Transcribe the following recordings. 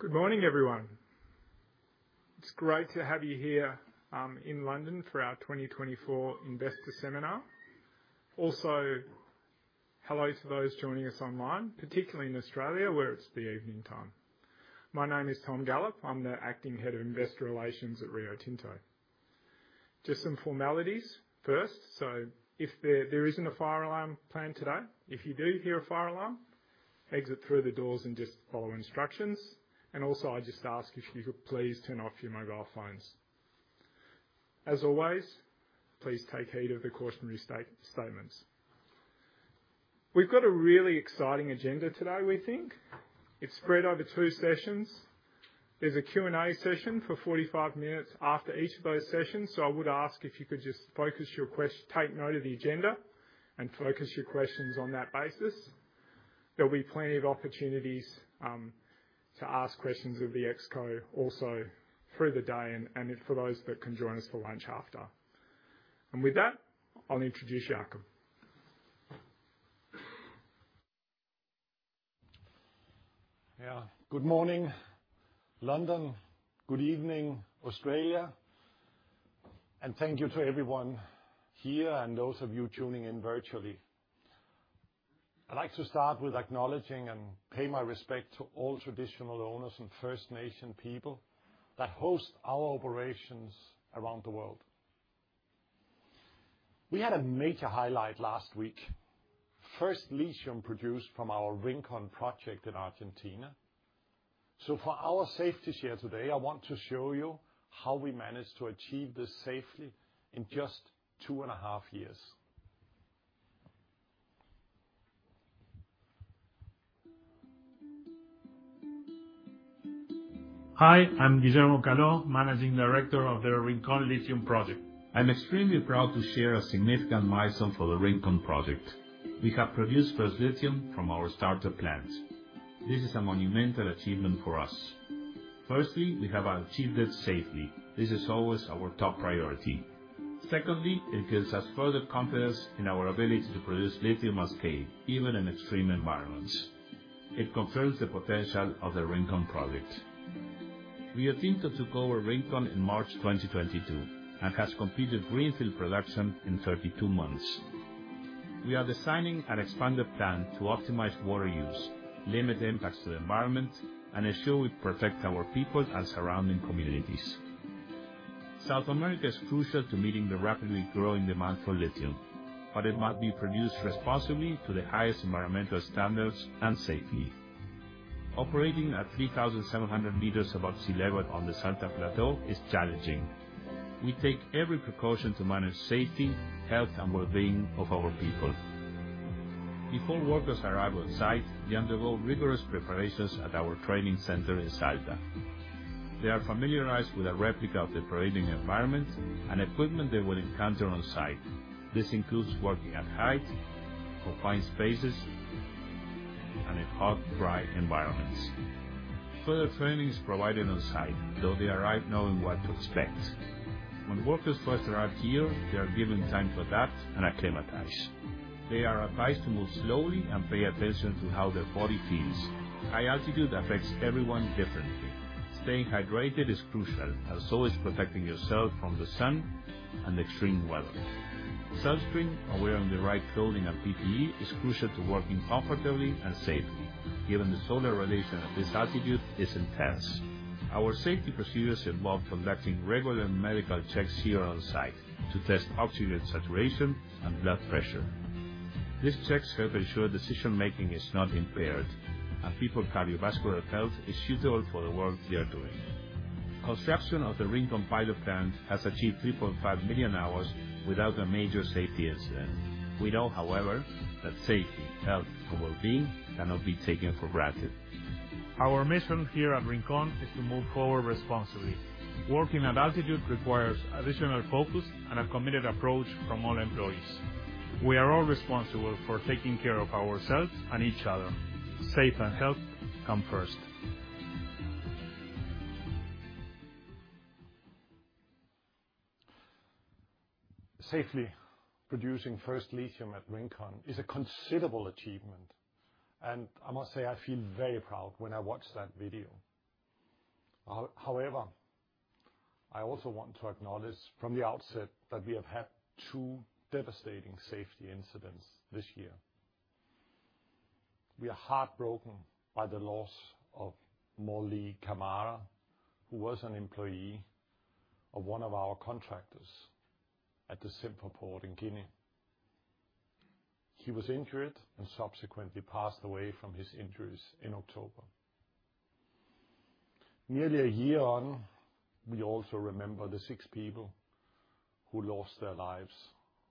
Good morning, everyone. It's great to have you here in London for our 2024 Investor Seminar. Also, hello to those joining us online, particularly in Australia where it's the evening time. My name is Tom Gallop. I'm the Acting Head of Investor Relations at Rio Tinto. Just some formalities first. So if there isn't a fire alarm planned today, if you do hear a fire alarm, exit through the doors and just follow instructions. And also, I'd just ask if you could please turn off your mobile phones. As always, please take heed of the cautionary statements. We've got a really exciting agenda today, we think. It's spread over two sessions. There's a Q&A session for 45 minutes after each of those sessions. So I would ask if you could just focus your questions, take note of the agenda, and focus your questions on that basis. There'll be plenty of opportunities to ask questions of the ExCo also through the day and for those that can join us for lunch after. And with that, I'll introduce Jakob. Yeah. Good morning, London. Good evening, Australia. And thank you to everyone here and those of you tuning in virtually. I'd like to start with acknowledging and pay my respect to all traditional owners and First Nation people that host our operations around the world. We had a major highlight last week, first lithium produced from our Rincon project in Argentina. So for our safety share today, I want to show you how we managed to achieve this safely in just two and a half years. Hi, I'm Guillermo Caló, Managing Director of the Rincon Lithium Project. I'm extremely proud to share a significant milestone for the Rincon project. We have produced first lithium from our starter plant. This is a monumental achievement for us. Firstly, we have achieved it safely. This is always our top priority. Secondly, it gives us further confidence in our ability to produce lithium at scale, even in extreme environments. It confirms the potential of the Rincon project. Rio Tinto took over Rincon in March 2022 and has completed greenfield production in 32 months. We are designing an expanded plan to optimize water use, limit impacts to the environment, and ensure we protect our people and surrounding communities. South America is crucial to meeting the rapidly growing demand for lithium, but it must be produced responsibly to the highest environmental standards and safely. Operating at 3,700 meters above sea level on the Salta Plateau is challenging. We take every precaution to manage safety, health, and well-being of our people. Before workers arrive on site, they undergo rigorous preparations at our training center in Salta. They are familiarized with a replica of the operating environment and equipment they will encounter on site. This includes working at height, confined spaces, and in hot, dry environments. Further training is provided on site, though they arrive knowing what to expect. When workers first arrive here, they are given time to adapt and acclimatize. They are advised to move slowly and pay attention to how their body feels. High altitude affects everyone differently. Staying hydrated is crucial, and so is protecting yourself from the sun and extreme weather. Sunscreen, aware of the right clothing and PPE, is crucial to working comfortably and safely, given the solar radiation at this altitude is intense. Our safety procedures involve conducting regular medical checks here on site to test oxygen saturation and blood pressure. These checks help ensure decision-making is not impaired and people's cardiovascular health is suitable for the work they are doing. Construction of the Rincon pilot plant has achieved 3.5 million hours without a major safety incident. We know, however, that safety, health, and well-being cannot be taken for granted. Our mission here at Rincon is to move forward responsibly. Working at altitude requires additional focus and a committed approach from all employees. We are all responsible for taking care of ourselves and each other. Safety and health come first. Safely producing first lithium at Rincon is a considerable achievement. And I must say, I feel very proud when I watch that video. However, I also want to acknowledge from the outset that we have had two devastating safety incidents this year. We are heartbroken by the loss of Morlaye Camara, who was an employee of one of our contractors at the Simandou port in Guinea. He was injured and subsequently passed away from his injuries in October. Nearly a year on, we also remember the six people who lost their lives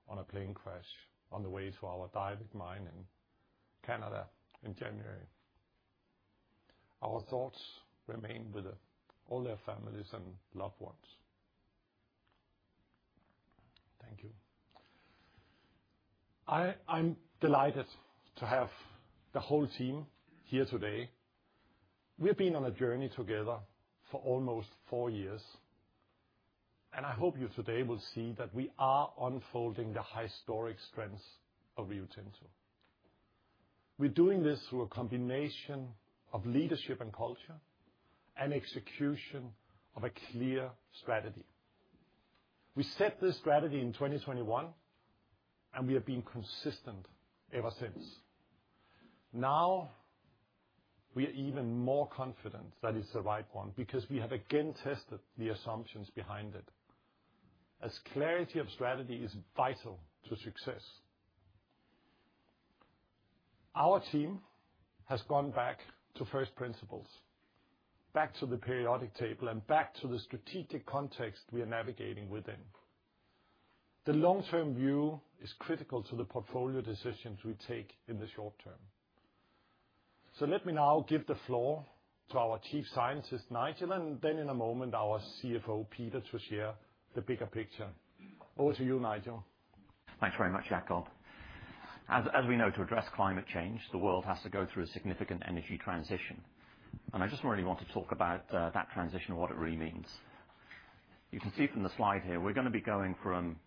on a plane crash on the way to our diamond mine in Canada in January. Our thoughts remain with all their families and loved ones. Thank you. I'm delighted to have the whole team here today. We've been on a journey together for almost four years, and I hope you today will see that we are unfolding the historic strengths of Rio Tinto. We're doing this through a combination of leadership and culture and execution of a clear strategy. We set this strategy in 2021, and we have been consistent ever since. Now, we are even more confident that it's the right one because we have again tested the assumptions behind it, as clarity of strategy is vital to success. Our team has gone back to first principles, back to the periodic table, and back to the strategic context we are navigating within. The long-term view is critical to the portfolio decisions we take in the short term. So let me now give the floor to our Chief Scientist, Nigel, and then in a moment, our CFO, Peter, to share the bigger picture. Over to you, Nigel. Thanks very much, Jakob. As we know, to address climate change, the world has to go through a significant energy transition, and I just really want to talk about that transition and what it really means. You can see from the slide here, we're going to be going from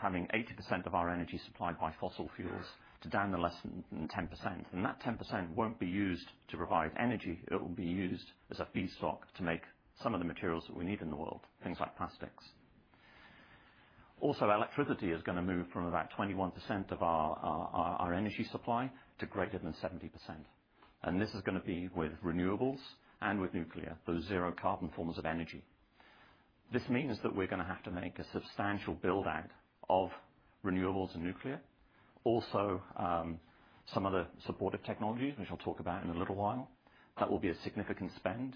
having 80% of our energy supplied by fossil fuels to down to less than 10%. And that 10% won't be used to provide energy. It will be used as a feedstock to make some of the materials that we need in the world, things like plastics. Also, electricity is going to move from about 21% of our energy supply to greater than 70%, and this is going to be with renewables and with nuclear, those zero-carbon forms of energy. This means that we're going to have to make a substantial build-out of renewables and nuclear, also some other supportive technologies, which I'll talk about in a little while. That will be a significant spend.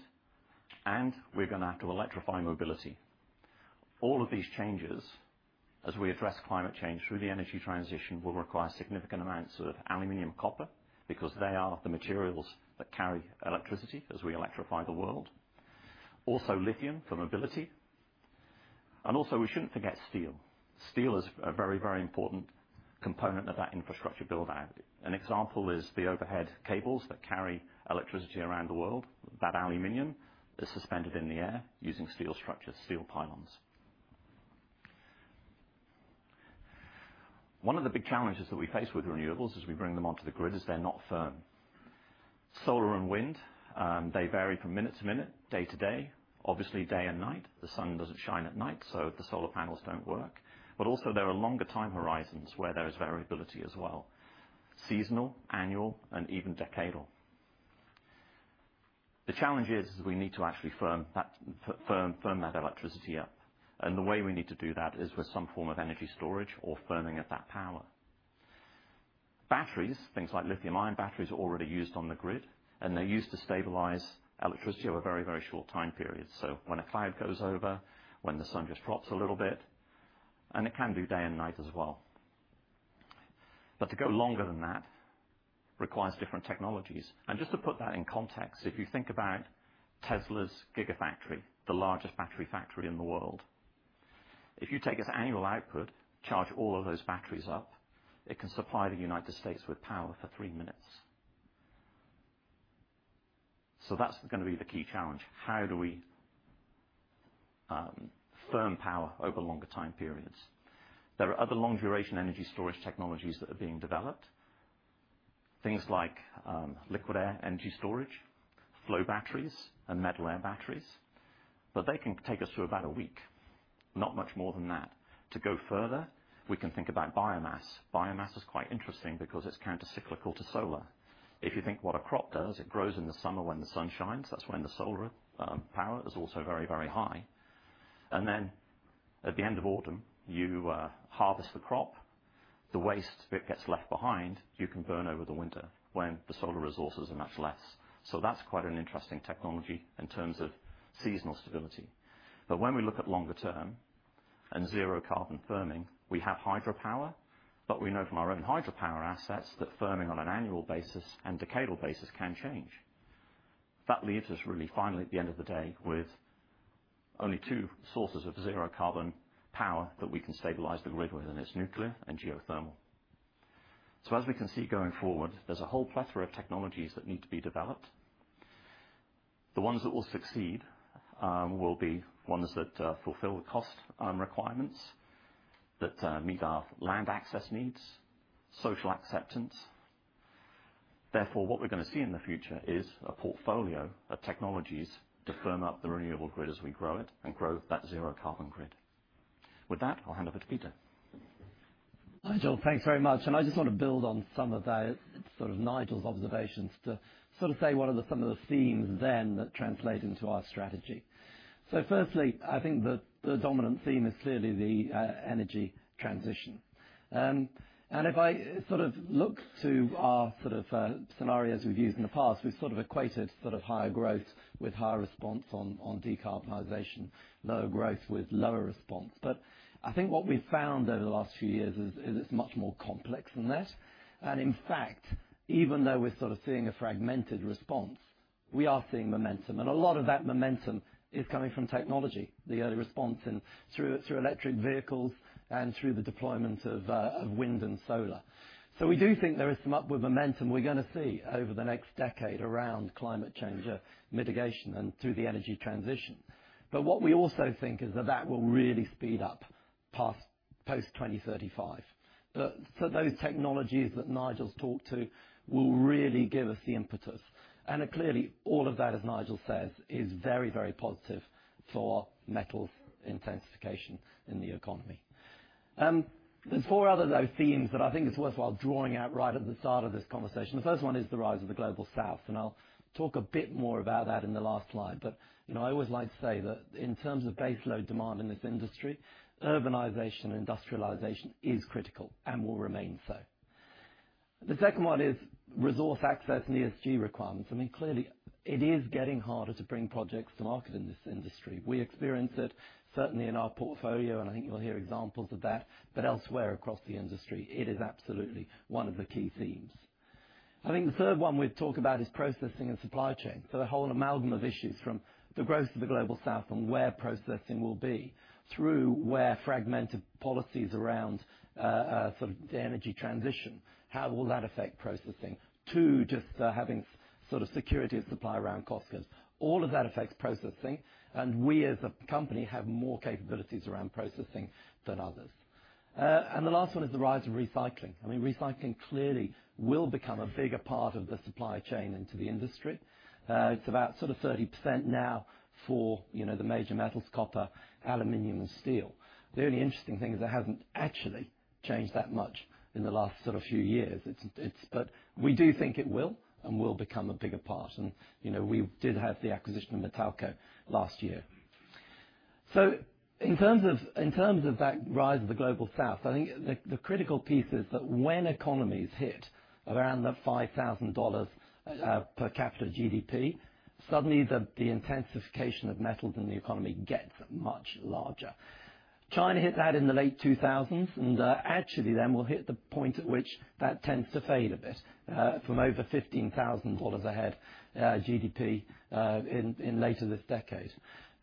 And we're going to have to electrify mobility. All of these changes, as we address climate change through the energy transition, will require significant amounts of aluminum and copper because they are the materials that carry electricity as we electrify the world. Also, lithium for mobility. And also, we shouldn't forget steel. Steel is a very, very important component of that infrastructure build-out. An example is the overhead cables that carry electricity around the world. That aluminum is suspended in the air using steel structures, steel pylons. One of the big challenges that we face with renewables as we bring them onto the grid is they're not firm. Solar and wind, they vary from minute to minute, day to day, obviously day and night. The sun doesn't shine at night, so the solar panels don't work. But also, there are longer time horizons where there is variability as well: seasonal, annual, and even decadal. The challenge is we need to actually firm that electricity up. And the way we need to do that is with some form of energy storage or firming of that power. Batteries, things like lithium-ion batteries, are already used on the grid, and they're used to stabilize electricity over a very, very short time period. So when a cloud goes over, when the sun just drops a little bit, and it can do day and night as well. But to go longer than that requires different technologies. Just to put that in context, if you think about Tesla's Gigafactory, the largest battery factory in the world, if you take its annual output, charge all of those batteries up, it can supply the United States with power for three minutes. That's going to be the key challenge. How do we firm power over longer time periods? There are other long-duration energy storage technologies that are being developed, things like liquid air energy storage, flow batteries, and metal air batteries. They can take us through about a week, not much more than that. To go further, we can think about biomass. Biomass is quite interesting because it's countercyclical to solar. If you think what a crop does, it grows in the summer when the sun shines. That's when the solar power is also very, very high. Then at the end of autumn, you harvest the crop. The waste that gets left behind, you can burn over the winter when the solar resources are much less. So that's quite an interesting technology in terms of seasonal stability. But when we look at longer term and zero-carbon firming, we have hydropower, but we know from our own hydropower assets that firming on an annual basis and decadal basis can change. That leaves us really finally at the end of the day with only two sources of zero-carbon power that we can stabilize the grid with, and it's nuclear and geothermal. So as we can see going forward, there's a whole plethora of technologies that need to be developed. The ones that will succeed will be ones that fulfill the cost requirements, that meet our land access needs, social acceptance. Therefore, what we're going to see in the future is a portfolio of technologies to firm up the renewable grid as we grow it and grow that zero-carbon grid. With that, I'll hand over to Peter. Nigel, thanks very much. And I just want to build on some of Nigel's observations to sort of say what are some of the themes then that translate into our strategy. So firstly, I think the dominant theme is clearly the energy transition. And if I sort of look to our sort of scenarios we've used in the past, we've sort of equated sort of higher growth with higher response on decarbonization, lower growth with lower response. But I think what we've found over the last few years is it's much more complex than that. And in fact, even though we're sort of seeing a fragmented response, we are seeing momentum. And a lot of that momentum is coming from technology, the early response through electric vehicles and through the deployment of wind and solar. So we do think there is some upward momentum we're going to see over the next decade around climate change mitigation and through the energy transition. But what we also think is that that will really speed up post-2035. So those technologies that Nigel's talked to will really give us the impetus. And clearly, all of that, as Nigel says, is very, very positive for metals' intensification in the economy. There are four other themes that I think it's worthwhile drawing out right at the start of this conversation. The first one is the rise of the global south. And I'll talk a bit more about that in the last slide. But I always like to say that in terms of baseload demand in this industry, urbanization and industrialization is critical and will remain so. The second one is resource access and ESG requirements. I mean, clearly, it is getting harder to bring projects to market in this industry. We experience it certainly in our portfolio, and I think you'll hear examples of that. But elsewhere across the industry, it is absolutely one of the key themes. I think the third one we'd talk about is processing and supply chain. So a whole amalgam of issues from the growth of the global south and where processing will be through where fragmented policies around sort of the energy transition, how will that affect processing, to just having sort of security of supply around cost goods. All of that affects processing. And we as a company have more capabilities around processing than others. And the last one is the rise of recycling. I mean, recycling clearly will become a bigger part of the supply chain into the industry. It's about sort of 30% now for the major metals: copper, aluminum, and steel. The only interesting thing is it hasn't actually changed that much in the last sort of few years, but we do think it will and will become a bigger part. We did have the acquisition of Matalco last year. So in terms of that rise of the global south, I think the critical piece is that when economies hit around the $5,000 per capita GDP, suddenly the intensification of metals in the economy gets much larger. China hit that in the late 2000s, and actually, then we'll hit the point at which that tends to fade a bit from over $15,000 per head GDP in later this decade.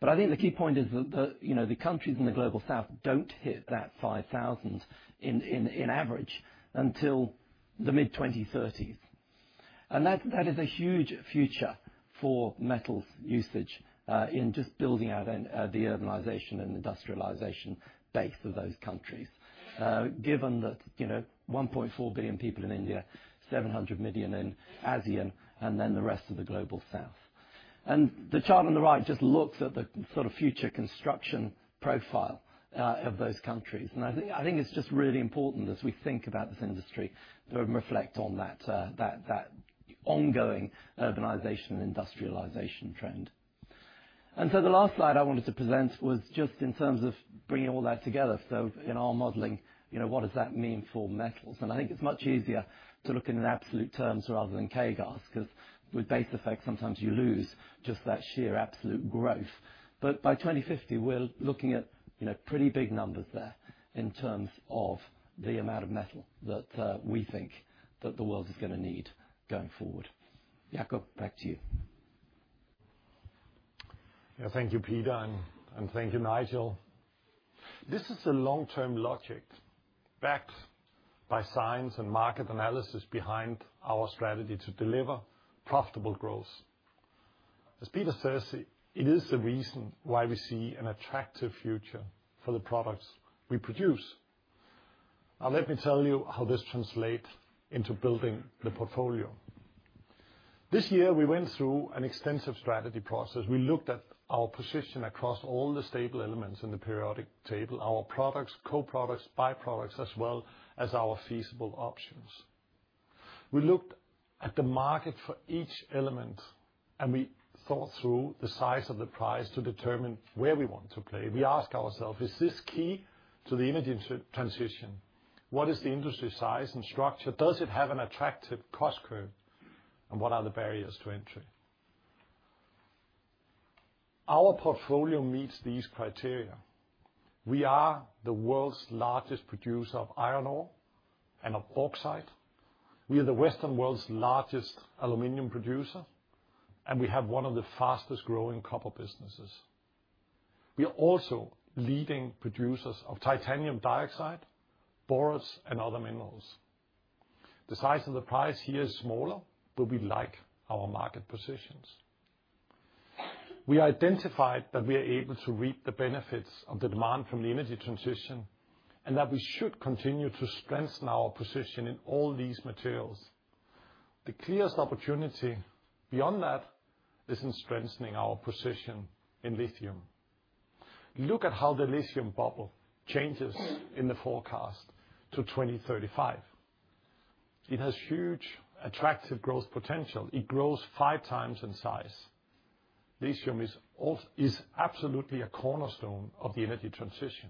I think the key point is that the countries in the global south don't hit that 5,000 on average until the mid-2030s. That is a huge future for metals usage in just building out the urbanization and industrialization base of those countries, given that 1.4 billion people in India, 700 million in ASEAN, and then the rest of the global south. The chart on the right just looks at the sort of future construction profile of those countries. I think it's just really important as we think about this industry to reflect on that ongoing urbanization and industrialization trend. The last slide I wanted to present was just in terms of bringing all that together. In our modeling, what does that mean for metals? I think it's much easier to look in absolute terms rather than CAGRs, because with base effect, sometimes you lose just that sheer absolute growth. But by 2050, we're looking at pretty big numbers there in terms of the amount of metal that we think that the world is going to need going forward. Jakob, back to you. Yeah, thank you, Peter, and thank you, Nigel. This is a long-term logic backed by science and market analysis behind our strategy to deliver profitable growth. As Peter says, it is the reason why we see an attractive future for the products we produce. Now, let me tell you how this translates into building the portfolio. This year, we went through an extensive strategy process. We looked at our position across all the stable elements in the periodic table, our products, co-products, byproducts, as well as our feasible options. We looked at the market for each element, and we thought through the size of the price to determine where we want to play. We ask ourselves, is this key to the energy transition? What is the industry size and structure? Does it have an attractive cost curve? And what are the barriers to entry? Our portfolio meets these criteria. We are the world's largest producer of iron ore and of bauxite. We are the Western world's largest aluminum producer, and we have one of the fastest-growing copper businesses. We are also leading producers of titanium dioxide, borates, and other minerals. The size of the pie here is smaller, but we like our market positions. We identified that we are able to reap the benefits of the demand from the energy transition and that we should continue to strengthen our position in all these materials. The clearest opportunity beyond that is in strengthening our position in lithium. Look at how the lithium bubble changes in the forecast to 2035. It has huge attractive growth potential. It grows five times in size. Lithium is absolutely a cornerstone of the energy transition.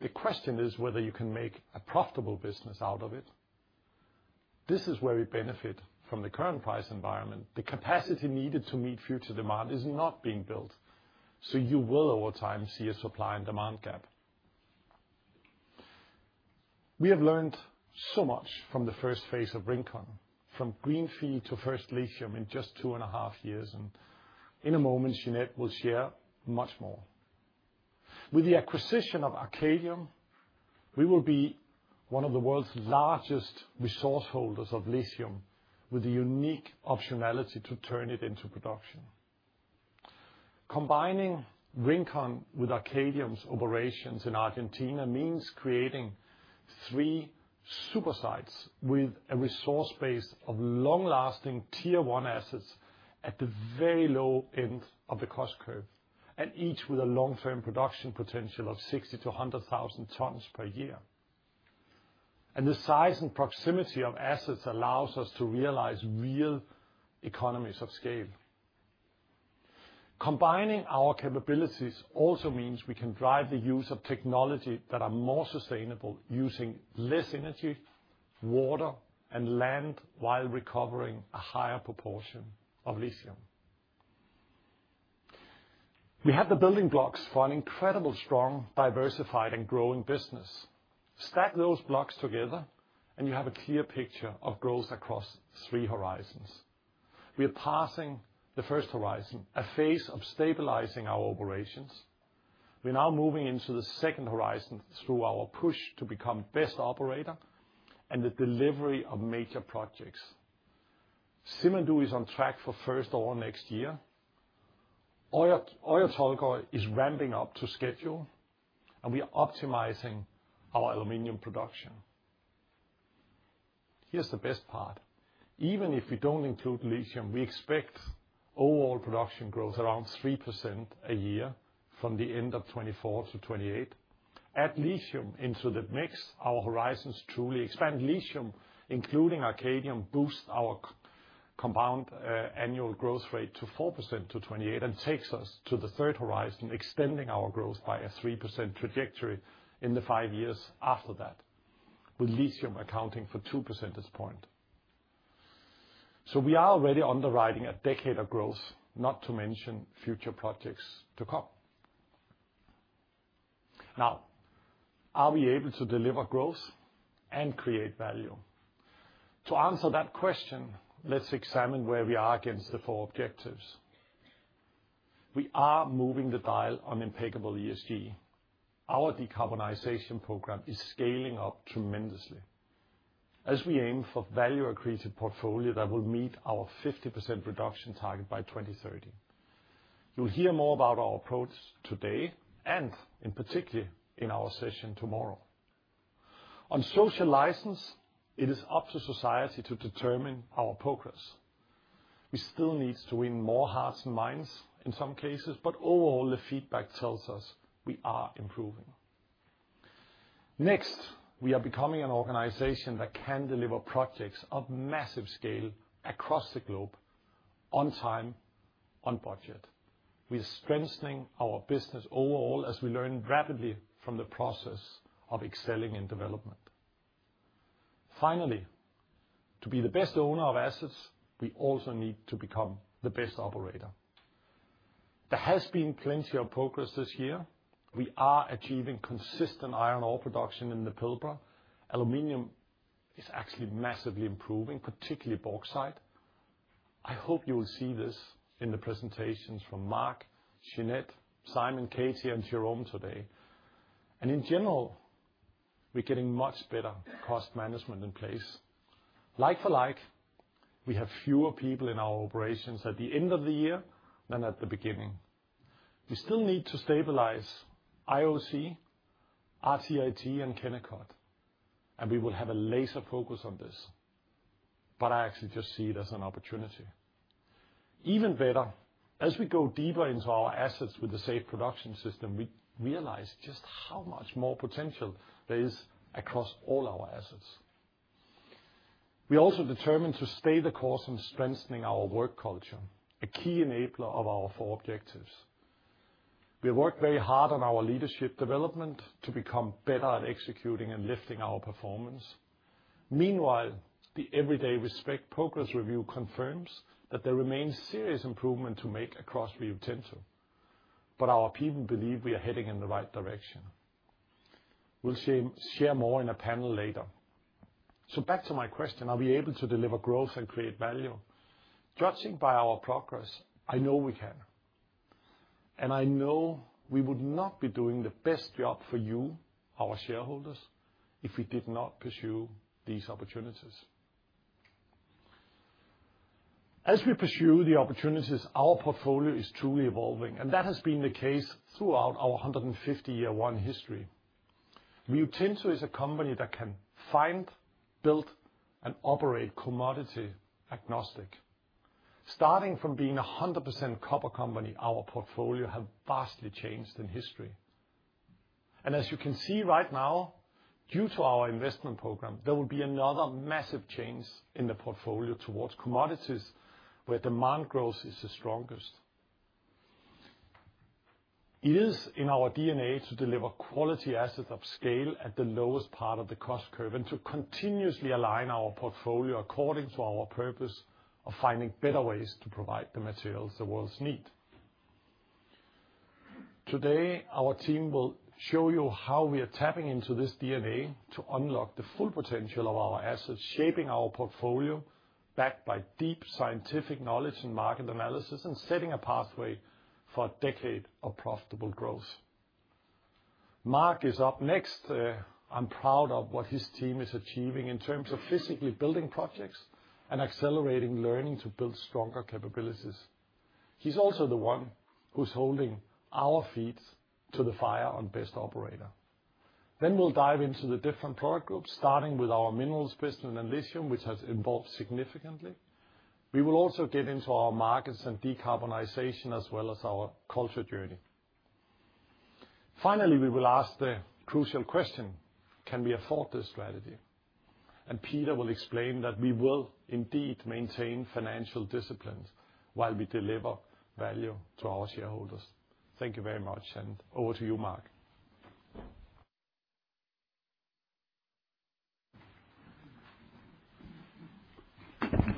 The question is whether you can make a profitable business out of it. This is where we benefit from the current value environment. The capacity needed to meet future demand is not being built. So you will, over time, see a supply and demand gap. We have learned so much from the first phase of Rincon, from greenfield to first lithium in just two and a half years. And in a moment, Sinead will share much more. With the acquisition of Arcadium, we will be one of the world's largest resource holders of lithium with the unique optionality to turn it into production. Combining Rincon with Arcadium's operations in Argentina means creating three super sites with a resource base of long-lasting tier-one assets at the very low end of the cost curve, and each with a long-term production potential of 60-100,000 tons per year. And the size and proximity of assets allows us to realize real economies of scale. Combining our capabilities also means we can drive the use of technology that are more sustainable, using less energy, water, and land while recovering a higher proportion of lithium. We have the building blocks for an incredibly strong, diversified, and growing business. Stack those blocks together, and you have a clear picture of growth across three horizons. We are passing the first horizon, a phase of stabilizing our operations. We're now moving into the second horizon through our push to become best operator and the delivery of major projects. Simandou is on track for first ore next year. Oyu Tolgoi is ramping up to schedule, and we are optimizing our aluminum production. Here's the best part. Even if we don't include lithium, we expect overall production growth around 3% a year from the end of 2024 to 2028. Add lithium into the mix, our horizons truly expand. Lithium, including Arcadium, boosts our compound annual growth rate to 4% to 2028 and takes us to the third horizon, extending our growth by a 3% trajectory in the five years after that, with lithium accounting for 2% at this point. So we are already underwriting a decade of growth, not to mention future projects to come. Now, are we able to deliver growth and create value? To answer that question, let's examine where we are against the four objectives. We are moving the dial on impeccable ESG. Our decarbonization program is scaling up tremendously as we aim for value-accretive portfolio that will meet our 50% reduction target by 2030. You'll hear more about our approach today and, in particular, in our session tomorrow. On social license, it is up to society to determine our progress. We still need to win more hearts and minds in some cases, but overall, the feedback tells us we are improving. Next, we are becoming an organization that can deliver projects of massive scale across the globe on time, on budget. We are strengthening our business overall as we learn rapidly from the process of excelling in development. Finally, to be the best owner of assets, we also need to become the best operator. There has been plenty of progress this year. We are achieving consistent iron ore production in the Pilbara. Aluminum is actually massively improving, particularly bauxite. I hope you will see this in the presentations from Mark, Sinead, Simon, Katie, and Jerome today, and in general, we're getting much better cost management in place. Like for like, we have fewer people in our operations at the end of the year than at the beginning. We still need to stabilize IOC, RTIT, and Kennecott, and we will have a laser focus on this. But I actually just see it as an opportunity. Even better, as we go deeper into our assets with the safe production system, we realize just how much more potential there is across all our assets. We are also determined to stay the course in strengthening our work culture, a key enabler of our four objectives. We have worked very hard on our leadership development to become better at executing and lifting our performance. Meanwhile, the everyday respect progress review confirms that there remains serious improvement to make across Rio Tinto. But our people believe we are heading in the right direction. We'll share more in a panel later. So back to my question, are we able to deliver growth and create value? Judging by our progress, I know we can. I know we would not be doing the best job for you, our shareholders, if we did not pursue these opportunities. As we pursue the opportunities, our portfolio is truly evolving. That has been the case throughout our 150-year run history. Rio Tinto is a company that can find, build, and operate commodity agnostic. Starting from being a 100% copper company, our portfolio has vastly changed in history. As you can see right now, due to our investment program, there will be another massive change in the portfolio towards commodities where demand growth is the strongest. It is in our DNA to deliver quality assets of scale at the lowest part of the cost curve and to continuously align our portfolio according to our purpose of finding better ways to provide the materials the worlds need. Today, our team will show you how we are tapping into this DNA to unlock the full potential of our assets, shaping our portfolio backed by deep scientific knowledge and market analysis and setting a pathway for a decade of profitable growth. Mark is up next. I'm proud of what his team is achieving in terms of physically building projects and accelerating learning to build stronger capabilities. He's also the one who's holding our feet to the fire on best operator. Then we'll dive into the different product groups, starting with our minerals business and lithium, which has evolved significantly. We will also get into our markets and decarbonization as well as our culture journey. Finally, we will ask the crucial question, can we afford this strategy, and Peter will explain that we will indeed maintain financial discipline while we deliver value to our shareholders. Thank you very much, and over to you, Mark.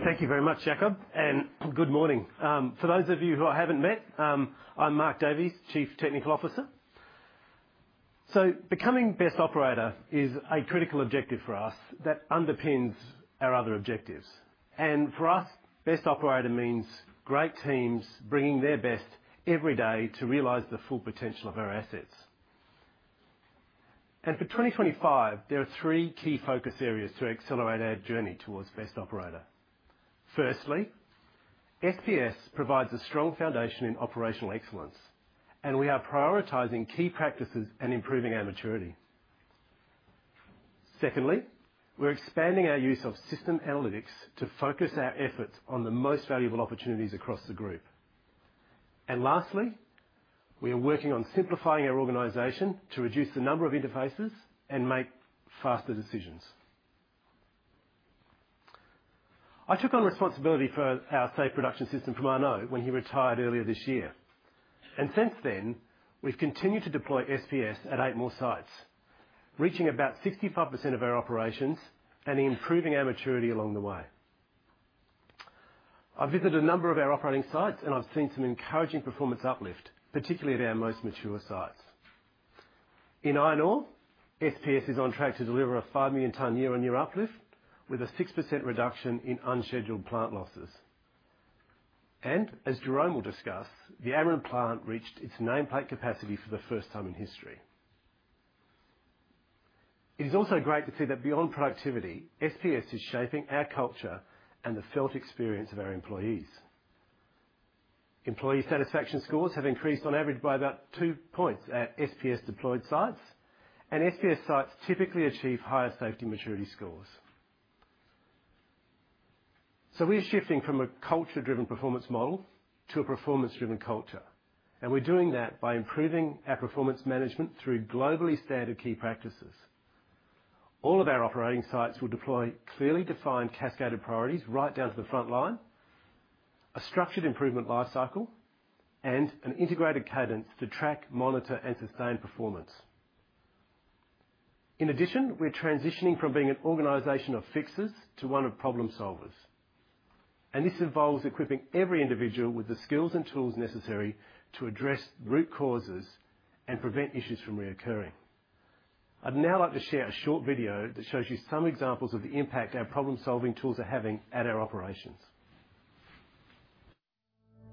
Thank you very much, Jakob, and good morning. For those of you who I haven't met, I'm Mark Davies, Chief Technical Officer. Becoming best operator is a critical objective for us that underpins our other objectives. For us, best operator means great teams bringing their best every day to realize the full potential of our assets. For 2025, there are three key focus areas to accelerate our journey towards best operator. Firstly, SPS provides a strong foundation in operational excellence, and we are prioritizing key practices and improving our maturity. Secondly, we're expanding our use of system analytics to focus our efforts on the most valuable opportunities across the group. Lastly, we are working on simplifying our organization to reduce the number of interfaces and make faster decisions. I took on responsibility for our safe production system from Arnaud when he retired earlier this year. Since then, we've continued to deploy SPS at eight more sites, reaching about 65% of our operations and improving our maturity along the way. I've visited a number of our operating sites, and I've seen some encouraging performance uplift, particularly at our most mature sites. In iron ore, SPS is on track to deliver a 5 million-ton year-on-year uplift with a 6% reduction in unscheduled plant losses. And as Jérôme will discuss, the Amrun plant reached its nameplate capacity for the first time in history. It is also great to see that beyond productivity, SPS is shaping our culture and the felt experience of our employees. Employee satisfaction scores have increased on average by about two points at SPS-deployed sites, and SPS sites typically achieve higher safety maturity scores. We're shifting from a culture-driven performance model to a performance-driven culture. We're doing that by improving our performance management through globally standard key practices. All of our operating sites will deploy clearly defined cascaded priorities right down to the front line, a structured improvement life cycle, and an integrated cadence to track, monitor, and sustain performance. In addition, we're transitioning from being an organization of fixers to one of problem solvers. And this involves equipping every individual with the skills and tools necessary to address root causes and prevent issues from recurring. I'd now like to share a short video that shows you some examples of the impact our problem-solving tools are having at our operations.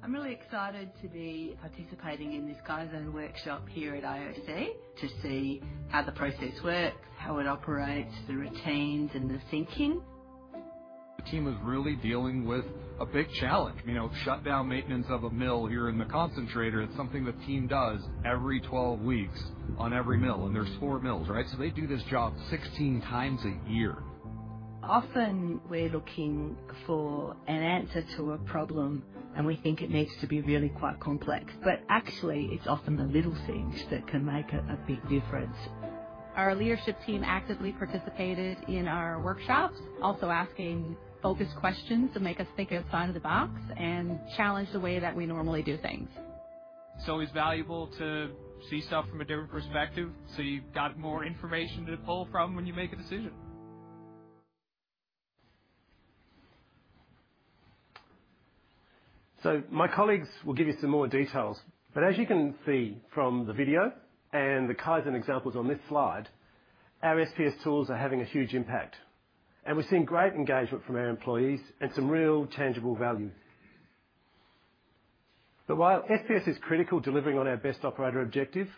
I'm really excited to be participating in this guys' workshop here at IOC to see how the process works, how it operates, the routines, and the thinking. The team is really dealing with a big challenge. Shutdown maintenance of a mill here in the concentrator is something the team does every 12 weeks on every mill, and there's four mills, right, so they do this job 16 times a year. Often, we're looking for an answer to a problem, and we think it needs to be really quite complex. But actually, it's often the little things that can make a big difference. Our leadership team actively participated in our workshops, also asking focused questions to make us think outside of the box and challenge the way that we normally do things. It's always valuable to see stuff from a different perspective. So you've got more information to pull from when you make a decision. So my colleagues will give you some more details. But as you can see from the video and the Kaizen examples on this slide, our SPS tools are having a huge impact. And we're seeing great engagement from our employees and some real tangible value. But while SPS is critical delivering on our best operator objective,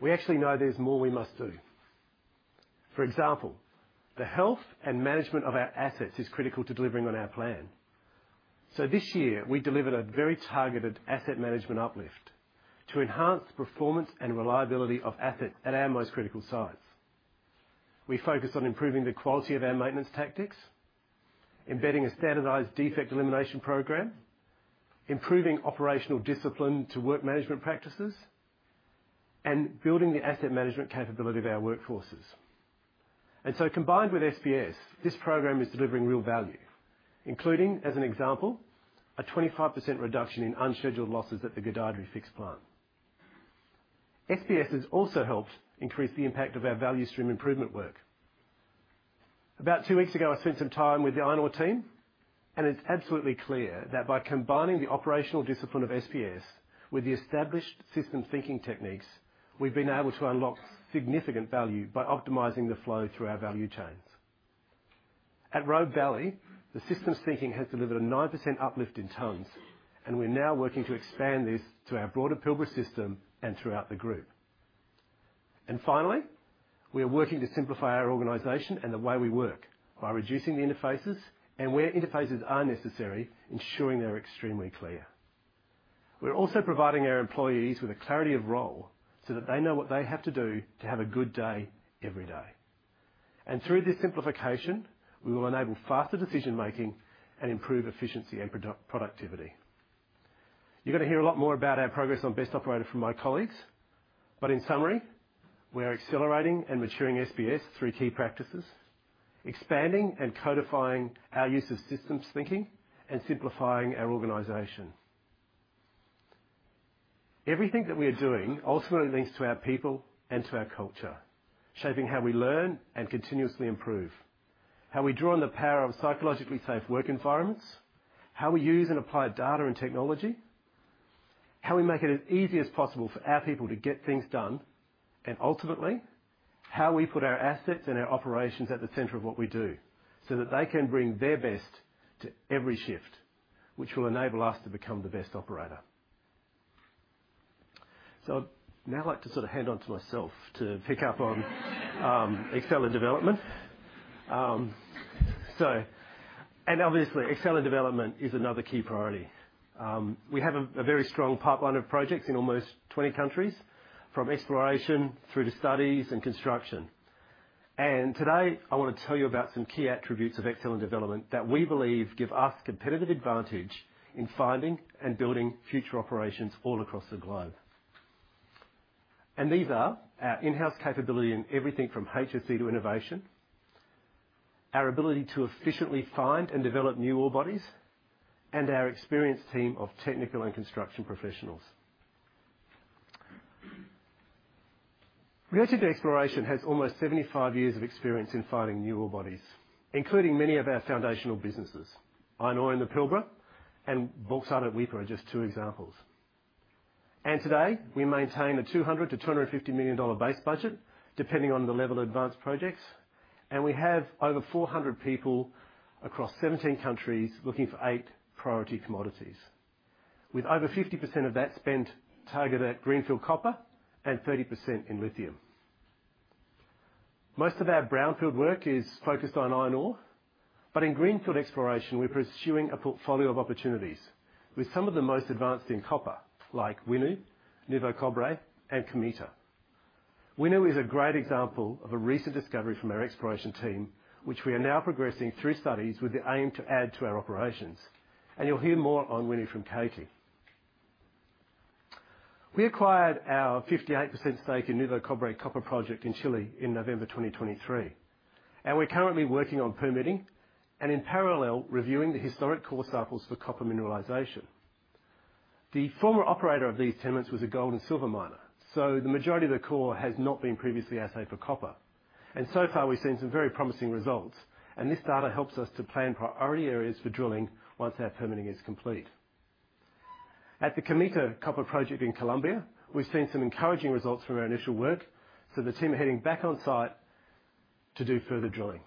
we actually know there's more we must do. For example, the health and management of our assets is critical to delivering on our plan. So this year, we delivered a very targeted asset management uplift to enhance the performance and reliability of assets at our most critical sites. We focused on improving the quality of our maintenance tactics, embedding a standardized defect elimination program, improving operational discipline to work management practices, and building the asset management capability of our workforces. Combined with SPS, this program is delivering real value, including, as an example, a 25% reduction in unscheduled losses at the Gudai-Darri fix plant. SPS has also helped increase the impact of our value stream improvement work. About two weeks ago, I spent some time with the iron team, and it's absolutely clear that by combining the operational discipline of SPS with the established systems thinking techniques, we've been able to unlock significant value by optimizing the flow through our value chains. At Rhodes Ridge, the systems thinking has delivered a 9% uplift in tons, and we're now working to expand this to our broader Pilbara system and throughout the group. Finally, we are working to simplify our organization and the way we work by reducing the interfaces and where interfaces are necessary, ensuring they're extremely clear. We're also providing our employees with a clarity of role so that they know what they have to do to have a good day every day. And through this simplification, we will enable faster decision-making and improve efficiency and productivity. You're going to hear a lot more about our progress on best operator from my colleagues. But in summary, we are accelerating and maturing SPS through key practices, expanding and codifying our use of systems thinking, and simplifying our organization. Everything that we are doing ultimately links to our people and to our culture, shaping how we learn and continuously improve, how we draw on the power of psychologically safe work environments, how we use and apply data and technology, how we make it as easy as possible for our people to get things done, and ultimately, how we put our assets and our operations at the center of what we do so that they can bring their best to every shift, which will enable us to become the best operator. So I'd now like to sort of hand on to myself to pick up on excellent development, and obviously, excellent development is another key priority. We have a very strong pipeline of projects in almost 20 countries, from exploration through to studies and construction. Today, I want to tell you about some key attributes of excellent development that we believe give us competitive advantage in finding and building future operations all across the globe. These are our in-house capability in everything from HSE to innovation, our ability to efficiently find and develop new ore bodies, and our experienced team of technical and construction professionals. Rio Tinto Exploration has almost 75 years of experience in finding new ore bodies, including many of our foundational businesses. Iron ore in the Pilbara and bauxite at Weipa are just two examples. Today, we maintain a $200-$250 million base budget, depending on the level of advanced projects. We have over 400 people across 17 countries looking for eight priority commodities, with over 50% of that spent targeted at greenfield copper and 30% in lithium. Most of our brownfield work is focused on iron ore. But in greenfield exploration, we're pursuing a portfolio of opportunities with some of the most advanced in copper, like Winu, Nuevo Cobre, and Cometa. Winu is a great example of a recent discovery from our exploration team, which we are now progressing through studies with the aim to add to our operations. And you'll hear more on Winu from Katie. We acquired our 58% stake in Nuevo Cobre copper project in Chile in November 2023. And we're currently working on permitting and in parallel, reviewing the historic core assays for copper mineralization. The former operator of these tenements was a gold and silver miner. So the majority of the core has not been previously assayed for copper. And so far, we've seen some very promising results. And this data helps us to plan priority areas for drilling once our permitting is complete. At the Cometa copper project in Colombia, we've seen some encouraging results from our initial work. So the team are heading back on site to do further drilling.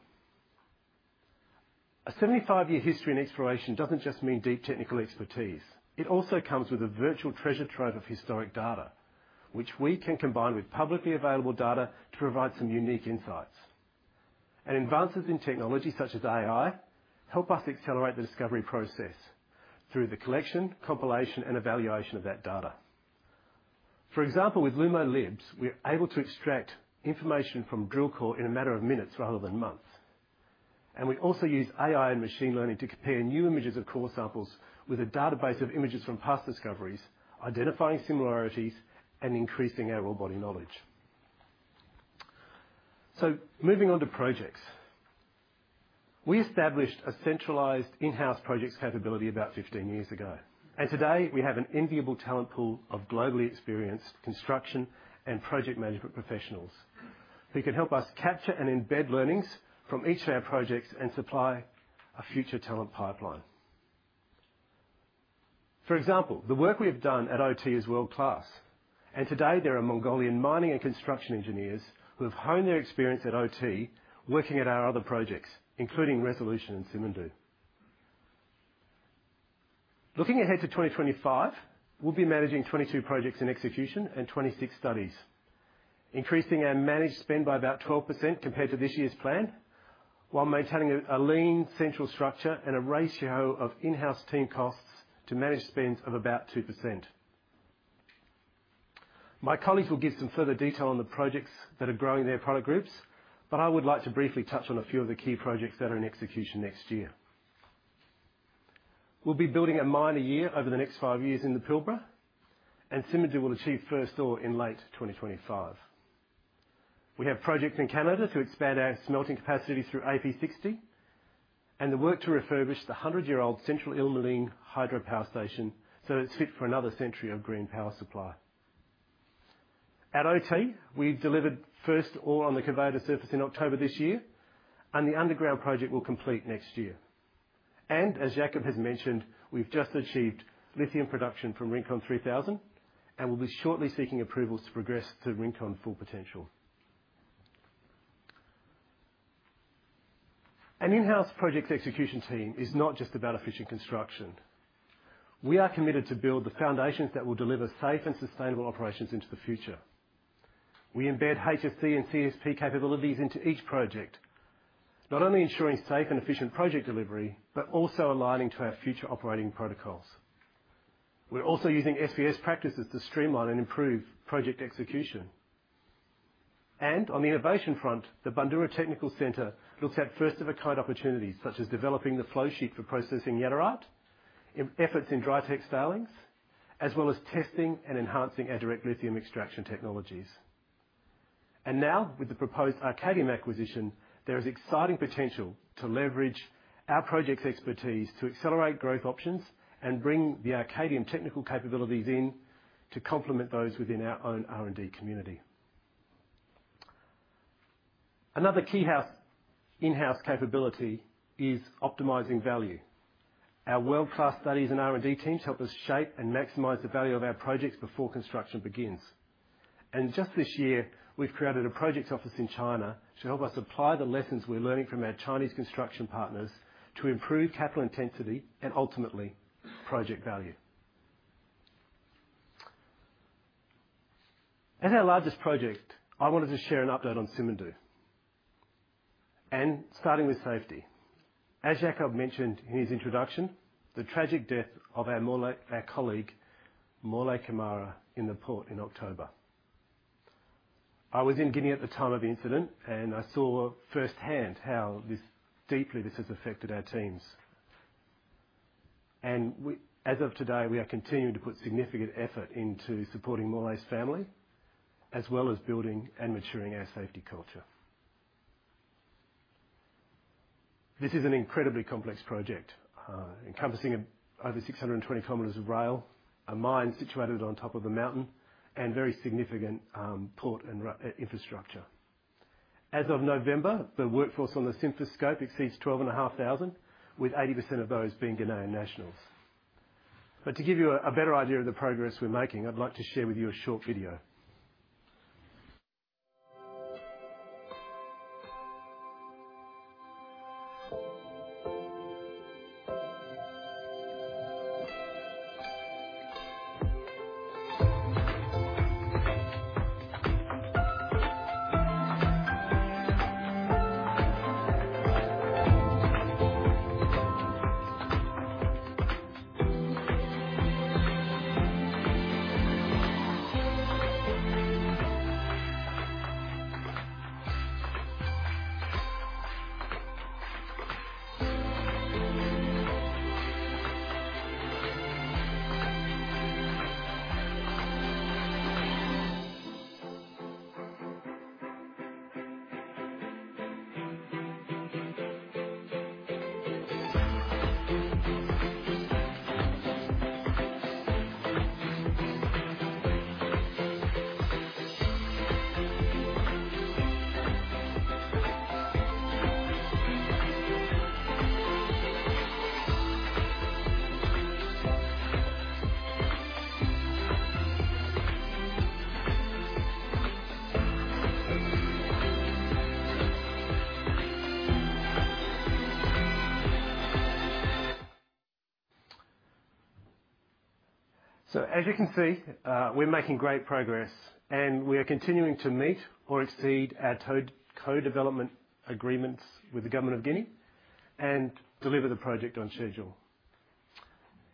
A 75-year history in exploration doesn't just mean deep technical expertise. It also comes with a virtual treasure trove of historic data, which we can combine with publicly available data to provide some unique insights. And advances in technology such as AI help us accelerate the discovery process through the collection, compilation, and evaluation of that data. For example, with Lumo Labs, we're able to extract information from drill core in a matter of minutes rather than months. And we also use AI and machine learning to compare new images of core samples with a database of images from past discoveries, identifying similarities and increasing our ore body knowledge. Moving on to projects, we established a centralized in-house projects capability about 15 years ago. Today, we have an enviable talent pool of globally experienced construction and project management professionals who can help us capture and embed learnings from each of our projects and supply a future talent pipeline. For example, the work we have done at OT is world-class. Today, there are Mongolian mining and construction engineers who have honed their experience at OT working at our other projects, including Resolution and Simandou. Looking ahead to 2025, we'll be managing 22 projects in execution and 26 studies, increasing our managed spend by about 12% compared to this year's plan, while maintaining a lean central structure and a ratio of in-house team costs to managed spends of about 2%. My colleagues will give some further detail on the projects that are growing their product groups. But I would like to briefly touch on a few of the key projects that are in execution next year. We'll be building a mine a year over the next five years in the Pilbara, and Simandou will achieve first ore in late 2025. We have projects in Canada to expand our smelting capacity through AP60 and the work to refurbish the 100-year-old Centrale Isle-Maligne Hydro Power Station so it's fit for another century of green power supply. At OT, we've delivered first ore on the Kavada surface in October this year, and the underground project will complete next year. And as Jakob has mentioned, we've just achieved lithium production from Rincón 3000 and will be shortly seeking approvals to progress to Rincón full potential. An in-house projects execution team is not just about efficient construction. We are committed to build the foundations that will deliver safe and sustainable operations into the future. We embed HSE and CSP capabilities into each project, not only ensuring safe and efficient project delivery, but also aligning to our future operating protocols. We're also using SPS practices to streamline and improve project execution. And on the innovation front, the Bundoora Technical Center looks at first-of-a-kind opportunities such as developing the flow sheet for processing Jadar, efforts in dry stack tailings, as well as testing and enhancing our direct lithium extraction technologies. And now, with the proposed Arcadium acquisition, there is exciting potential to leverage our projects expertise to accelerate growth options and bring the Arcadium technical capabilities in to complement those within our own R&D community. Another key in-house capability is optimizing value. Our world-class studies and R&D teams help us shape and maximize the value of our projects before construction begins, and just this year, we've created a projects office in China to help us apply the lessons we're learning from our Chinese construction partners to improve capital intensity and ultimately project value. At our largest project, I wanted to share an update on Simandou, and starting with safety, as Jakob mentioned in his introduction, the tragic death of our colleague, Morlaye Camara, in the port in October. I was in Guinea at the time of the incident, and I saw firsthand how deeply this has affected our teams, and as of today, we are continuing to put significant effort into supporting Morlaye's family as well as building and maturing our safety culture. This is an incredibly complex project encompassing over 620 kilometers of rail, a mine situated on top of a mountain, and very significant port infrastructure. As of November, the workforce on the SimFer scope exceeds 12,500, with 80% of those being Guinean nationals. But to give you a better idea of the progress we're making, I'd like to share with you a short video. So as you can see, we're making great progress, and we are continuing to meet or exceed our co-development agreements with the government of Guinea and deliver the project on schedule.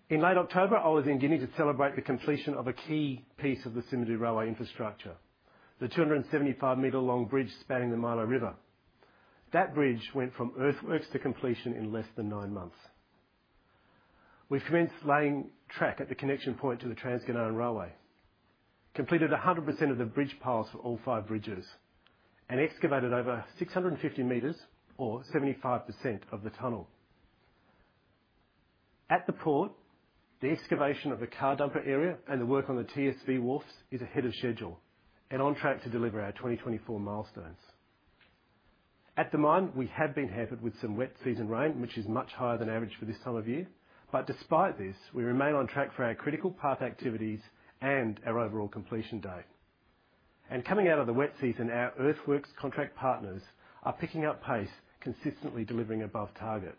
In late October, I was in Guinea to celebrate the completion of a key piece of the Simandou Railway infrastructure, the 275-meter-long bridge spanning the Milo River. That bridge went from earthworks to completion in less than nine months. We've commenced laying track at the connection point to the Trans-Guinean Railway, completed 100% of the bridge piles for all five bridges, and excavated over 650 meters, or 75%, of the tunnel. At the port, the excavation of the car dumper area and the work on the TSV wharves is ahead of schedule and on track to deliver our 2024 milestones. At the mine, we have been hampered with some wet season rain, which is much higher than average for this time of year. But despite this, we remain on track for our critical path activities and our overall completion date. And coming out of the wet season, our earthworks contract partners are picking up pace, consistently delivering above target.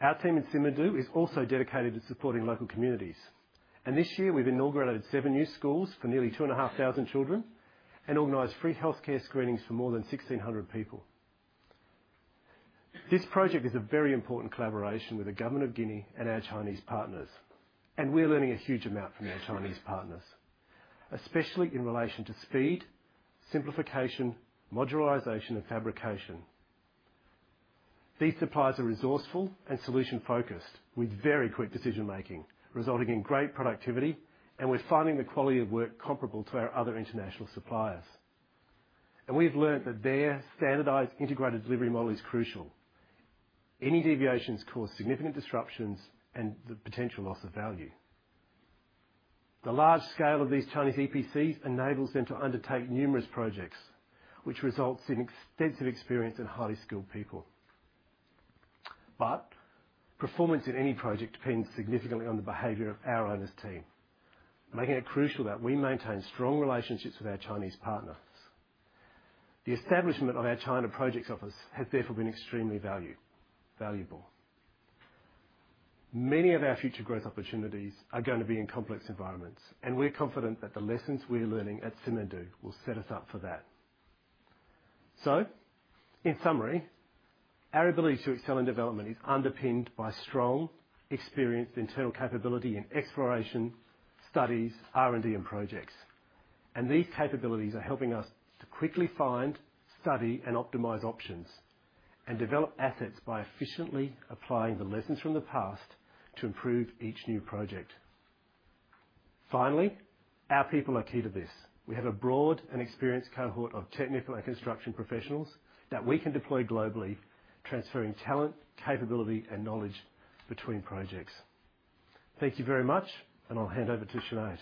Our team in Simandou is also dedicated to supporting local communities. This year, we've inaugurated seven new schools for nearly 2,500 children and organized free healthcare screenings for more than 1,600 people. This project is a very important collaboration with the government of Guinea and our Chinese partners. We're learning a huge amount from our Chinese partners, especially in relation to speed, simplification, modularization, and fabrication. These suppliers are resourceful and solution-focused, with very quick decision-making, resulting in great productivity. We're finding the quality of work comparable to our other international suppliers. We've learned that their standardized integrated delivery model is crucial. Any deviations cause significant disruptions and the potential loss of value. The large scale of these Chinese EPCs enables them to undertake numerous projects, which results in extensive experience and highly skilled people. But performance in any project depends significantly on the behavior of our owners' team, making it crucial that we maintain strong relationships with our Chinese partners. The establishment of our China projects office has therefore been extremely valuable. Many of our future growth opportunities are going to be in complex environments. And we're confident that the lessons we're learning at Simandou will set us up for that. So in summary, our ability to excel in development is underpinned by strong, experienced internal capability in exploration, studies, R&D, and projects. And these capabilities are helping us to quickly find, study, and optimize options and develop assets by efficiently applying the lessons from the past to improve each new project. Finally, our people are key to this. We have a broad and experienced cohort of technical and construction professionals that we can deploy globally, transferring talent, capability, and knowledge between projects. Thank you very much, and I'll hand over to Sinead.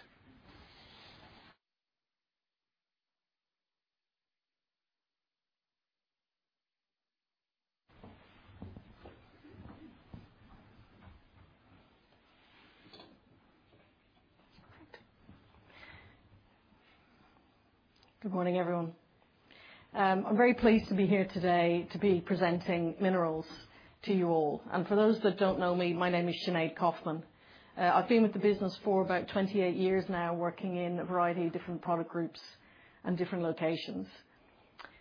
Good morning, everyone. I'm very pleased to be here today to be presenting Minerals to you all, and for those that don't know me, my name is Sinead Kaufman. I've been with the business for about 28 years now, working in a variety of different product groups and different locations,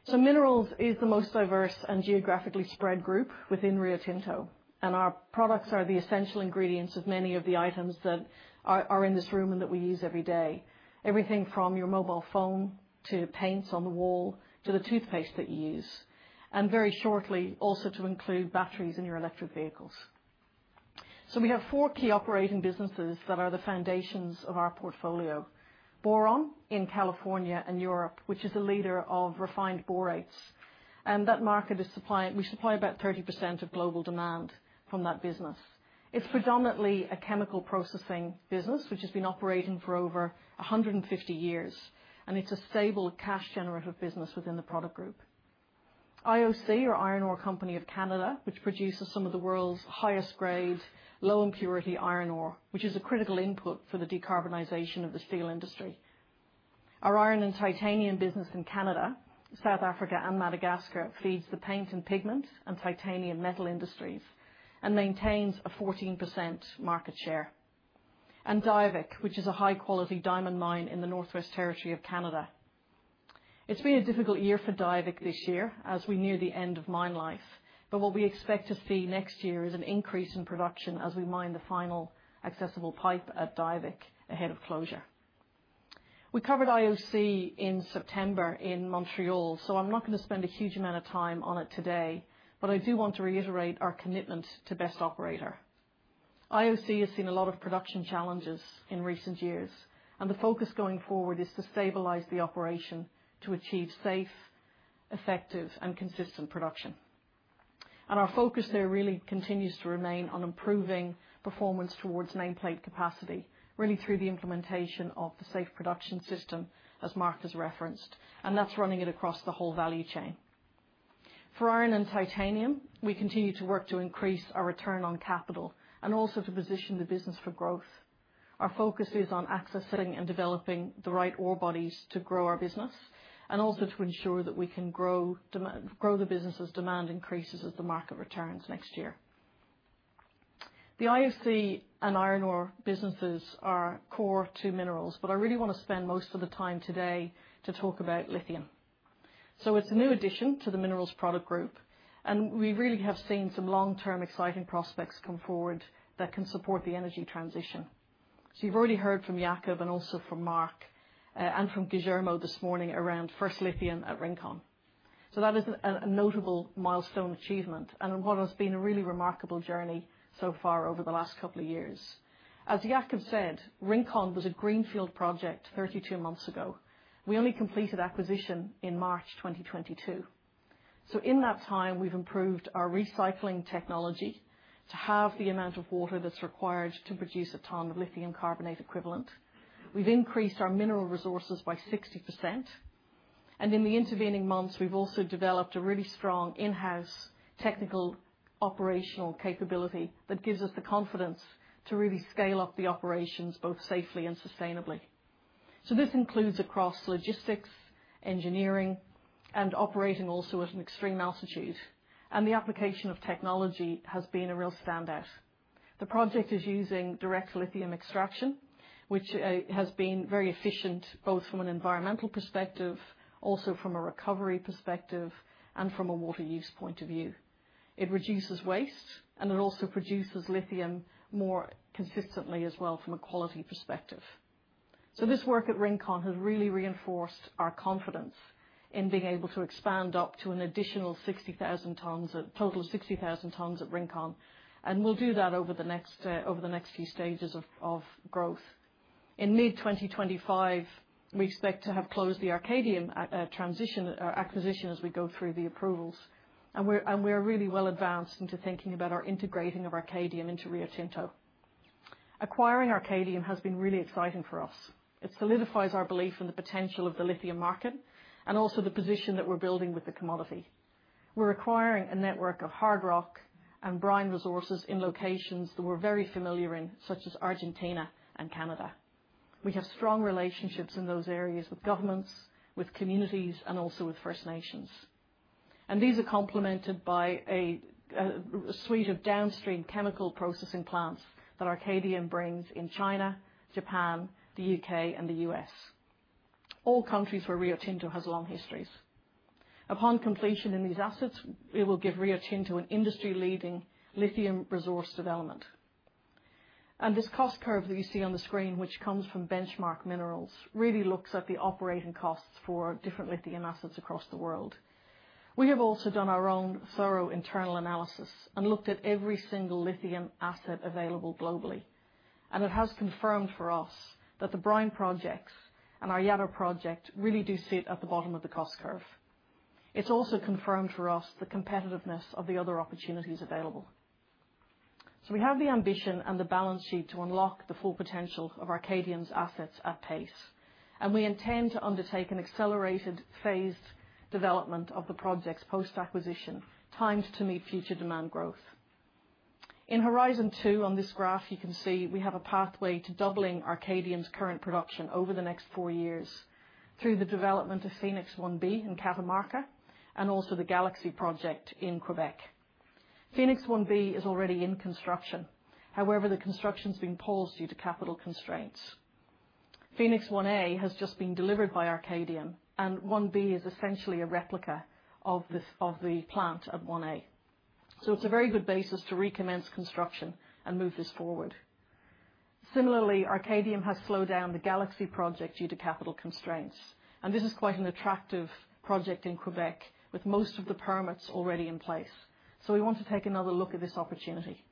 so Minerals is the most diverse and geographically spread group within Rio Tinto, and our products are the essential ingredients of many of the items that are in this room and that we use every day, everything from your mobile phone to paints on the wall to the toothpaste that you use, and very shortly also to include batteries in your electric vehicles, so we have four key operating businesses that are the foundations of our portfolio: Boron in California and Europe, which is a leader of refined borates. That market is supplying; we supply about 30% of global demand from that business. It's predominantly a chemical processing business, which has been operating for over 150 years. It's a stable cash-generative business within the product group. IOC, or Iron Ore Company of Canada, produces some of the world's highest-grade, low-impurity iron ore, which is a critical input for the decarbonization of the steel industry. Our iron and titanium business in Canada, South Africa, and Madagascar feeds the paint and pigment and titanium metal industries and maintains a 14% market share. Diavik is a high-quality diamond mine in the Northwest Territories of Canada. It's been a difficult year for Diavik this year as we near the end of mine life. What we expect to see next year is an increase in production as we mine the final accessible pipe at Diavik ahead of closure. We covered IOC in September in Montreal. So I'm not going to spend a huge amount of time on it today. But I do want to reiterate our commitment to best operator. IOC has seen a lot of production challenges in recent years. And the focus going forward is to stabilize the operation to achieve safe, effective, and consistent production. And our focus there really continues to remain on improving performance towards nameplate capacity, really through the implementation of the Safe Production System, as Mark has referenced. And that's running it across the whole value chain. For iron and titanium, we continue to work to increase our return on capital and also to position the business for growth. Our focus is on accessing and developing the right ore bodies to grow our business and also to ensure that we can grow the business's demand increases as the market returns next year. The IOC and iron ore businesses are core to Minerals, but I really want to spend most of the time today to talk about lithium, so it's a new addition to the Minerals product group, and we really have seen some long-term exciting prospects come forward that can support the energy transition, so you've already heard from Jakob and also from Mark and from Guillermo this morning around first lithium at Rincon. So that is a notable milestone achievement and what has been a really remarkable journey so far over the last couple of years. As Jakob said, Rincon was a greenfield project 32 months ago. We only completed acquisition in March 2022. So in that time, we've improved our recycling technology to halve the amount of water that's required to produce a ton of lithium carbonate equivalent. We've increased our mineral resources by 60%. And in the intervening months, we've also developed a really strong in-house technical operational capability that gives us the confidence to really scale up the operations both safely and sustainably. So this includes across logistics, engineering, and operating also at an extreme altitude. And the application of technology has been a real standout. The project is using direct lithium extraction, which has been very efficient both from an environmental perspective, also from a recovery perspective, and from a water use point of view. It reduces waste. And it also produces lithium more consistently as well from a quality perspective. This work at Rincon has really reinforced our confidence in being able to expand up to an additional 60,000 tons, a total of 60,000 tons at Rincon, and will do that over the next few stages of growth. In mid-2025, we expect to have closed the Arcadium transition acquisition as we go through the approvals. We're really well advanced into thinking about our integrating of Arcadium into Rio Tinto. Acquiring Arcadium has been really exciting for us. It solidifies our belief in the potential of the lithium market and also the position that we're building with the commodity. We're acquiring a network of hard rock and brine resources in locations that we're very familiar in, such as Argentina and Canada. We have strong relationships in those areas with governments, with communities, and also with First Nations. These are complemented by a suite of downstream chemical processing plants that Arcadium brings in China, Japan, the U.K., and the U.S., all countries where Rio Tinto has long histories. Upon completion in these assets, it will give Rio Tinto an industry-leading lithium resource development. This cost curve that you see on the screen, which comes from benchmark minerals, really looks at the operating costs for different lithium assets across the world. We have also done our own thorough internal analysis and looked at every single lithium asset available globally. It has confirmed for us that the brine projects and our Jadar project really do sit at the bottom of the cost curve. It's also confirmed for us the competitiveness of the other opportunities available. We have the ambition and the balance sheet to unlock the full potential of Arcadium's assets at pace. We intend to undertake an accelerated phased development of the projects post-acquisition, timed to meet future demand growth. In Horizon 2, on this graph, you can see we have a pathway to doubling Arcadium's current production over the next four years through the development of Phoenix 1B in Catamarca and also the Galaxy project in Quebec. Phoenix 1B is already in construction. However, the construction's been paused due to capital constraints. Phoenix 1A has just been delivered by Arcadium. 1B is essentially a replica of the plant at 1A. It's a very good basis to recommence construction and move this forward. Similarly, Arcadium has slowed down the Galaxy project due to capital constraints. This is quite an attractive project in Quebec with most of the permits already in place. We want to take another look at this opportunity.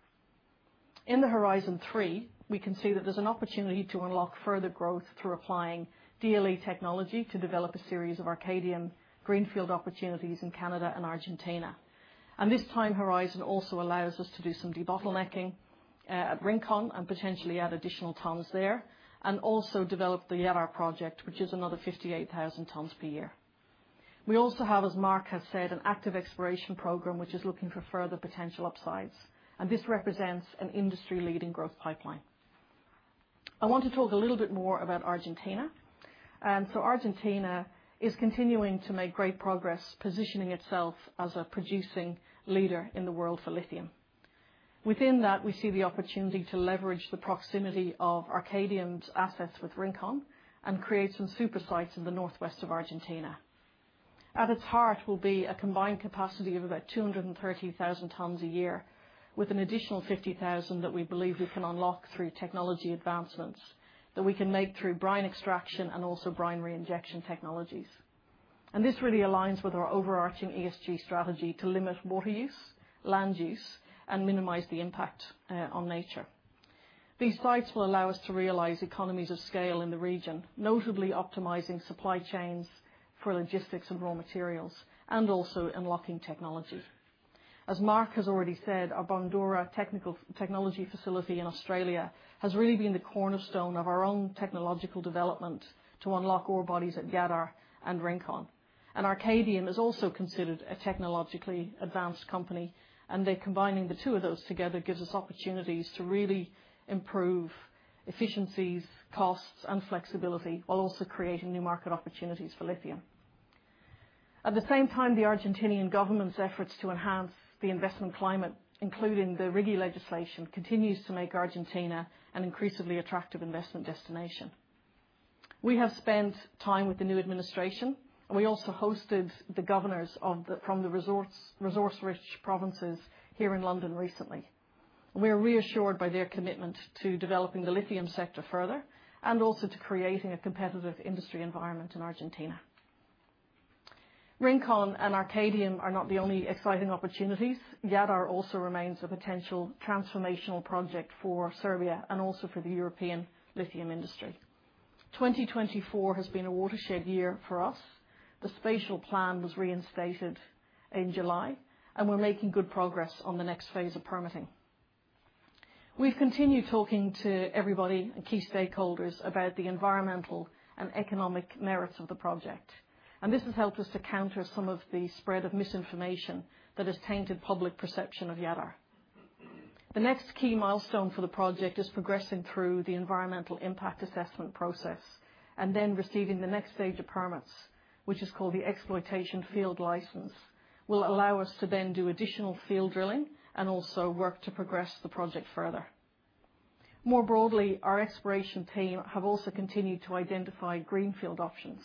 In the Horizon 3, we can see that there's an opportunity to unlock further growth through applying DLE technology to develop a series of Arcadium greenfield opportunities in Canada and Argentina. And this time horizon also allows us to do some debottlenecking at Rincon and potentially add additional tons there and also develop the Jadar project, which is another 58,000 tons per year. We also have, as Mark has said, an active exploration program, which is looking for further potential upsides. And this represents an industry-leading growth pipeline. I want to talk a little bit more about Argentina. And so Argentina is continuing to make great progress, positioning itself as a producing leader in the world for lithium. Within that, we see the opportunity to leverage the proximity of Arcadium's assets with Rincon and create some super sites in the northwest of Argentina. At its heart will be a combined capacity of about 230,000 tons a year, with an additional 50,000 that we believe we can unlock through technology advancements that we can make through brine extraction and also brine reinjection technologies. This really aligns with our overarching ESG strategy to limit water use, land use, and minimize the impact on nature. These sites will allow us to realize economies of scale in the region, notably optimizing supply chains for logistics and raw materials and also unlocking technology. As Mark has already said, our Bundoora technology facility in Australia has really been the cornerstone of our own technological development to unlock ore bodies at Jadar and Rincon. Arcadium is also considered a technologically advanced company. Combining the two of those together gives us opportunities to really improve efficiencies, costs, and flexibility while also creating new market opportunities for lithium. At the same time, the Argentinian government's efforts to enhance the investment climate, including the RIGI legislation, continues to make Argentina an increasingly attractive investment destination. We have spent time with the new administration and we also hosted the governors from the resource-rich provinces here in London recently. We are reassured by their commitment to developing the lithium sector further and also to creating a competitive industry environment in Argentina. Rincon and Arcadium are not the only exciting opportunities. Jadar also remains a potential transformational project for Serbia and also for the European lithium industry. 2024 has been a watershed year for us. The spatial plan was reinstated in July and we're making good progress on the next phase of permitting. We've continued talking to everybody and key stakeholders about the environmental and economic merits of the project. And this has helped us to counter some of the spread of misinformation that has tainted public perception of Jadar. The next key milestone for the project is progressing through the environmental impact assessment process and then receiving the next stage of permits, which is called the exploitation field license, which will allow us to then do additional field drilling and also work to progress the project further. More broadly, our exploration team have also continued to identify greenfield options.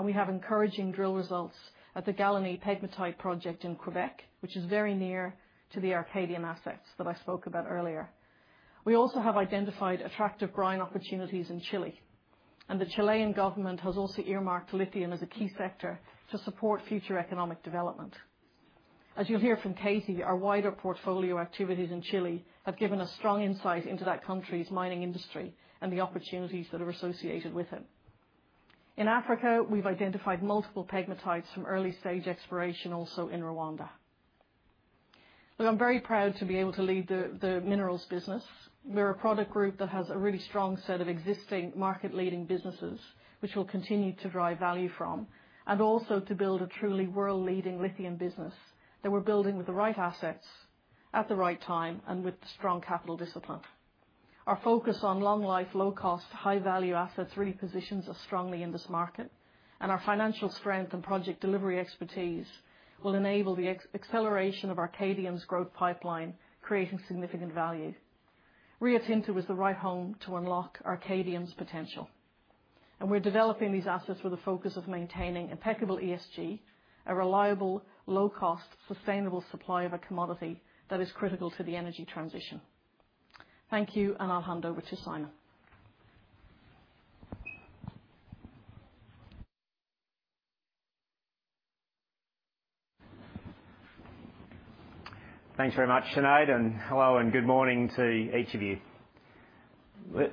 And we have encouraging drill results at the Galinée pegmatite project in Quebec, which is very near to the Arcadium assets that I spoke about earlier. We also have identified attractive brine opportunities in Chile. And the Chilean government has also earmarked lithium as a key sector to support future economic development. As you'll hear from Katie, our wider portfolio activities in Chile have given us strong insight into that country's mining industry and the opportunities that are associated with it. In Africa, we've identified multiple pegmatites from early stage exploration also in Rwanda. Look, I'm very proud to be able to lead the Minerals business. We're a product group that has a really strong set of existing market-leading businesses, which we'll continue to drive value from, and also to build a truly world-leading lithium business that we're building with the right assets at the right time and with strong capital discipline. Our focus on long-life, low-cost, high-value assets really positions us strongly in this market, and our financial strength and project delivery expertise will enable the acceleration of Arcadium's growth pipeline, creating significant value. Rio Tinto is the right home to unlock Arcadium's potential. We're developing these assets with a focus on maintaining impeccable ESG, a reliable, low-cost, sustainable supply of a commodity that is critical to the energy transition. Thank you. I'll hand over to Simon. Thanks very much, Sinead. Hello and good morning to each of you.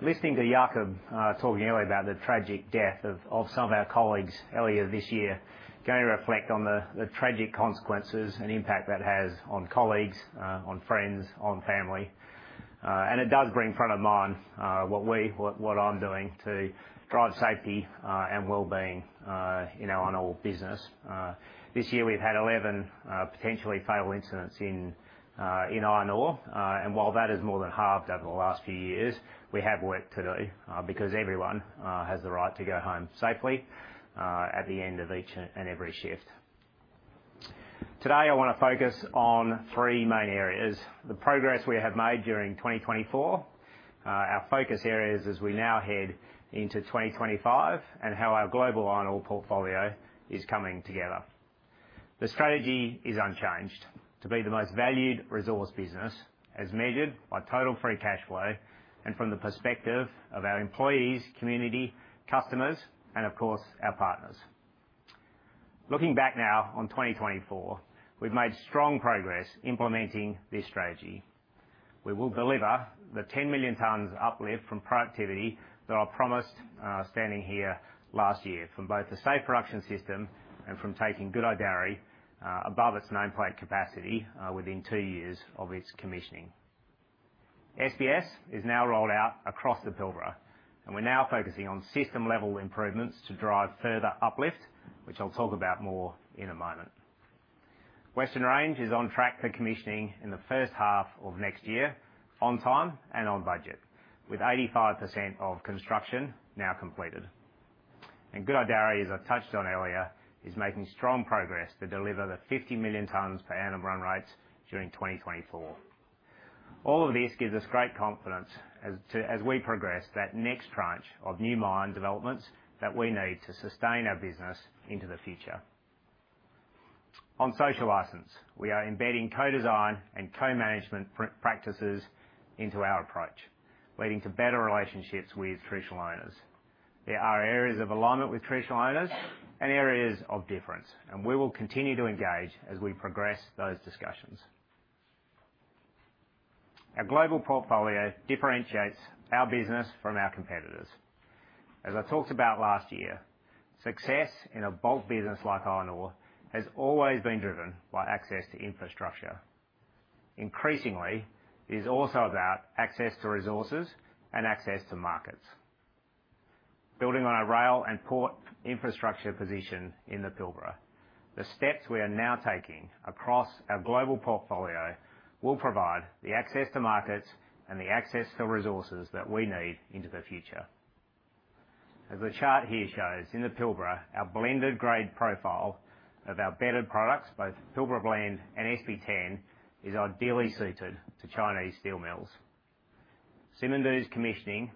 Listening to Jakob talking earlier about the tragic death of some of our colleagues earlier this year is going to reflect on the tragic consequences and impact that has on colleagues, on friends, on family. It does bring front of mind what I'm doing to drive safety and well-being in our Iron Ore business. This year, we've had 11 potentially fatal incidents in Iron Ore. While that is more than halved over the last few years, we have work to do because everyone has the right to go home safely at the end of each and every shift. Today, I want to focus on three main areas: the progress we have made during 2024, our focus areas as we now head into 2025, and how our global iron ore portfolio is coming together. The strategy is unchanged to be the most valued resource business as measured by total free cash flow and from the perspective of our employees, community, customers, and of course, our partners. Looking back now on 2024, we've made strong progress implementing this strategy. We will deliver the 10 million tons uplift from productivity that I promised standing here last year from both the safe production system and from taking good old Gudai-Darri above its nameplate capacity within two years of its commissioning. SPS is now rolled out across the Pilbara, and we're now focusing on system-level improvements to drive further uplift, which I'll talk about more in a moment. Western Range is on track for commissioning in the first half of next year on time and on budget, with 85% of construction now completed. And good old Gudai-Darri, as I touched on earlier, is making strong progress to deliver the 50 million tons per annum run rates during 2024. All of this gives us great confidence as we progress that next tranche of new mine developments that we need to sustain our business into the future. On social license, we are embedding co-design and co-management practices into our approach, leading to better relationships with traditional owners. There are areas of alignment with traditional owners and areas of difference. And we will continue to engage as we progress those discussions. Our global portfolio differentiates our business from our competitors. As I talked about last year, success in a bulk business like iron ore has always been driven by access to infrastructure. Increasingly, it is also about access to resources and access to markets. Building on our rail and port infrastructure position in the Pilbara, the steps we are now taking across our global portfolio will provide the access to markets and the access to resources that we need into the future. As the chart here shows, in the Pilbara, our blended grade profile of our bedded products, both Pilbara Blend and SP10, is ideally suited to Chinese steel mills. Simandou's commissioning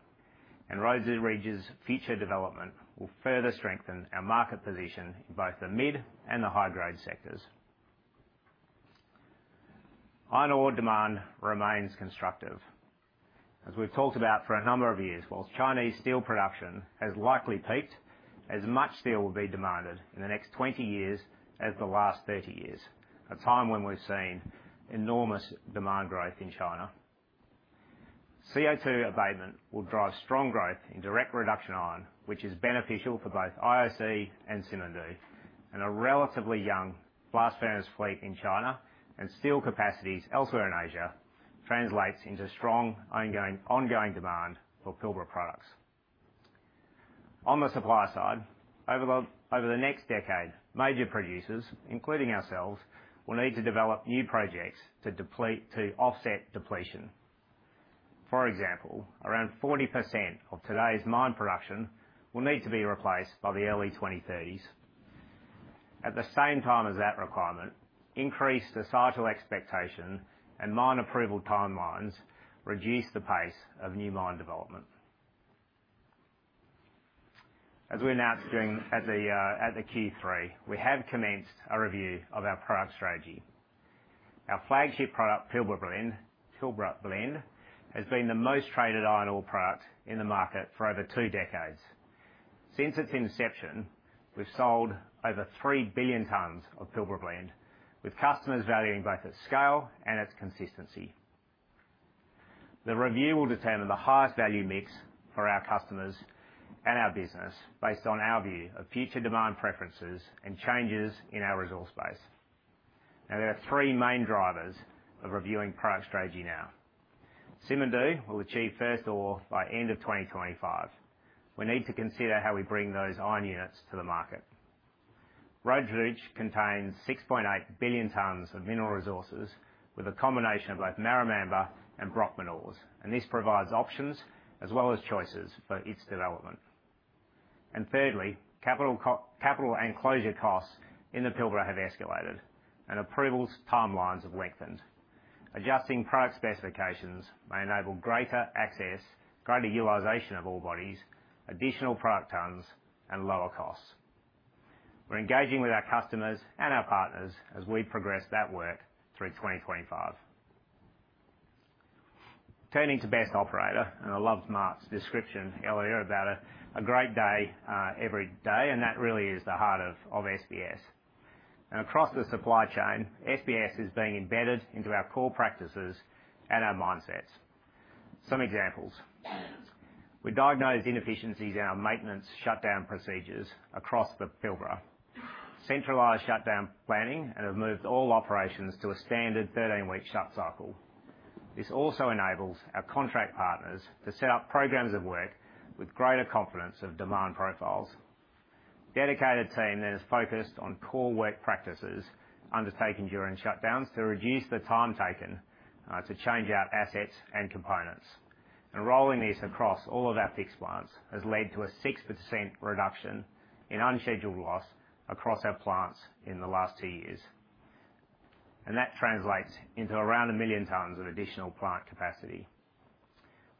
and Rhodes Ridge's future development will further strengthen our market position in both the mid and the high-grade sectors. Iron ore demand remains constructive. As we've talked about for a number of years, while Chinese steel production has likely peaked, as much steel will be demanded in the next 20 years as the last 30 years, a time when we've seen enormous demand growth in China. CO2 abatement will drive strong growth in direct reduction iron, which is beneficial for both IOC and Simandou, and a relatively young blast furnace fleet in China and steel capacities elsewhere in Asia translates into strong ongoing demand for Pilbara products. On the supply side, over the next decade, major producers, including ourselves, will need to develop new projects to offset depletion. For example, around 40% of today's mine production will need to be replaced by the early 2030s. At the same time as that requirement, increased societal expectation and mine approval timelines reduce the pace of new mine development. As we announced at the Q3, we have commenced a review of our product strategy. Our flagship product, Pilbara Blend, has been the most traded iron ore product in the market for over two decades. Since its inception, we've sold over three billion tons of Pilbara Blend, with customers valuing both its scale and its consistency. The review will determine the highest value mix for our customers and our business based on our view of future demand preferences and changes in our resource base. Now, there are three main drivers of reviewing product strategy now. Simandou will achieve first ore by end of 2025. We need to consider how we bring those iron units to the market. Rhodes Ridge contains 6.8 billion tons of mineral resources with a combination of both Marra Mamba and Brockman ores. This provides options as well as choices for its development. Thirdly, capital expenditure costs in the Pilbara have escalated, and approval timelines have lengthened. Adjusting product specifications may enable greater access, greater utilization of ore bodies, additional product tons, and lower costs. We're engaging with our customers and our partners as we progress that work through 2025. Turning to best operator, and I loved Mark's description earlier about a great day every day, and that really is the heart of SPS. And across the supply chain, SPS is being embedded into our core practices and our mindsets. Some examples. We diagnosed inefficiencies in our maintenance shutdown procedures across the Pilbara. Centralized shutdown planning has moved all operations to a standard 13-week shut cycle. This also enables our contract partners to set up programs of work with greater confidence of demand profiles. A dedicated team then is focused on core work practices undertaken during shutdowns to reduce the time taken to change out assets and components, and rolling this across all of our fixed plants has led to a 6% reduction in unscheduled loss across our plants in the last two years. That translates into around a million tons of additional plant capacity.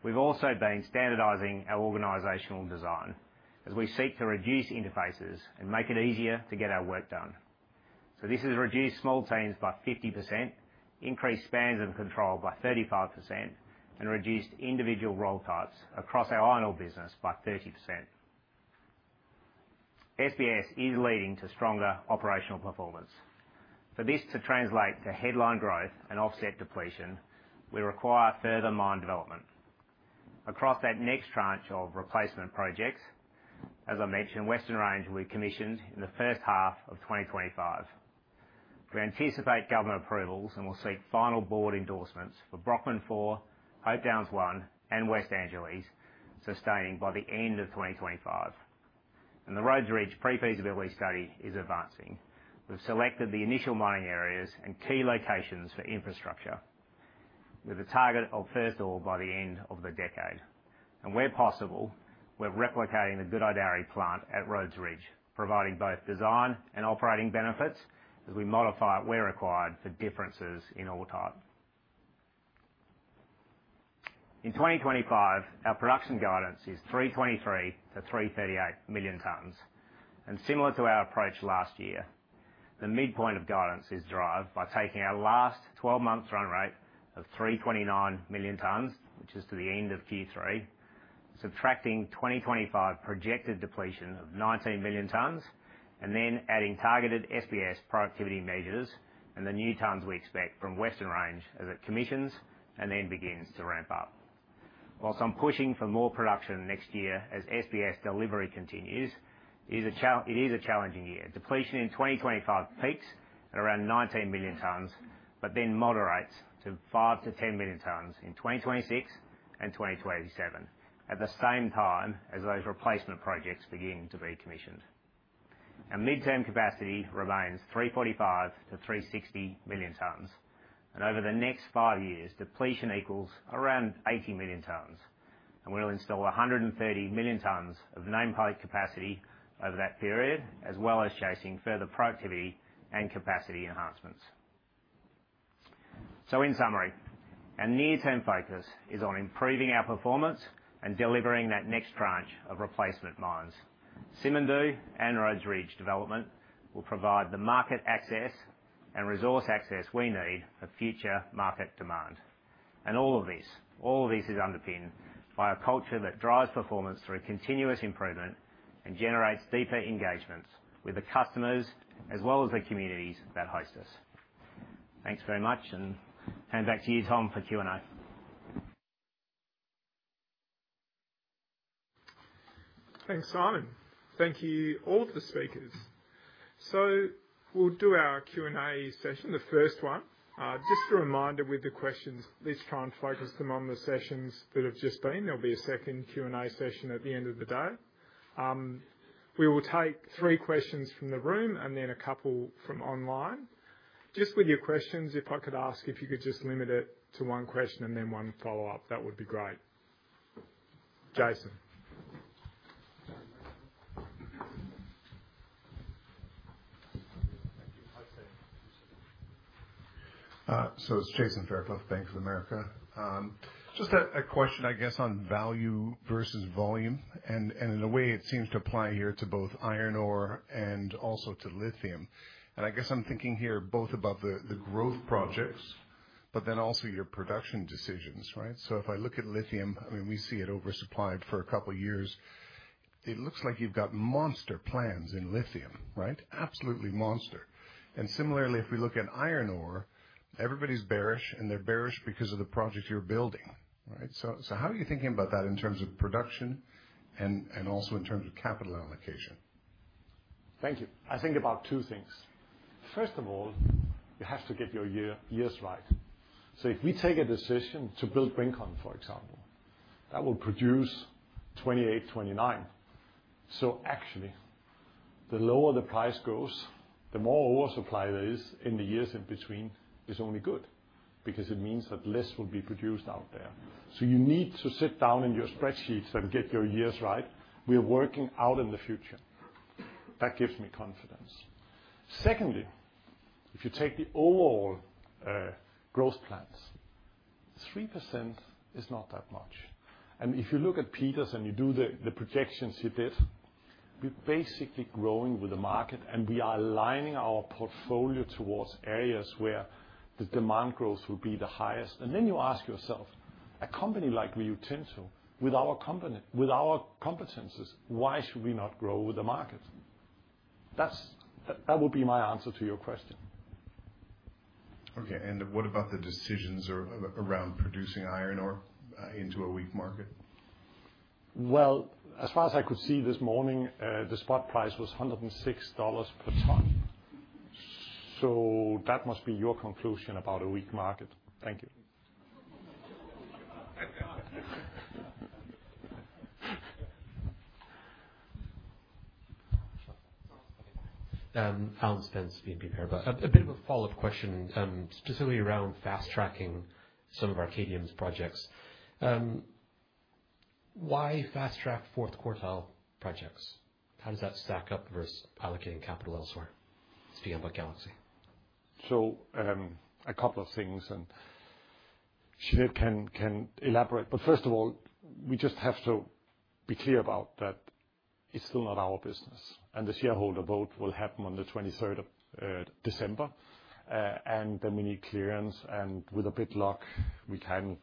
We've also been standardizing our organizational design as we seek to reduce interfaces and make it easier to get our work done. So this has reduced small teams by 50%, increased spans and control by 35%, and reduced individual role types across our Iron Ore business by 30%. SPS is leading to stronger operational performance. For this to translate to headline growth and offset depletion, we require further mine development. Across that next tranche of replacement projects, as I mentioned, Western Range will be commissioned in the first half of 2025. We anticipate government approvals and will seek final board endorsements for Brockman 4, Hope Downs 1, and West Angelas, sustaining by the end of 2025. The Rhodes Ridge pre-feasibility study is advancing. We've selected the initial mining areas and key locations for infrastructure, with a target of first ore by the end of the decade, and where possible, we're replicating the Gudai-Darri plant at Rhodes Ridge, providing both design and operating benefits as we modify it where required for differences in ore type. In 2025, our production guidance is 323-338 million tons, and similar to our approach last year, the midpoint of guidance is derived by taking our last 12-month run rate of 329 million tons, which is to the end of Q3, subtracting 2025 projected depletion of 19 million tons, and then adding targeted SPS productivity measures and the new tons we expect from Western Range as it commissions and then begins to ramp up. While I'm pushing for more production next year as SPS delivery continues, it is a challenging year. Depletion in 2025 peaks at around 19 million tons, but then moderates to 5 to 10 million tons in 2026 and 2027, at the same time as those replacement projects begin to be commissioned. Our midterm capacity remains 345 to 360 million tons. And over the next five years, depletion equals around 80 million tons. And we'll install 130 million tons of nameplate capacity over that period, as well as chasing further productivity and capacity enhancements. So in summary, our near-term focus is on improving our performance and delivering that next tranche of replacement mines. Simandou and Rhodes Ridge development will provide the market access and resource access we need for future market demand. And all of this is underpinned by a culture that drives performance through continuous improvement and generates deeper engagements with the customers as well as the communities that host us. Thanks very much. Hand back to you, Tom, for Q&A. Thanks, Simon. Thank you, all of the speakers. So we'll do our Q&A session, the first one. Just a reminder with the questions, let's try and focus them on the sessions that have just been. There'll be a second Q&A session at the end of the day. We will take three questions from the room and then a couple from online. Just with your questions, if I could ask if you could just limit it to one question and then one follow-up, that would be great. Jason. So it's Jason Fairclough, Bank of America. Just a question, I guess, on value versus volume. And in a way, it seems to apply here to both iron ore and also to lithium. And I guess I'm thinking here both about the growth projects, but then also your production decisions, right? So if I look at lithium, I mean, we see it oversupplied for a couple of years. It looks like you've got monster plans in lithium, right? Absolutely monster. And similarly, if we look at iron ore, everybody's bearish, and they're bearish because of the project you're building, right? So how are you thinking about that in terms of production and also in terms of capital allocation? Thank you. I think about two things. First of all, you have to get your years right. So if we take a decision to build Rincon, for example, that will produce 2028, 2029. So actually, the lower the price goes, the more oversupply there is in the years in between is only good because it means that less will be produced out there. So you need to sit down in your spreadsheets and get your years right. We're working out in the future. That gives me confidence. Secondly, if you take the overall growth plans, 3% is not that much. And if you look at Peters and you do the projections he did, we're basically growing with the market, and we are aligning our portfolio towards areas where the demand growth will be the highest. And then you ask yourself, a company like Rio Tinto, with our competences, why should we not grow with the market? That would be my answer to your question. Okay. And what about the decisions around producing iron ore into a weak market? Well, as far as I could see this morning, the spot price was $106 per ton. So that must be your conclusion about a weak market. Thank you. Alan Spence, BNP Paribas. A bit of a follow-up question, specifically around fast-tracking some of Arcadium's projects. Why fast-track fourth quartile projects? How does that stack up versus allocating capital elsewhere? Speaking about Arcadium, a couple of things, and Sinead can elaborate, but first of all, we just have to be clear about that it's still not our business. The shareholder vote will happen on the December 23rd, and then we need clearance. With a bit luck, we can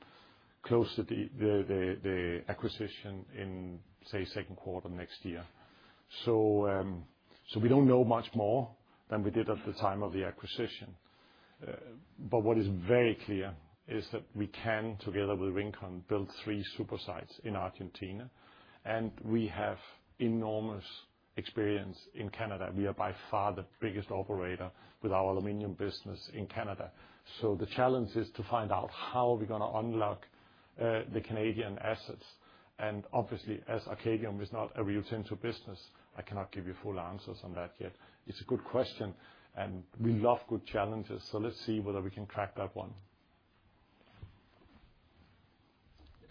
close the acquisition in, say, second quarter next year. We don't know much more than we did at the time of the acquisition, but what is very clear is that we can, together with Rincon, build three super sites in Argentina. We have enormous experience in Canada. We are by far the biggest operator with our aluminum business in Canada. The challenge is to find out how we are going to unlock the Canadian assets. Obviously, as Arcadium is not a Rio Tinto business, I cannot give you full answers on that yet. It's a good question. And we love good challenges. So let's see whether we can crack that one.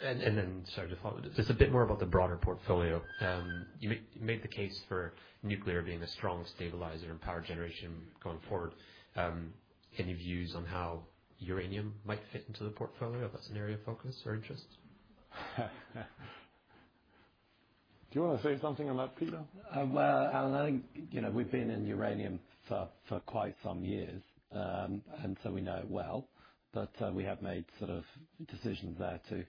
And then, sorry, to follow, just a bit more about the broader portfolio. You made the case for nuclear being a strong stabilizer and power generation going forward. Any views on how uranium might fit into the portfolio if that's an area of focus or interest? Do you want to say something about Peter? Well, Alan, I think we've been in uranium for quite some years, and so we know it well. But we have made sort of decisions there to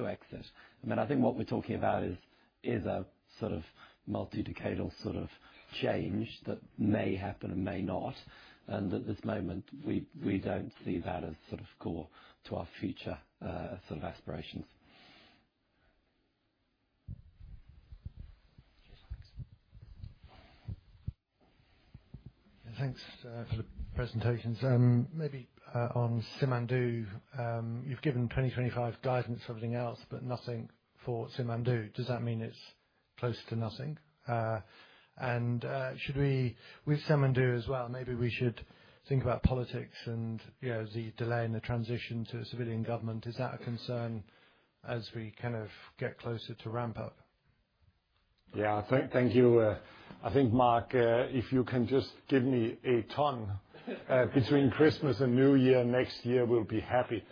exit. I mean, I think what we're talking about is a sort of multi-decadal sort of change that may happen and may not. And at this moment, we don't see that as sort of core to our future sort of aspirations. Thanks for the presentations. Maybe on Simandou, you've given 2025 guidance for everything else, but nothing for Simandou. Does that mean it's close to nothing? And with Simandou as well, maybe we should think about politics and the delay in the transition to a civilian government. Is that a concern as we kind of get closer to ramp up? Yeah, thank you. I think, Mark, if you can just give me a ton between Christmas and New Year next year, we'll be happy.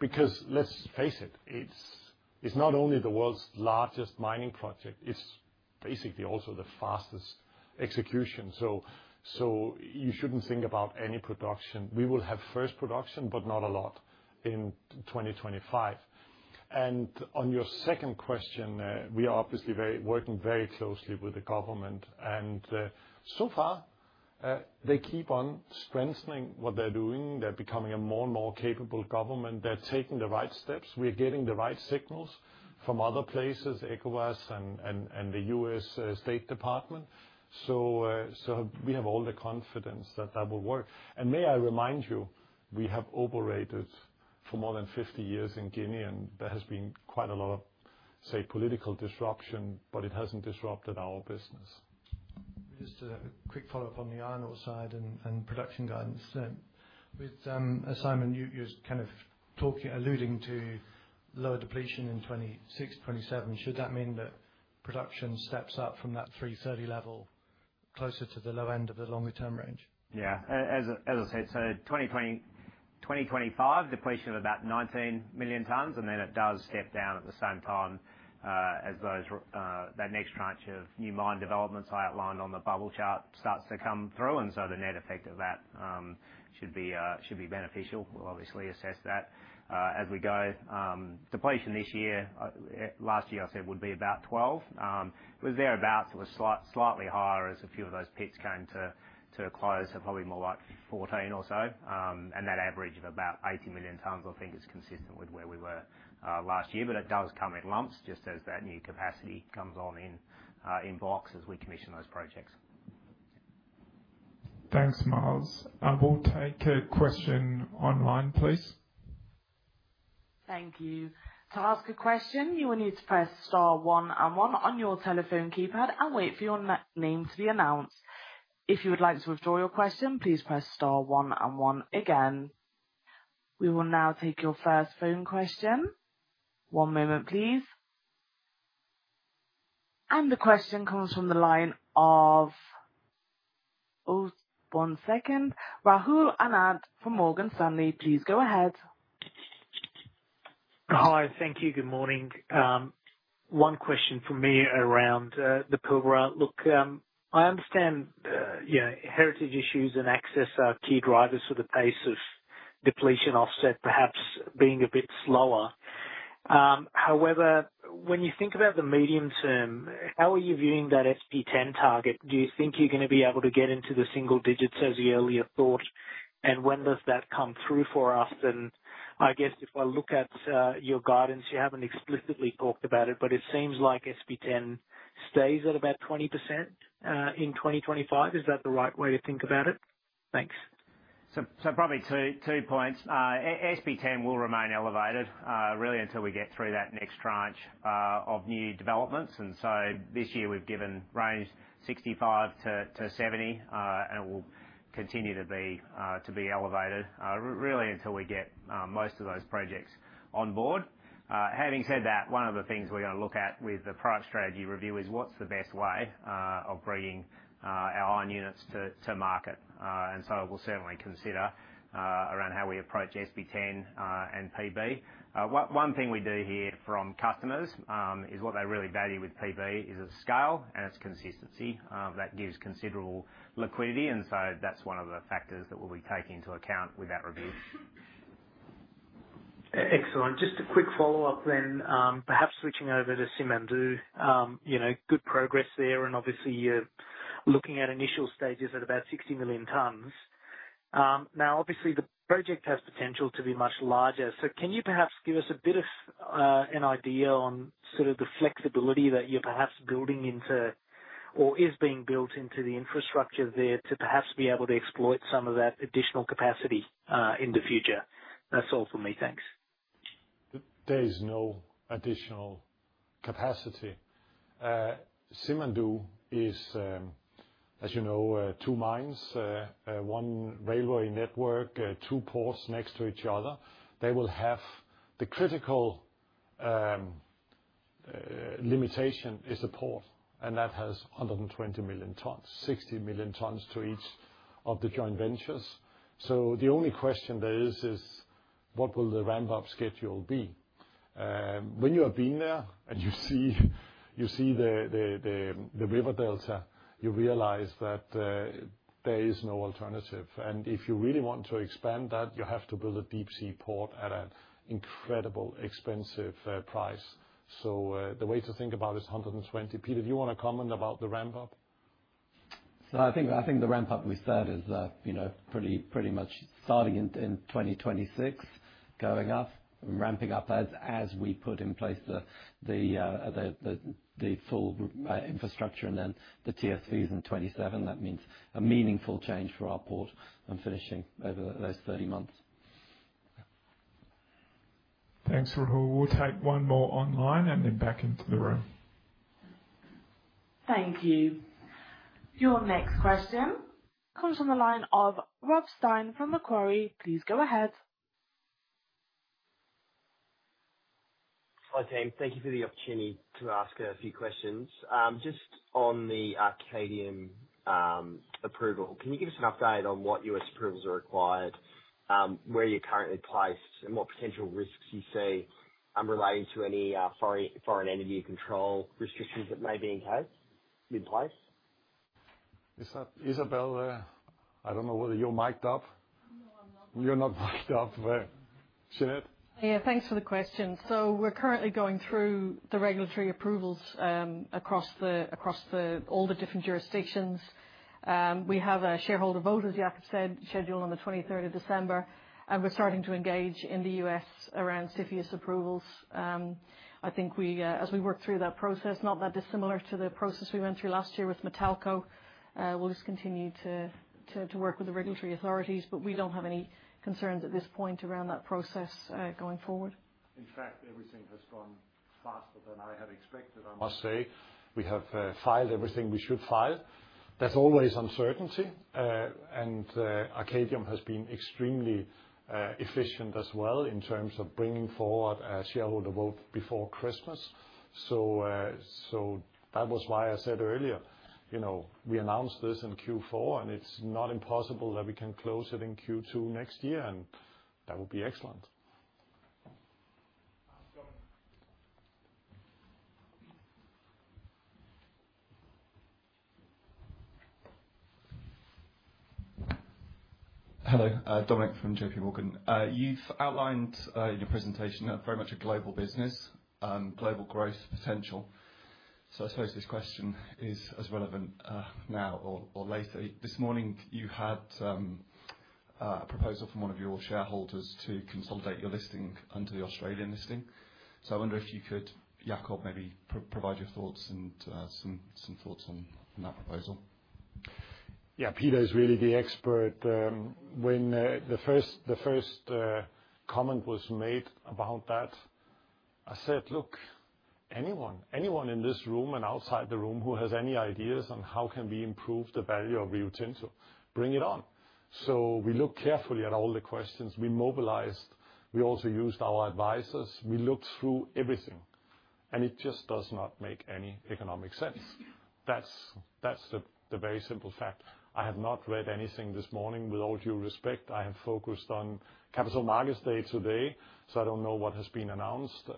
Because let's face it, it's not only the world's largest mining project, it's basically also the fastest execution. So you shouldn't think about any production. We will have first production, but not a lot in 2025. On your second question, we are obviously working very closely with the government. So far, they keep on strengthening what they're doing. They're becoming a more and more capable government. They're taking the right steps. We're getting the right signals from other places, ECOWAS and the U.S. State Department. So we have all the confidence that that will work. May I remind you, we have operated for more than 50 years in Guinea, and there has been quite a lot of, say, political disruption, but it hasn't disrupted our business. Just a quick follow-up on the iron ore side and production guidance. With Simon, you're kind of alluding to lower depletion in 2026, 2027. Should that mean that production steps up from that 330 level closer to the low end of the longer-term range? Yeah. As I said, so 2025, depletion of about 19 million tons. And then it does step down at the same time as that next tranche of new mine developments I outlined on the bubble chart starts to come through. So the net effect of that should be beneficial. We'll obviously assess that as we go. Depletion this year, last year, I said would be about 12. It was thereabouts. It was slightly higher as a few of those pits came to a close, so probably more like 14 or so. That average of about 80 million tons, I think, is consistent with where we were last year. But it does come in lumps just as that new capacity comes on in box as we commission those projects. Thanks, Mark. We'll take a question online, please. Thank you. To ask a question, you will need to press star one and one on your telephone keypad and wait for your name to be announced. If you would like to withdraw your question, please press star one and one again. We will now take your first phone question. One moment, please. And the question comes from the line of, oh, one second. Rahul Anand from Morgan Stanley, please go ahead. Hi, thank you. Good morning. One question for me around the Pilbara. Look, I understand heritage issues and access are key drivers for the pace of depletion offset, perhaps being a bit slower. However, when you think about the medium term, how are you viewing that SP10 target? Do you think you're going to be able to get into the single digits as you earlier thought? And when does that come through for us? I guess if I look at your guidance, you haven't explicitly talked about it, but it seems like SP10 stays at about 20% in 2025. Is that the right way to think about it? Thanks. Probably two points. SP10 will remain elevated, really, until we get through that next tranche of new developments. This year, we've given range 65%-70%, and it will continue to be elevated, really, until we get most of those projects on board. Having said that, one of the things we're going to look at with the product strategy review is what's the best way of bringing our iron units to market. We'll certainly consider around how we approach SP10 and PB. One thing we do hear from customers is what they really value with PB is its scale and its consistency. That gives considerable liquidity. And so that's one of the factors that we'll be taking into account with that review. Excellent. Just a quick follow-up then, perhaps switching over to Simandou. Good progress there. And obviously, you're looking at initial stages at about 60 million tons. Now, obviously, the project has potential to be much larger. So can you perhaps give us a bit of an idea on sort of the flexibility that you're perhaps building into or is being built into the infrastructure there to perhaps be able to exploit some of that additional capacity in the future? That's all for me. Thanks. There is no additional capacity. Simandou is, as you know, two mines, one railway network, two ports next to each other. They will have the critical limitation is a port, and that has 120 million tons, 60 million tons to each of the joint ventures. So the only question there is, is what will the ramp-up schedule be? When you have been there and you see the river delta, you realize that there is no alternative. And if you really want to expand that, you have to build a deep-sea port at an incredibly expensive price. So the way to think about it is 120. Peter, do you want to comment about the ramp-up? No, I think the ramp-up we started pretty much in 2026, going up and ramping up as we put in place the full infrastructure and then the TSVs in 2027. That means a meaningful change for our port and finishing over those 30 months. Thanks, Rahul. We'll take one more online and then back into the room. Thank you. Your next question comes from the line of Rob Stein from Macquarie. Please go ahead. Hi, team. Thank you for the opportunity to ask a few questions. Just on the Arcadium approval, can you give us an update on what U.S. approvals are required, where you're currently placed, and what potential risks you see relating to any foreign entity control restrictions that may be in place? Isabelle, I don't know whether you're mic'd up. No, I'm not. You're not mic'd up. Sinead? Yeah, thanks for the question. So we're currently going through the regulatory approvals across all the different jurisdictions. We have a shareholder vote, as Jakob said, scheduled on the 23rd of December. And we're starting to engage in the U.S. around CFIUS approvals. I think as we work through that process, not that dissimilar to the process we went through last year with Matalco, we'll just continue to work with the regulatory authorities. But we don't have any concerns at this point around that process going forward. In fact, everything has gone faster than I had expected, I must say. We have filed everything we should file. There's always uncertainty. And Arcadium has been extremely efficient as well in terms of bringing forward a shareholder vote before Christmas. So that was why I said earlier, we announced this in Q4, and it's not impossible that we can close it in Q2 next year. And that would be excellent. Hello, Dominic from J.P. Morgan. You've outlined in your presentation very much a global business, global growth potential. So I suppose this question is as relevant now or later. This morning, you had a proposal from one of your shareholders to consolidate your listing under the Australian listing. So I wonder if you could, Jakob, maybe provide your thoughts and some thoughts on that proposal. Yeah, Peter is really the expert. When the first comment was made about that, I said, "Look, anyone in this room and outside the room who has any ideas on how can we improve the value of Rio Tinto, bring it on." So we looked carefully at all the questions. We mobilized. We also used our advisors. We looked through everything. And it just does not make any economic sense. That's the very simple fact. I have not read anything this morning. With all due respect, I have focused on Capital Markets Day today. So I don't know what has been announced.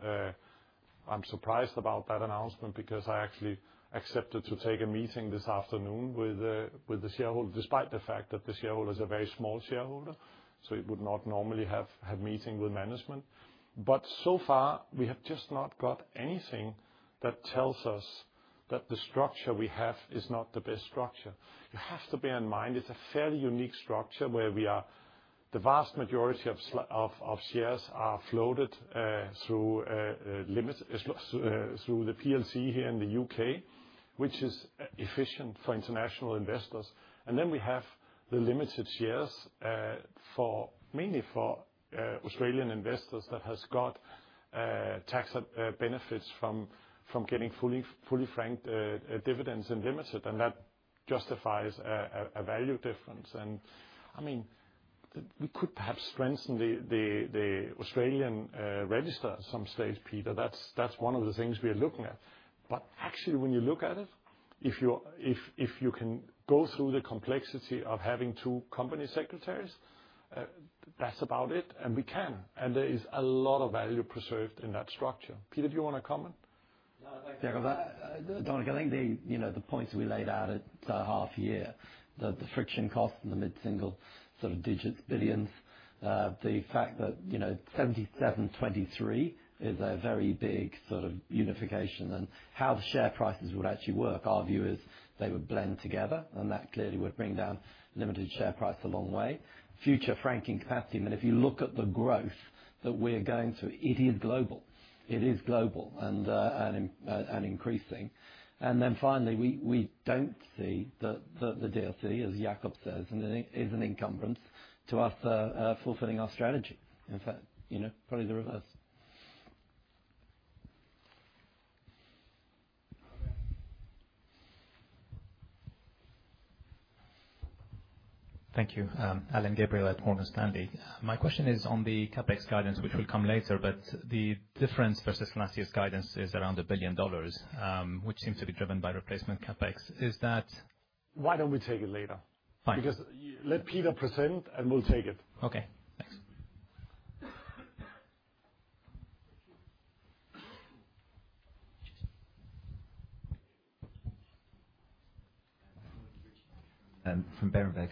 I'm surprised about that announcement because I actually accepted to take a meeting this afternoon with the shareholder, despite the fact that the shareholder is a very small shareholder. So it would not normally have a meeting with management. But so far, we have just not got anything that tells us that the structure we have is not the best structure. You have to bear in mind it's a fairly unique structure where the vast majority of shares are floated through the PLC here in the U.K., which is efficient for international investors. And then we have the limited shares mainly for Australian investors that have got tax benefits from getting fully-franked dividends and limited. And that justifies a value difference. And I mean, we could perhaps strengthen the Australian register, some states, Peter. That's one of the things we are looking at. But actually, when you look at it, if you can go through the complexity of having two company secretaries, that's about it. And we can. And there is a lot of value preserved in that structure. Peter, do you want to comment? Yeah, Dominic, I think the points we laid out at half a year, the friction cost in the mid-single sort of digits, billions, the fact that 7723 is a very big sort of unification, and how the share prices would actually work, our view is they would blend together. And that clearly would bring down limited share price a long way. Future franking capacity, I mean, if you look at the growth that we're going through, it is global. It is global and increasing. And then finally, we don't see the DLE, as Jakob says, and it is an encumbrance to us fulfilling our strategy. In fact, probably the reverse. Thank you. Alain Gabriel at Morgan Stanley. My question is on the CapEx guidance, which will come later, but the difference versus last year's guidance is around $1 billion, which seems to be driven by replacement CapEx. Is that? Why don't we take it later? Because let Peter present, and we'll take it. Okay. Thanks. From Berenberg.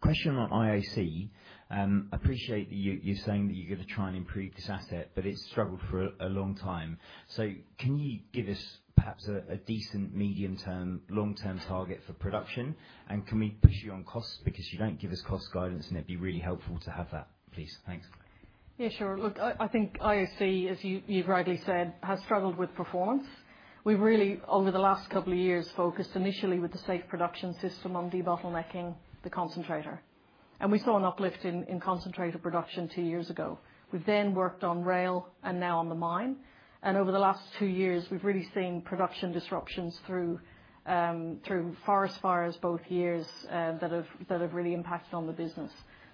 Question on IOC. I appreciate you saying that you're going to try and improve this asset, but it's struggled for a long time. So can you give us perhaps a decent medium-term, long-term target for production? And can we push you on costs because you don't give us cost guidance, and it'd be really helpful to have that, please? Thanks. Yeah, sure. Look, I think IOC, as you've rightly said, has struggled with performance. We've really, over the last couple of years, focused initially with the safe production system on de-bottlenecking the concentrator. And we saw an uplift in concentrator production two years ago. We've then worked on rail and now on the mine. Over the last two years, we've really seen production disruptions through forest fires both years that have really impacted on the business.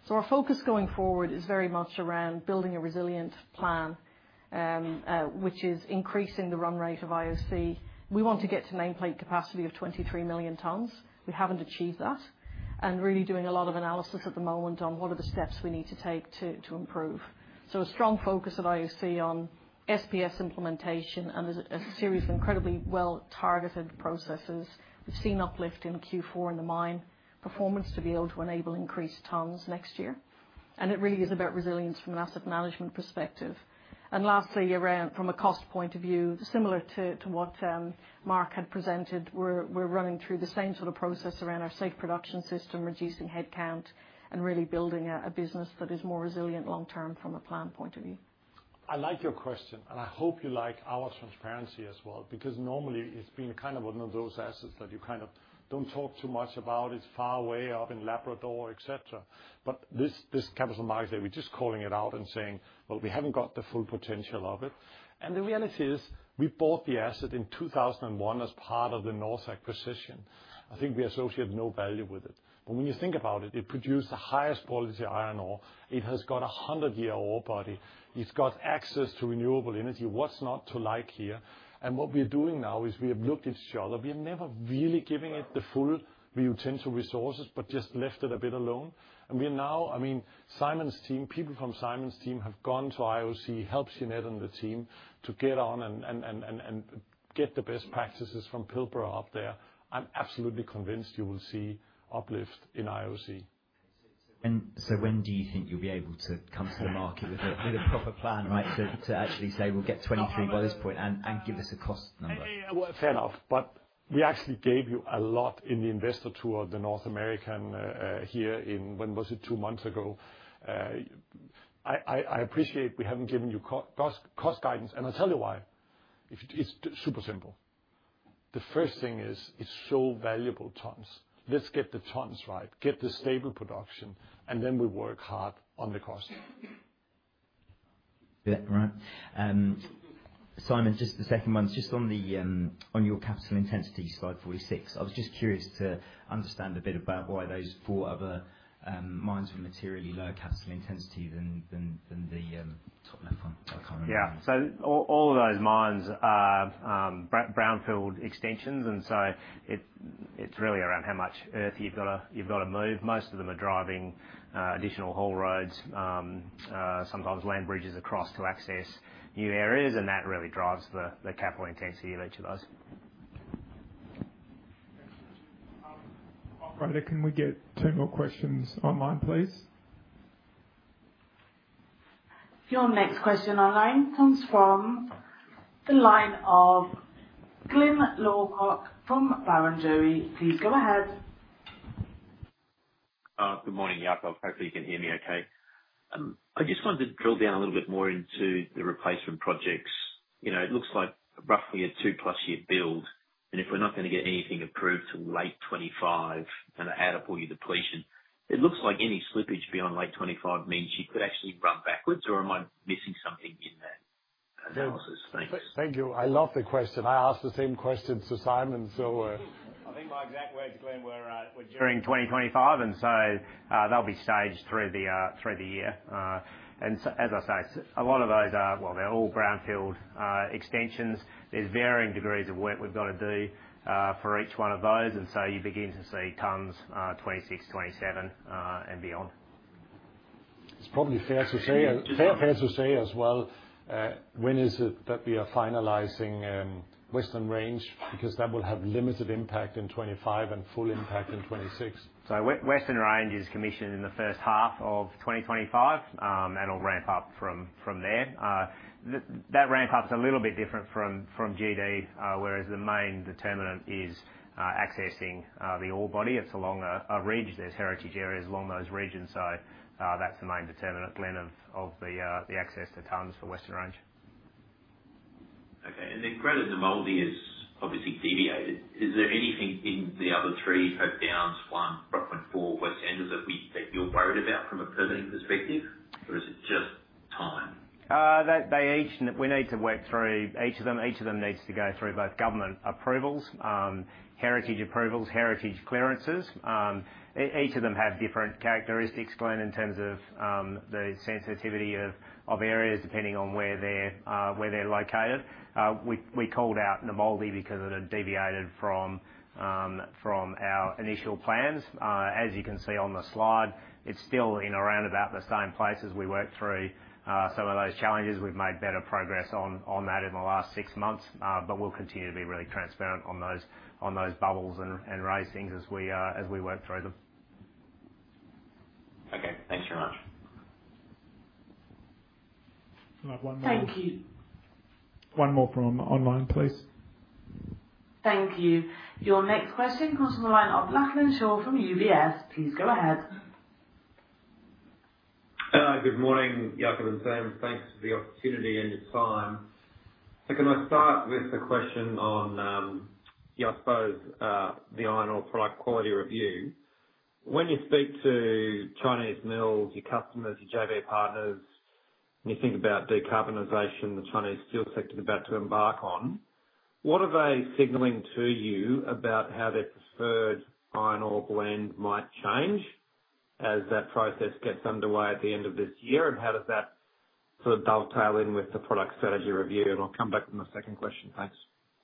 Our focus going forward is very much around building a resilient plan, which is increasing the run rate of IOC. We want to get to nameplate capacity of 23 million tons. We haven't achieved that. Really doing a lot of analysis at the moment on what are the steps we need to take to improve. A strong focus at IOC on SPS implementation and a series of incredibly well-targeted processes. We've seen uplift in Q4 in the mine performance to be able to enable increased tons next year. It really is about resilience from an asset management perspective. And lastly, from a cost point of view, similar to what Mark had presented, we're running through the same sort of process around our safe production system, reducing headcount, and really building a business that is more resilient long-term from a plan point of view. I like your question, and I hope you like our transparency as well because normally, it's been kind of one of those assets that you kind of don't talk too much about. It's far away up in Labrador, etc. But this Capital Markets Day, we're just calling it out and saying, "Well, we haven't got the full potential of it." And the reality is we bought the asset in 2001 as part of the NorthSAC position. I think we associate no value with it. But when you think about it, it produced the highest quality iron ore. It has got a 100-year ore body. It's got access to renewable energy. What's not to like here? And what we're doing now is we have looked at each other. We have never really given it the full Rio Tinto resources, but just left it a bit alone. And we are now, I mean, Simon's team, people from Simon's team have gone to IOC, helped Sinead and the team to get on and get the best practices from Pilbara up there. I'm absolutely convinced you will see uplift in IOC. So when do you think you'll be able to come to the market with a proper plan, right, to actually say, "We'll get 23 by this point and give us a cost number"? Fair enough. But we actually gave you a lot in the investor tour of the North American here in, when was it, two months ago. I appreciate we haven't given you cost guidance, and I'll tell you why. It's super simple. The first thing is it's so valuable tons. Let's get the tons right, get the stable production, and then we work hard on the cost. Yeah, right. Simon, just the second one. Just on your capital intensity slide 46, I was just curious to understand a bit about why those four other mines were materially lower capital intensity than the top left one. I can't remember. Yeah. So all of those mines are brownfield extensions. And so it's really around how much earth you've got to move. Most of them are driving additional haul roads, sometimes land bridges across to access new areas. And that really drives the capital intensity of each of those. Right. Can we get two more questions online, please? Your next question online comes from the line of Glyn Lawcock from Barrenjoey. Please go ahead. Good morning, Jakob. Hopefully, you can hear me okay. I just wanted to drill down a little bit more into the replacement projects. It looks like roughly a two-plus-year build. And if we're not going to get anything approved till late 2025 and add up all your depletion, it looks like any slippage beyond late 2025 means you could actually run backwards, or am I missing something in that analysis? Thanks. Thank you. I love the question. I asked the same question to Simon. So I think my exact words, Glyn, were during 2025. And so they'll be staged through the year. And as I say, a lot of those are, well, they're all brownfield extensions. There's varying degrees of work we've got to do for each one of those. And so you begin to see tons 2026, 2027, and beyond. It's probably fair to say as well, when is it that we are finalizing Western Range? Because that will have limited impact in 2025 and full impact in 2026, so Western Range is commissioned in the first half of 2025, and it'll ramp up from there. That ramp-up is a little bit different from GD, whereas the main determinant is accessing the ore body. It's along a ridge. There's heritage areas along those regions, so that's the main determinant, Glyn, of the access to tons for Western Range. Okay. And then Greater Nammuldi is obviously delayed. Is there anything in the other three, Hope Downs 1, Brockman 4, West Angelas, that you're worried about from a permitting perspective? Or is it just time? We need to work through each of them. Each of them needs to go through both government approvals, heritage approvals, heritage clearances. Each of them have different characteristics, Glyn, in terms of the sensitivity of areas depending on where they're located. We called out Nammuldi because it had deviated from our initial plans. As you can see on the slide, it's still in around about the same place as we worked through some of those challenges. We've made better progress on that in the last six months. But we'll continue to be really transparent on those bubbles and ratings as we work through them. Okay. Thanks very much. I have one more. Thank you. One more from online, please. Thank you. Your next question comes from the line of Lachlan Shaw from UBS. Please go ahead. Hello. Good morning, Jakob and Sam. Thanks for the opportunity and your time. So can I start with the question on, I suppose, the iron ore product quality review? When you speak to Chinese mills, your customers, your JV partners, and you think about decarbonization, the Chinese steel sector is about to embark on, what are they signaling to you about how their preferred iron ore blend might change as that process gets underway at the end of this year? And how does that sort of dovetail in with the product strategy review? And I'll come back with my second question. Thanks.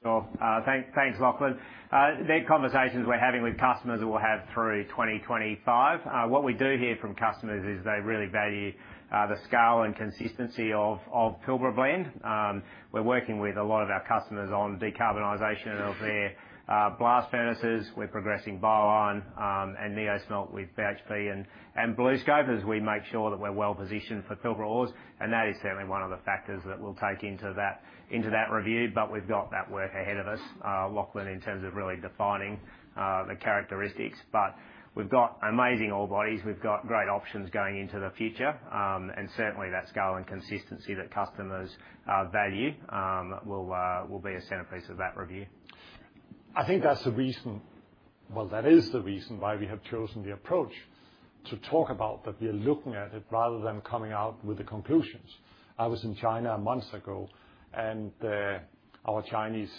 Sure. Thanks, Lachlan. The conversations we're having with customers that we'll have through 2025, what we do hear from customers is they really value the scale and consistency of Pilbara Blend. We're working with a lot of our customers on decarbonization of their blast furnaces. We're progressing pilot and NeoSmelt with BHP and BlueScope as we make sure that we're well-positioned for Pilbara ores, and that is certainly one of the factors that we'll take into that review, but we've got that work ahead of us, Lachlan, in terms of really defining the characteristics, but we've got amazing ore bodies. We've got great options going into the future, and certainly, that scale and consistency that customers value will be a centerpiece of that review. I think that's the reason, well, that is the reason why we have chosen the approach to talk about that we are looking at it rather than coming out with the conclusions. I was in China months ago, and our Chinese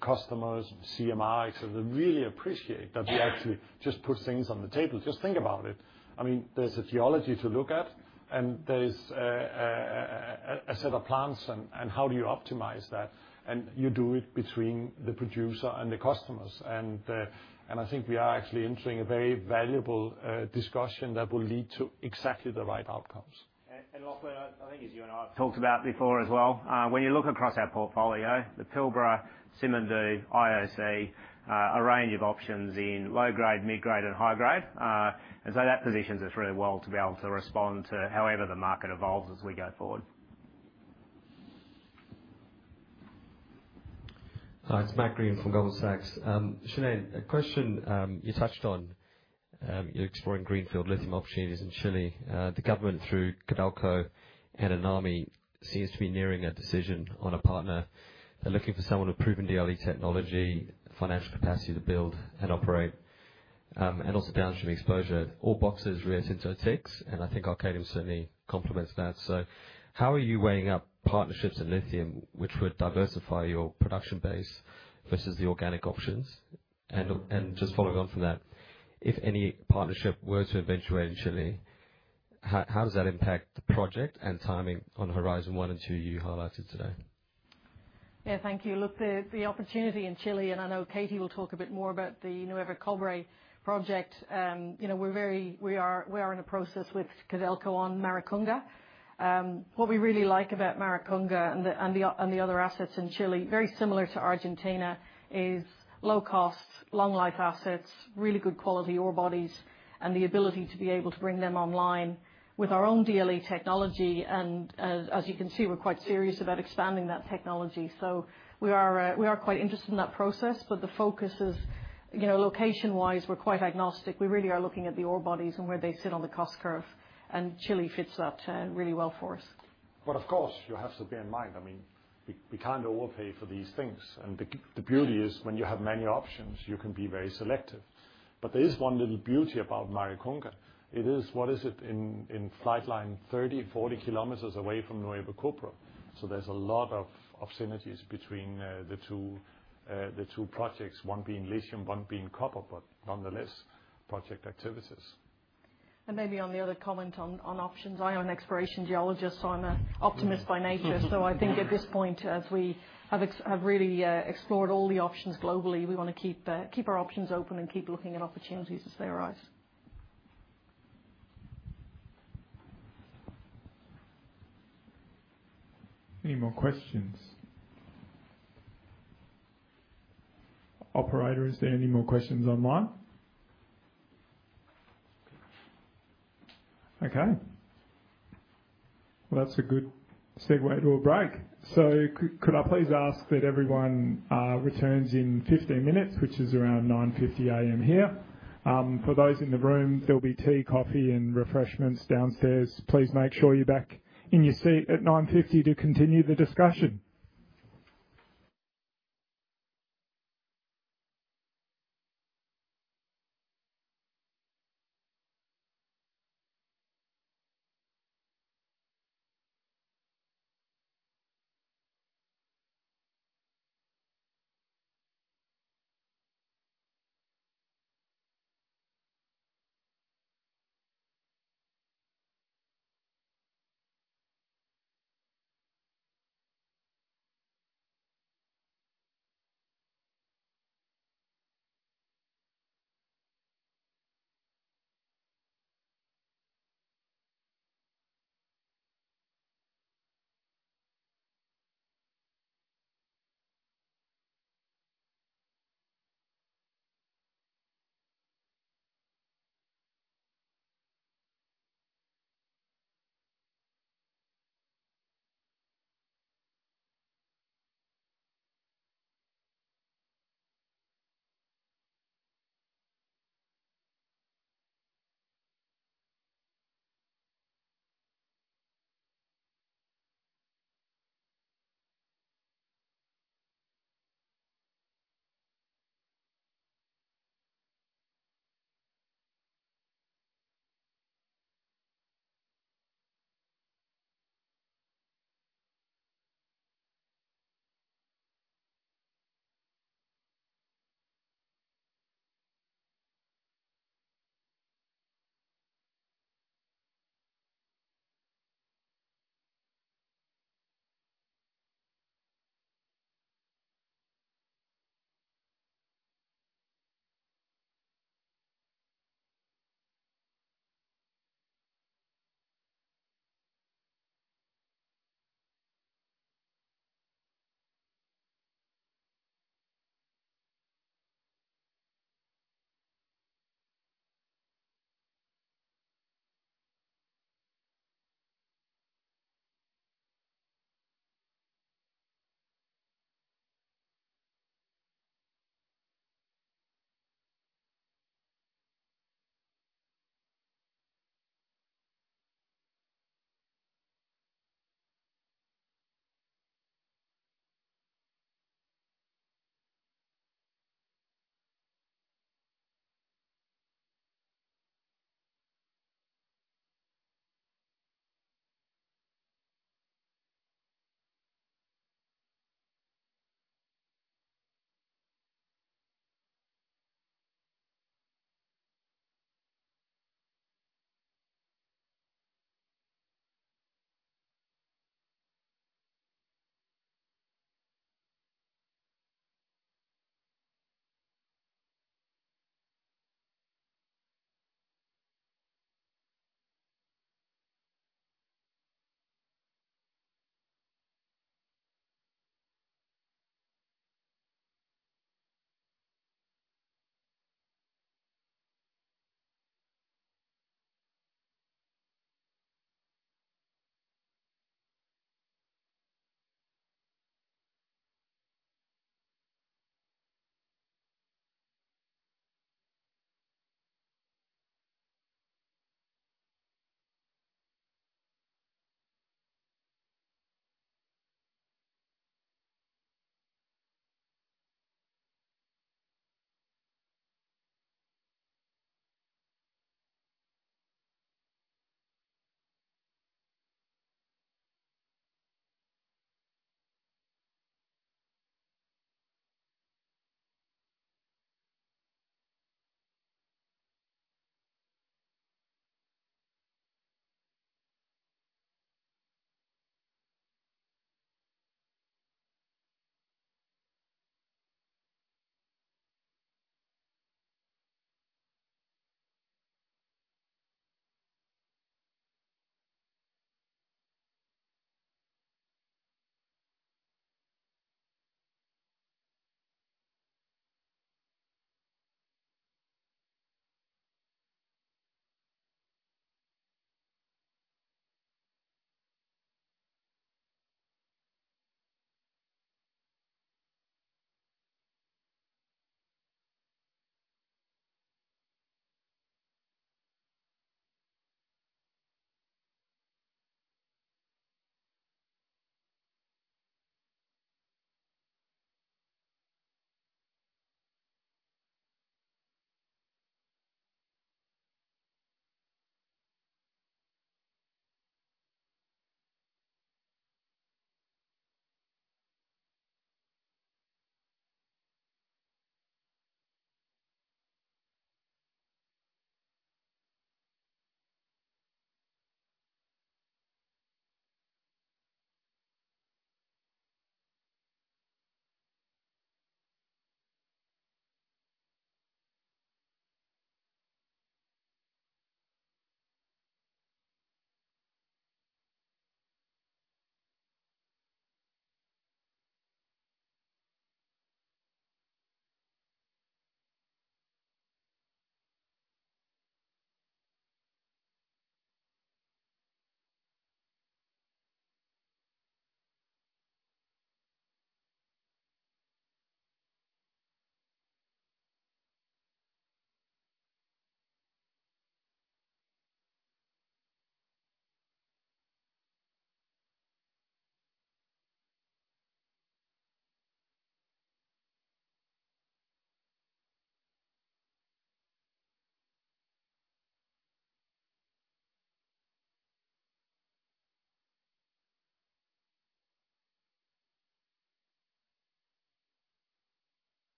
customers, CMI, etc., really appreciate that we actually just put things on the table. Just think about it. I mean, there's a geology to look at, and there's a set of plants, and how do you optimize that? You do it between the producer and the customers. I think we are actually entering a very valuable discussion that will lead to exactly the right outcomes. Lachlan, I think it's you and I have talked about before as well. When you look across our portfolio, the Pilbara, Simandou, IOC, a range of options in low grade, mid grade, and high grade, that positions us really well to be able to respond to however the market evolves as we go forward. Hi, it's Matt Greene from Goldman Sachs. Sinead, a question you touched on. You're exploring greenfield lithium opportunities in Chile. The government through Codelco and Enami seems to be nearing a decision on a partner. They're looking for someone with proven DLE technology, financial capacity to build and operate, and also downstream exposure. All boxes ticked since 2006. And I think Arcadium certainly complements that. So how are you weighing up partnerships in lithium, which would diversify your production base versus the organic options? And just following on from that, if any partnership were to eventuate in Chile, how does that impact the project and timing on Horizon 1 and 2 you highlighted today? Yeah, thank you. Look, the opportunity in Chile, and I know Katie will talk a bit more about the Nuevo Cobre project. We're in a process with Codelco on Maricunga. What we really like about Maricunga and the other assets in Chile, very similar to Argentina, is low-cost, long-life assets, really good quality ore bodies, and the ability to be able to bring them online with our own DLE technology. As you can see, we're quite serious about expanding that technology. So we are quite interested in that process. But the focus is, location-wise, we're quite agnostic. We really are looking at the ore bodies and where they sit on the cost curve. And Chile fits that really well for us. But of course, you have to bear in mind, I mean, we can't overpay for these things. And the beauty is when you have many options, you can be very selective. But there is one little beauty about Maricunga. It is, what is it, in a straight line 30-40 kilometers away from Nuevo Cobre. So there's a lot of synergies between the two projects, one being lithium, one being copper, but nonetheless, project activities. And maybe on the other comment on options, I am an exploration geologist, so I'm an optimist by nature. So I think at this point, as we have really explored all the options globally, we want to keep our options open and keep looking at opportunities as they arise. Any more questions? Operator, is there any more questions online? Okay. Well, that's a good segue to a break. So could I please ask that everyone returns in 15 minutes, which is around 9:50 A.M. here? For those in the room, there'll be tea, coffee, and refreshments downstairs. Please make sure you're back in your seat at 9:50 A.M. to continue the discussion.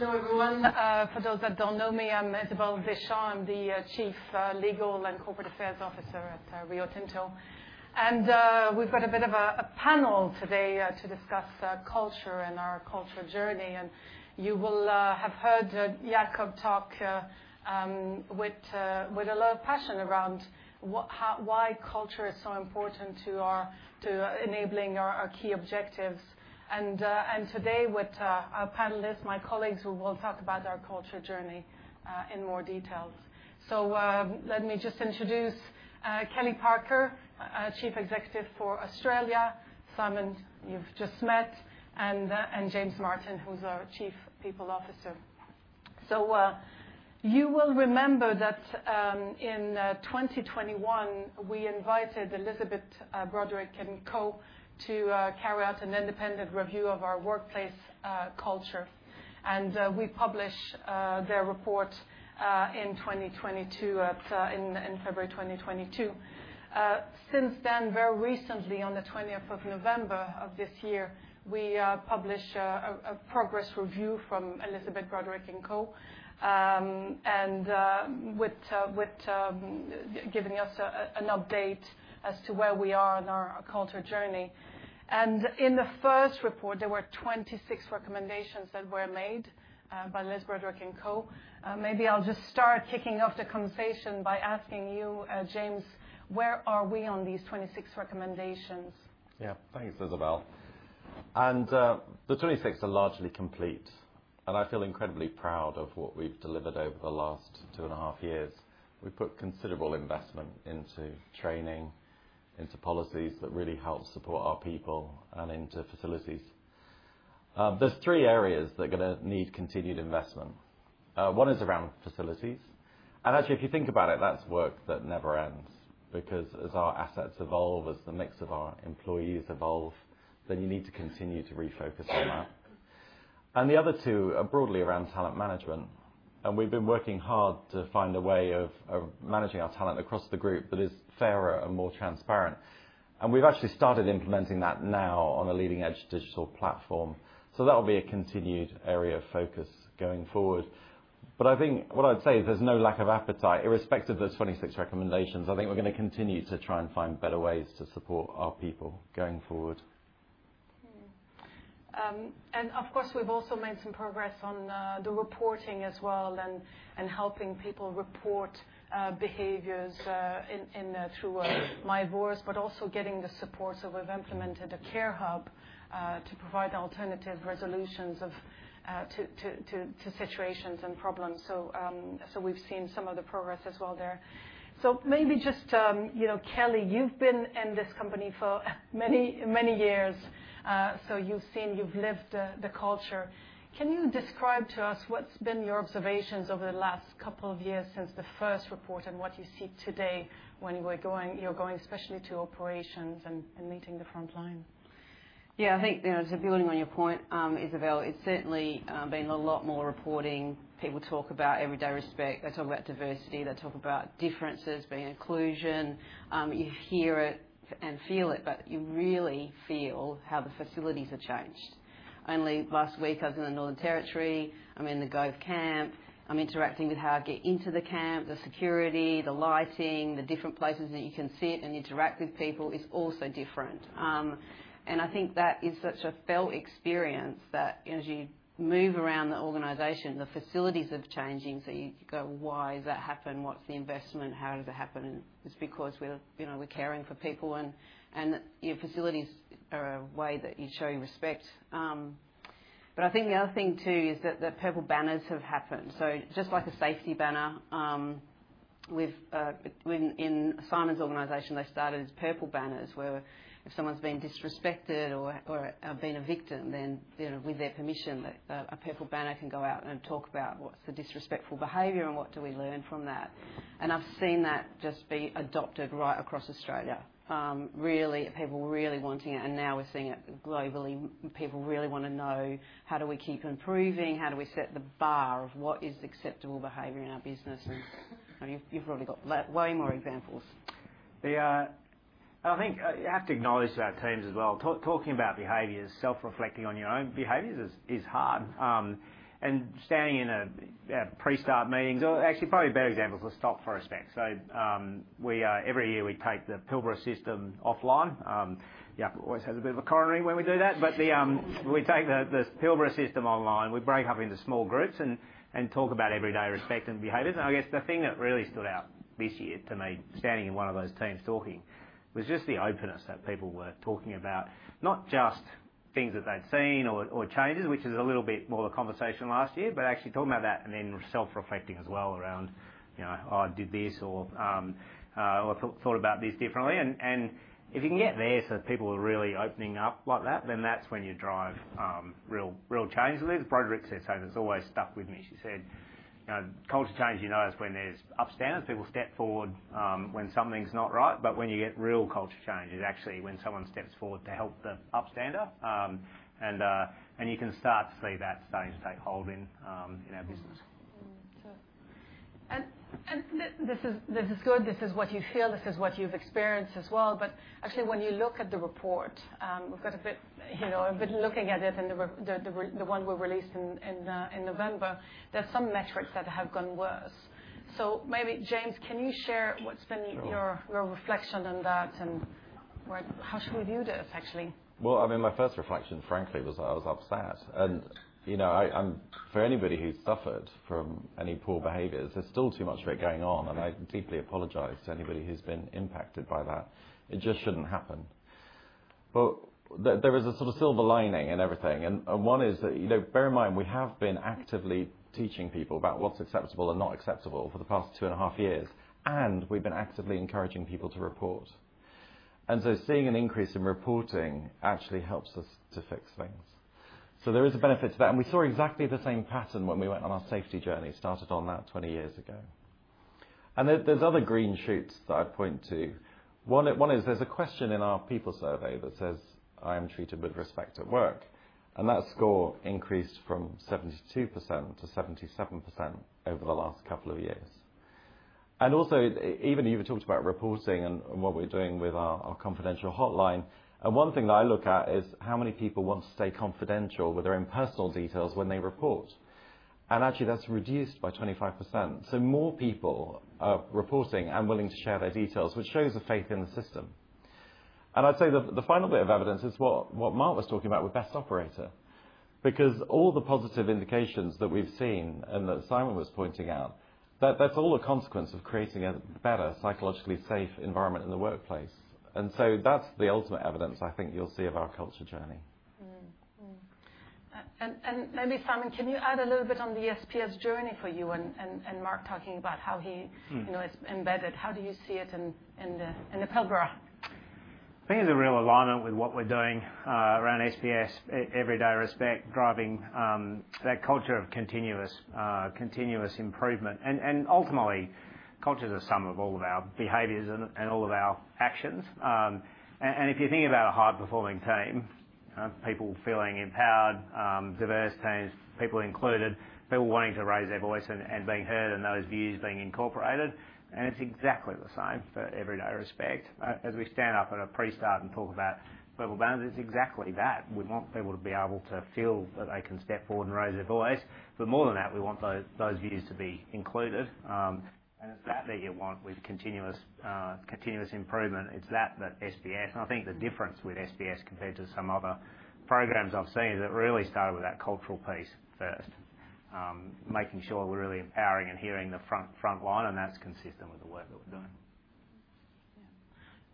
Hello everyone. For those that don't know me, I'm Isabelle Deschamps. I'm the Chief Legal and Corporate Affairs Officer at Rio Tinto. And we've got a bit of a panel today to discuss culture and our culture journey. You will have heard Jakob talk with a lot of passion around why culture is so important to enabling our key objectives. Today, with our panelists, my colleagues, we will talk about our culture journey in more detail. Let me just introduce Kellie Parker, Chief Executive for Australia, Simon you've just met, and James Martin, who's our Chief People Officer. You will remember that in 2021, we invited Elizabeth Broderick & Co to carry out an independent review of our workplace culture. We published their report in 2022, in February 2022. Since then, very recently, on the 20th of November of this year, we publish a progress review from Elizabeth Broderick & Co and with giving us an update as to where we are on our culture journey. In the first report, there were 26 recommendations that were made by Elizabeth Broderick & Co. Maybe I'll just start kicking off the conversation by asking you, James, where are we on these 26 recommendations? Yeah, thanks, Isabelle. The 26 are largely complete. I feel incredibly proud of what we've delivered over the last two and a half years. We put considerable investment into training, into policies that really help support our people, and into facilities. There's three areas that are going to need continued investment. One is around facilities. Actually, if you think about it, that's work that never ends. Because as our assets evolve, as the mix of our employees evolves, then you need to continue to refocus on that. The other two are broadly around talent management. We've been working hard to find a way of managing our talent across the group that is fairer and more transparent. We've actually started implementing that now on a leading-edge digital platform. That will be a continued area of focus going forward. I think what I'd say is there's no lack of appetite. Irrespective of those 26 recommendations, I think we're going to continue to try and find better ways to support our people going forward. We've also made some progress on the reporting as well and helping people report behaviors through MyVoice, but also getting the support. We've implemented a Care Hub to provide alternative resolutions to situations and problems. We've seen some of the progress as well there. Maybe just Kellie, you've been in this company for many years. You've lived the culture. Can you describe to us what's been your observations over the last couple of years since the first report and what you see today when you're going especially to operations and meeting the front line? Yeah, I think to build on your point, Isabelle, it's certainly been a lot more reporting. People talk about everyday respect. They talk about diversity. They talk about differences being inclusion. You hear it and feel it, but you really feel how the facilities have changed. Only last week, I was in the Northern Territory. I'm in the GOAT camp. I'm interacting with how I get into the camp, the security, the lighting, the different places that you can sit and interact with people is also different. And I think that is such a felt experience that as you move around the organization, the facilities have changed. And so you go, "Why has that happened? What's the investment? How does it happen?" And it's because we're caring for people. And your facilities are a way that you show respect. But I think the other thing too is that the purple banners have happened. So just like a safety banner in Simon's organization, they started as purple banners where if someone's been disrespected or been a victim, then with their permission, a purple banner can go out and talk about what's the disrespectful behavior and what do we learn from that. And I've seen that just be adopted right across Australia. Really, people were really wanting it. And now we're seeing it globally. People really want to know, "How do we keep improving? How do we set the bar of what is acceptable behavior in our business?" And you've probably got way more examples. And I think you have to acknowledge that teams as well. Talking about behaviors, self-reflecting on your own behaviors is hard, and standing in a pre-start meeting or actually probably a better example is the Stop for Respect. Every year, we take the Pilbara system offline. Jakob always has a bit of a coronary when we do that, but we take the Pilbara system online. We break up into small groups and talk about everyday respect and behaviors. I guess the thing that really stood out this year to me, standing in one of those teams talking, was just the openness that people were talking about. Not just things that they'd seen or changes, which is a little bit more the conversation last year, but actually talking about that and then self-reflecting as well around, "I did this or thought about this differently." And if you can get there so people are really opening up like that, then that's when you drive real change. Liz Broderick said something that's always stuck with me. She said, "Culture change, you know, is when there's upstanders, people step forward when something's not right. But when you get real culture change, it's actually when someone steps forward to help the upstander." And you can start to see that starting to take hold in our business. And this is good. This is what you feel. This is what you've experienced as well. But actually, when you look at the report, we've got a bit looking at it and the one we released in November, there's some metrics that have gone worse. So maybe, James, can you share what's been your reflection on that and how should we view this, actually? Well, I mean, my first reflection, frankly, was that I was upset. And for anybody who's suffered from any poor behaviors, there's still too much of it going on. And I deeply apologize to anybody who's been impacted by that. It just shouldn't happen. But there is a sort of silver lining in everything. And one is that bear in mind, we have been actively teaching people about what's acceptable and not acceptable for the past two and a half years. And we've been actively encouraging people to report. And so seeing an increase in reporting actually helps us to fix things. So there is a benefit to that. And we saw exactly the same pattern when we went on our safety journey, started on that 20 years ago. And there's other green shoots that I'd point to. One is there's a question in our people survey that says, "I am treated with respect at work." And that score increased from 72% to 77% over the last couple of years. And also, even you've talked about reporting and what we're doing with our confidential hotline. And one thing that I look at is how many people want to stay confidential with their personal details when they report. And actually, that's reduced by 25%. So more people are reporting and willing to share their details, which shows a faith in the system. And I'd say the final bit of evidence is what Mark was talking about with best operator. Because all the positive indications that we've seen and that Simon was pointing out, that's all a consequence of creating a better psychologically safe environment in the workplace. And so that's the ultimate evidence I think you'll see of our culture journey. And maybe, Simon, can you add a little bit on the SPS journey for you and Mark talking about how he's embedded? How do you see it in the Pilbara? I think it's a real alignment with what we're doing around SPS, everyday respect, driving that culture of continuous improvement. And ultimately, culture's a sum of all of our behaviors and all of our actions. And if you think about a high-performing team, people feeling empowered, diverse teams, people included, people wanting to raise their voice and being heard and those views being incorporated. And it's exactly the same for everyday respect. As we stand up at a pre-start and talk about purple banners, it's exactly that. We want people to be able to feel that they can step forward and raise their voice. But more than that, we want those views to be included. And it's that that you want with continuous improvement. It's that that SPS and I think the difference with SPS compared to some other programs I've seen is it really started with that cultural piece first, making sure we're really empowering and hearing the front line. And that's consistent with the work that we're doing.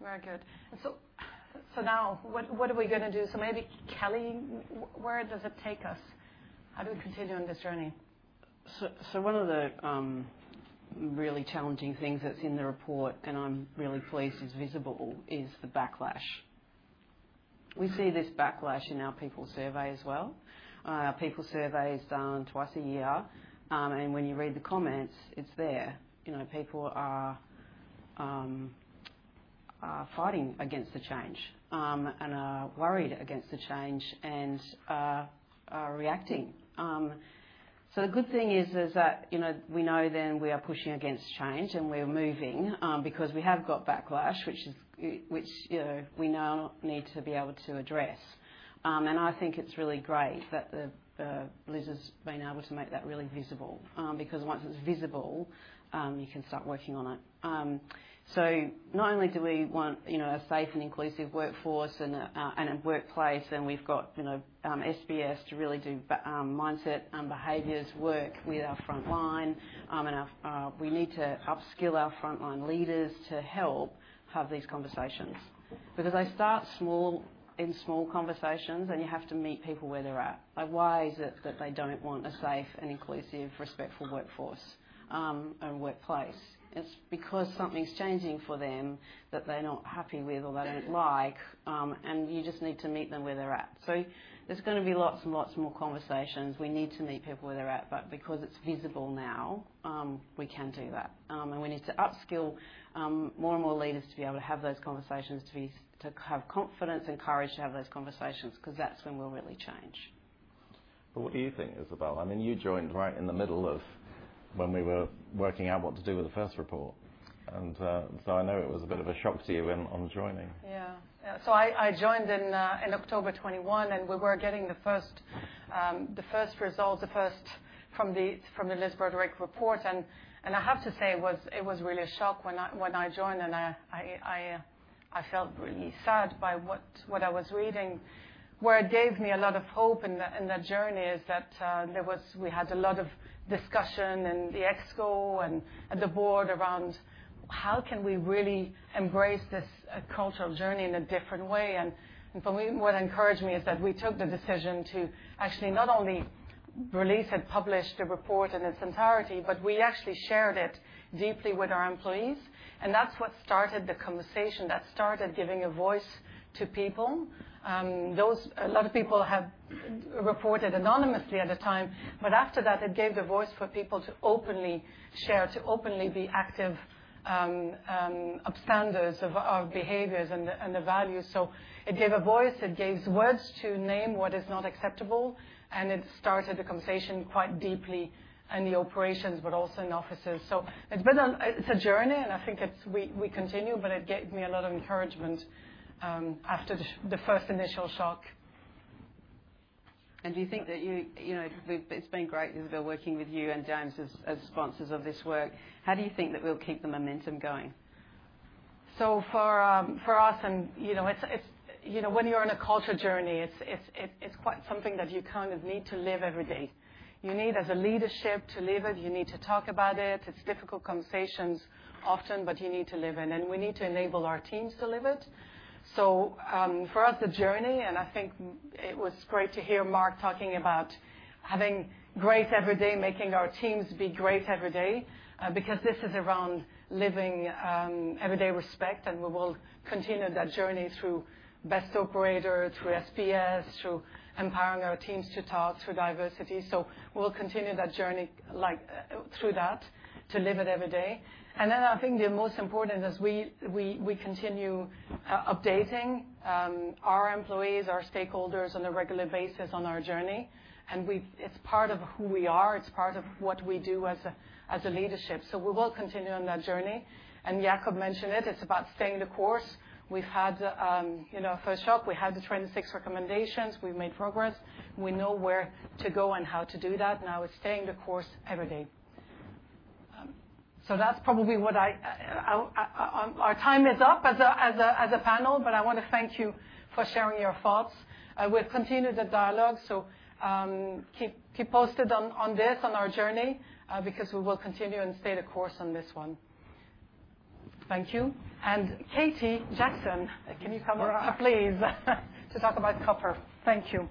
Very good. So now, what are we going to do? So maybe, Kelly, where does it take us? How do we continue on this journey? So one of the really challenging things that's in the report, and I'm really pleased it's visible, is the backlash. We see this backlash in our people survey as well. Our people survey is done twice a year. And when you read the comments, it's there. People are fighting against the change and are worried against the change and are reacting. So the good thing is that we know then we are pushing against change and we're moving because we have got backlash, which we now need to be able to address. And I think it's really great that Liz has been able to make that really visible. Because once it's visible, you can start working on it. So not only do we want a safe and inclusive workforce and a workplace, and we've got SPS to really do mindset and behaviors work with our front line. And we need to upskill our front line leaders to help have these conversations. Because they start in small conversations and you have to meet people where they're at. Like, why is it that they don't want a safe and inclusive, respectful workforce and workplace? It's because something's changing for them that they're not happy with or they don't like. And you just need to meet them where they're at. So there's going to be lots and lots more conversations. We need to meet people where they're at. But because it's visible now, we can do that. And we need to upskill more and more leaders to be able to have those conversations, to have confidence and courage to have those conversations. Because that's when we'll really change. But what do you think, Isabelle? I mean, you joined right in the middle of when we were working out what to do with the first report. And so I know it was a bit of a shock to you on joining. Yeah. So I joined in October 2021. And we were getting the first results from the Elizabeth Broderick report. And I have to say it was really a shock when I joined. And I felt really sad by what I was reading. Where it gave me a lot of hope in that journey is that we had a lot of discussion in the ExCo and at the board around how can we really embrace this cultural journey in a different way. And what encouraged me is that we took the decision to actually not only release and publish the report in its entirety, but we actually shared it deeply with our employees. And that's what started the conversation. That started giving a voice to people. A lot of people have reported anonymously at the time. But after that, it gave the voice for people to openly share, to openly be active upstanders of behaviors and the values. So it gave a voice. It gave words to name what is not acceptable. And it started the conversation quite deeply in the operations, but also in offices. So it's a journey. And I think we continue. But it gave me a lot of encouragement after the first initial shock. And do you think that it's been great, Isabelle, working with you and James as sponsors of this work? How do you think that we'll keep the momentum going? So for us, and when you're on a culture journey, it's quite something that you kind of need to live every day. You need, as a leadership, to live it. You need to talk about it. It's difficult conversations often, but you need to live it. We need to enable our teams to live it. For us, the journey, and I think it was great to hear Mark talking about having grace every day, making our teams be grace every day. This is around living every day respect. We will continue that journey through best operator, through SPS, through empowering our teams to talk, through diversity. We'll continue that journey through that to live it every day. Then I think the most important is we continue updating our employees, our stakeholders on a regular basis on our journey. It's part of who we are. It's part of what we do as a leadership. We will continue on that journey. Jakob mentioned it. It's about staying the course. We've had a first shock. We had to implement the six recommendations. We've made progress. We know where to go and how to do that. Now it's staying the course every day, so that's probably what our time is up as a panel, but I want to thank you for sharing your thoughts. We'll continue the dialogue, so keep posted on this, on our journey, because we will continue and stay the course on this one. Thank you, and Katie Jackson, can you come up, please, to talk about copper? Thank you.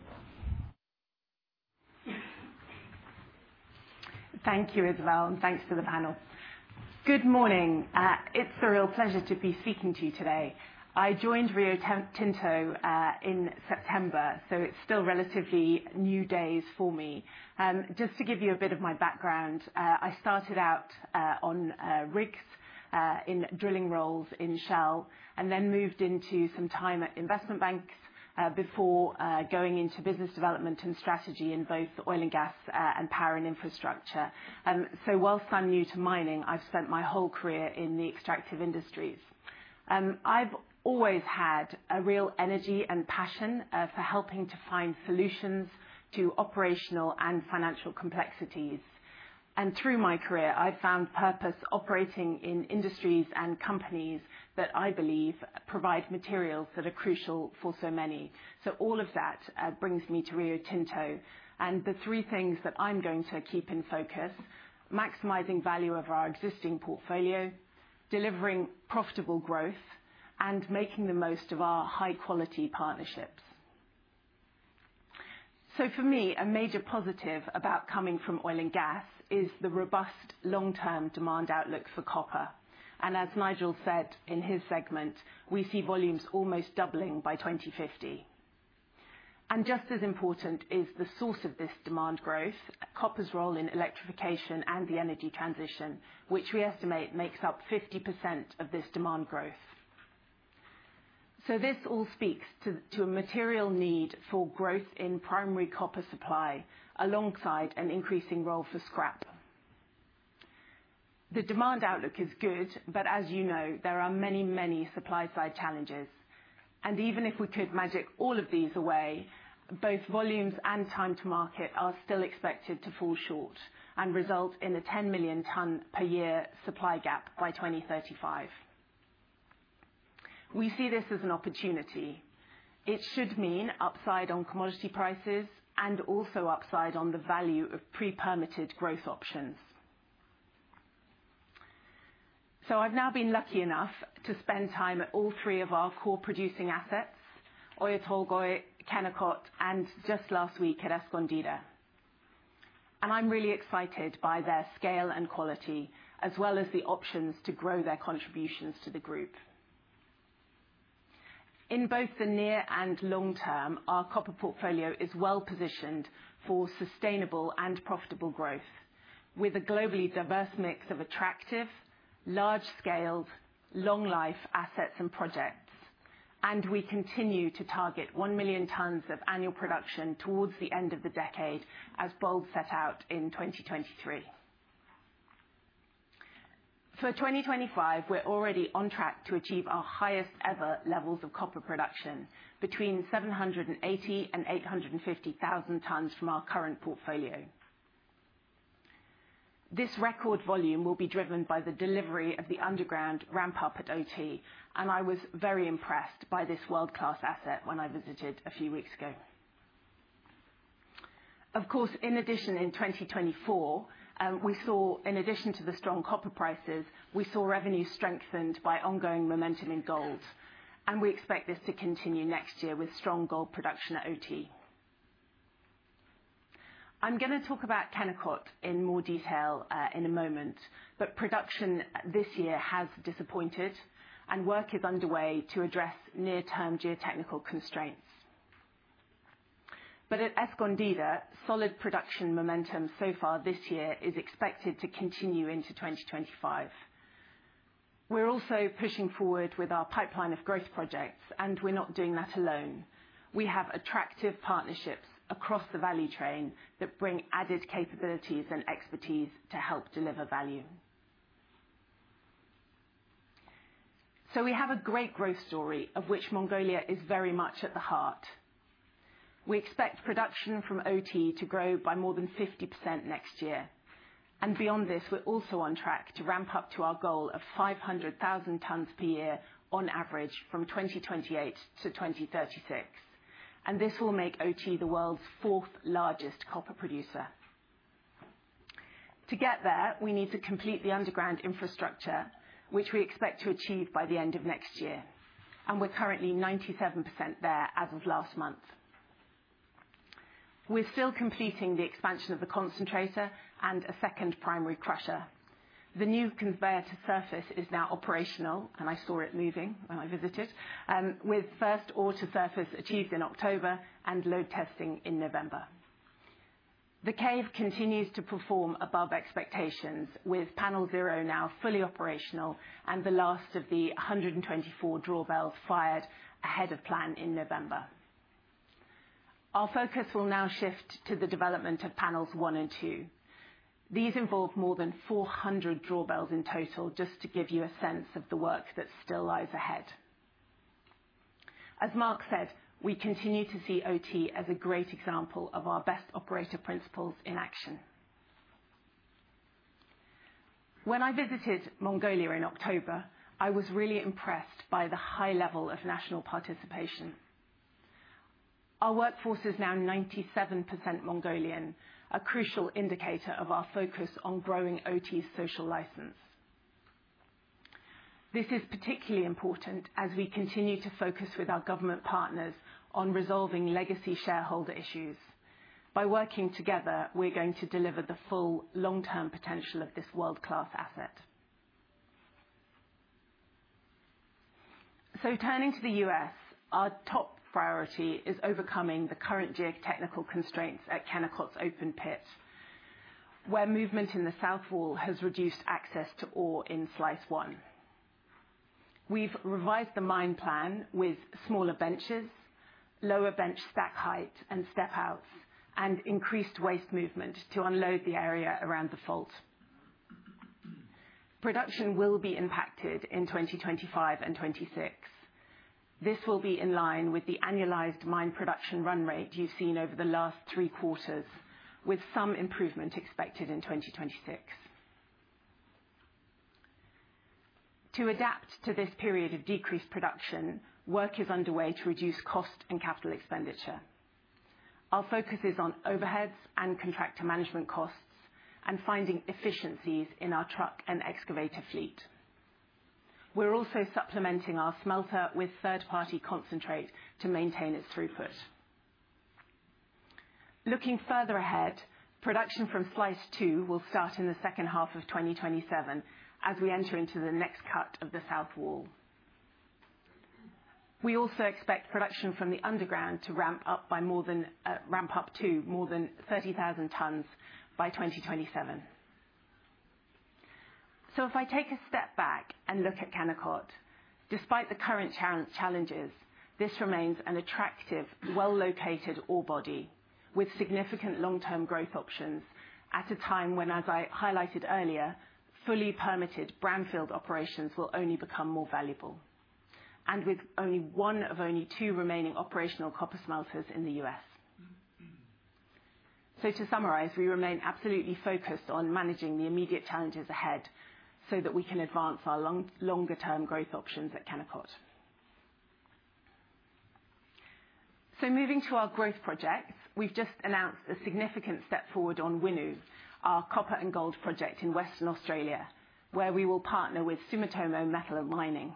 Thank you, Isabelle, and thanks to the panel. Good morning. It's a real pleasure to be speaking to you today. I joined Rio Tinto in September, so it's still relatively new days for me. Just to give you a bit of my background, I started out on rigs in drilling roles in Shell and then moved into some time at investment banks before going into business development and strategy in both oil and gas and power and infrastructure, so while I'm new to mining, I've spent my whole career in the extractive industries. I've always had a real energy and passion for helping to find solutions to operational and financial complexities, and through my career, I've found purpose operating in industries and companies that I believe provide materials that are crucial for so many, so all of that brings me to Rio Tinto, and the three things that I'm going to keep in focus: maximizing value of our existing portfolio, delivering profitable growth, and making the most of our high-quality partnerships. So for me, a major positive about coming from oil and gas is the robust long-term demand outlook for copper. And as Nigel said in his segment, we see volumes almost doubling by 2050. And just as important is the source of this demand growth, copper's role in electrification and the energy transition, which we estimate makes up 50% of this demand growth. So this all speaks to a material need for growth in primary copper supply alongside an increasing role for scrap. The demand outlook is good. But as you know, there are many, many supply-side challenges. And even if we could magic all of these away, both volumes and time to market are still expected to fall short and result in a 10 million ton per year supply gap by 2035. We see this as an opportunity. It should mean upside on commodity prices and also upside on the value of pre-permitted growth options. I've now been lucky enough to spend time at all three of our core producing assets: Oyu Tolgoi, Kennecott, and just last week at Escondida. I'm really excited by their scale and quality as well as the options to grow their contributions to the group. In both the near and long term, our copper portfolio is well positioned for sustainable and profitable growth with a globally diverse mix of attractive, large-scale, long-life assets and projects. We continue to target one million tons of annual production towards the end of the decade, as Bold set out in 2023. For 2025, we're already on track to achieve our highest-ever levels of copper production, between 780 and 850 thousand tons from our current portfolio. This record volume will be driven by the delivery of the underground ramp-up at OT, and I was very impressed by this world-class asset when I visited a few weeks ago. Of course, in addition, in 2024, in addition to the strong copper prices, we saw revenue strengthened by ongoing momentum in gold, and we expect this to continue next year with strong gold production at OT. I'm going to talk about Kennecott in more detail in a moment, but production this year has disappointed, and work is underway to address near-term geotechnical constraints, but at Escondida, solid production momentum so far this year is expected to continue into 2025. We're also pushing forward with our pipeline of growth projects, and we're not doing that alone. We have attractive partnerships across the value chain that bring added capabilities and expertise to help deliver value. We have a great growth story of which Mongolia is very much at the heart. We expect production from OT to grow by more than 50% next year. Beyond this, we're also on track to ramp up to our goal of 500,000 tons per year on average from 2028 to 2036. This will make OT the world's fourth-largest copper producer. To get there, we need to complete the underground infrastructure, which we expect to achieve by the end of next year. We're currently 97% there as of last month. We're still completing the expansion of the concentrator and a second primary crusher. The new conveyor to surface is now operational. I saw it moving when I visited, with first ore to surface achieved in October and load testing in November. The cave continues to perform above expectations, with panel zero now fully operational and the last of the 124 drawbells fired ahead of plan in November. Our focus will now shift to the development of panels one and two. These involve more than 400 drawbells in total, just to give you a sense of the work that still lies ahead. As Mark said, we continue to see OT as a great example of our best operator principles in action. When I visited Mongolia in October, I was really impressed by the high level of national participation. Our workforce is now 97% Mongolian, a crucial indicator of our focus on growing OT's social license. This is particularly important as we continue to focus with our government partners on resolving legacy shareholder issues. By working together, we're going to deliver the full long-term potential of this world-class asset. So turning to the U.S., our top priority is overcoming the current geotechnical constraints at Kennecott's open pit, where movement in the south wall has reduced access to ore in slice one. We've revised the mine plan with smaller benches, lower bench stack height and step-outs, and increased waste movement to unload the area around the fault. Production will be impacted in 2025 and 2026. This will be in line with the annualized mine production run rate you've seen over the last three quarters, with some improvement expected in 2026. To adapt to this period of decreased production, work is underway to reduce cost and capital expenditure. Our focus is on overheads and contractor management costs and finding efficiencies in our truck and excavator fleet. We're also supplementing our smelter with third-party concentrate to maintain its throughput. Looking further ahead, production from slice two will start in the second half of 2027 as we enter into the next cut of the south wall. We also expect production from the underground to ramp up to more than 30,000 tons by 2027. So if I take a step back and look at Kennecott, despite the current challenges, this remains an attractive, well-located ore body with significant long-term growth options at a time when, as I highlighted earlier, fully permitted brownfield operations will only become more valuable and with only one of only two remaining operational copper smelters in the U.S. So to summarize, we remain absolutely focused on managing the immediate challenges ahead so that we can advance our longer-term growth options at Kennecott. Moving to our growth projects, we've just announced a significant step forward on Winu, our copper and gold project in Western Australia, where we will partner with Sumitomo Metal Mining.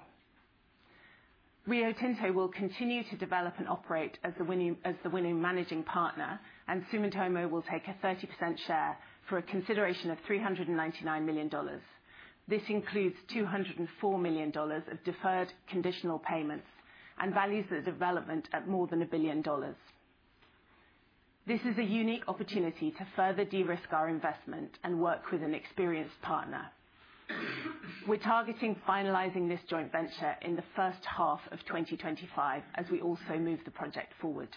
Rio Tinto will continue to develop and operate as the Winu managing partner. Sumitomo will take a 30% share for a consideration of $399 million. This includes $204 million of deferred conditional payments and values the development at more than $1 billion. This is a unique opportunity to further de-risk our investment and work with an experienced partner. We're targeting finalizing this joint venture in the first half of 2025 as we also move the project forward.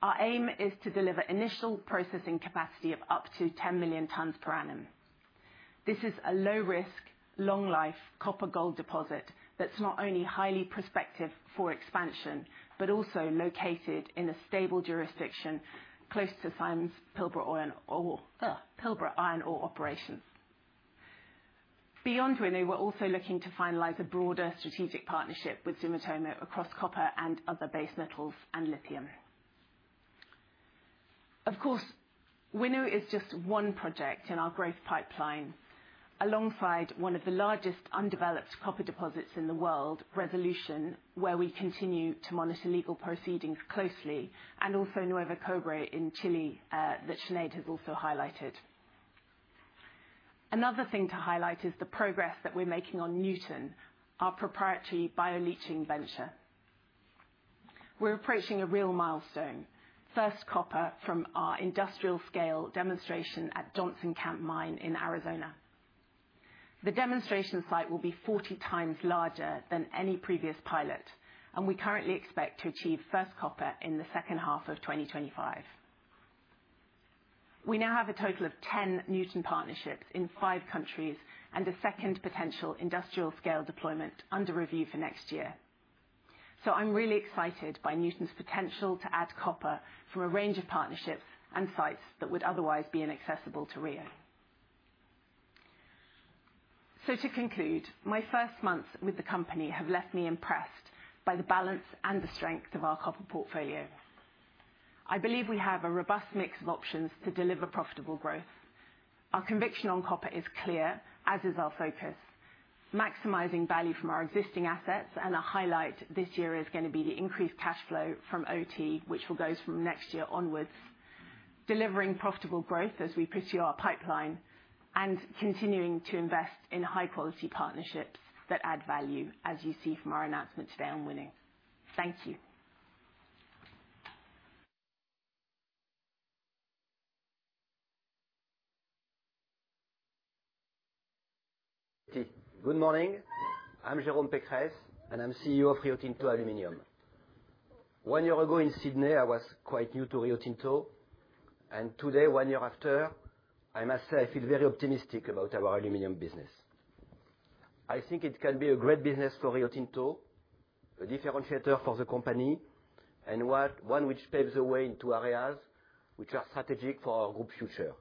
Our aim is to deliver initial processing capacity of up to 10 million tons per annum. This is a low-risk, long-life copper-gold deposit that's not only highly prospective for expansion but also located in a stable jurisdiction close to Pilbara Iron Ore operations. Beyond Winu, we're also looking to finalize a broader strategic partnership with Sumitomo across copper and other base metals and lithium. Of course, Winu is just one project in our growth pipeline alongside one of the largest undeveloped copper deposits in the world, Resolution, where we continue to monitor legal proceedings closely and also Nuevo Cobre in Chile that Sinead has also highlighted. Another thing to highlight is the progress that we're making on Nuton, our proprietary bio-leaching venture. We're approaching a real milestone: first copper from our industrial-scale demonstration at Johnson Camp Mine in Arizona. The demonstration site will be 40 times larger than any previous pilot, and we currently expect to achieve first copper in the second half of 2025. We now have a total of 10 Nuton partnerships in five countries and a second potential industrial-scale deployment under review for next year. So I'm really excited by Nuton's potential to add copper from a range of partnerships and sites that would otherwise be inaccessible to Rio. So to conclude, my first months with the company have left me impressed by the balance and the strength of our copper portfolio. I believe we have a robust mix of options to deliver profitable growth. Our conviction on copper is clear, as is our focus: maximizing value from our existing assets. And a highlight this year is going to be the increased cash flow from OT, which will go from next year onwards, delivering profitable growth as we pursue our pipeline and continuing to invest in high-quality partnerships that add value, as you see from our announcement today on Winu. Thank you. Good morning. I'm Jérôme Pécresse, and I'm CEO of Rio Tinto Aluminum. One year ago in Sydney, I was quite new to Rio Tinto. Today, one year after, I must say I feel very optimistic about our aluminum business. I think it can be a great business for Rio Tinto, a differentiator for the company, and one which paves the way into areas which are strategic for our group's future: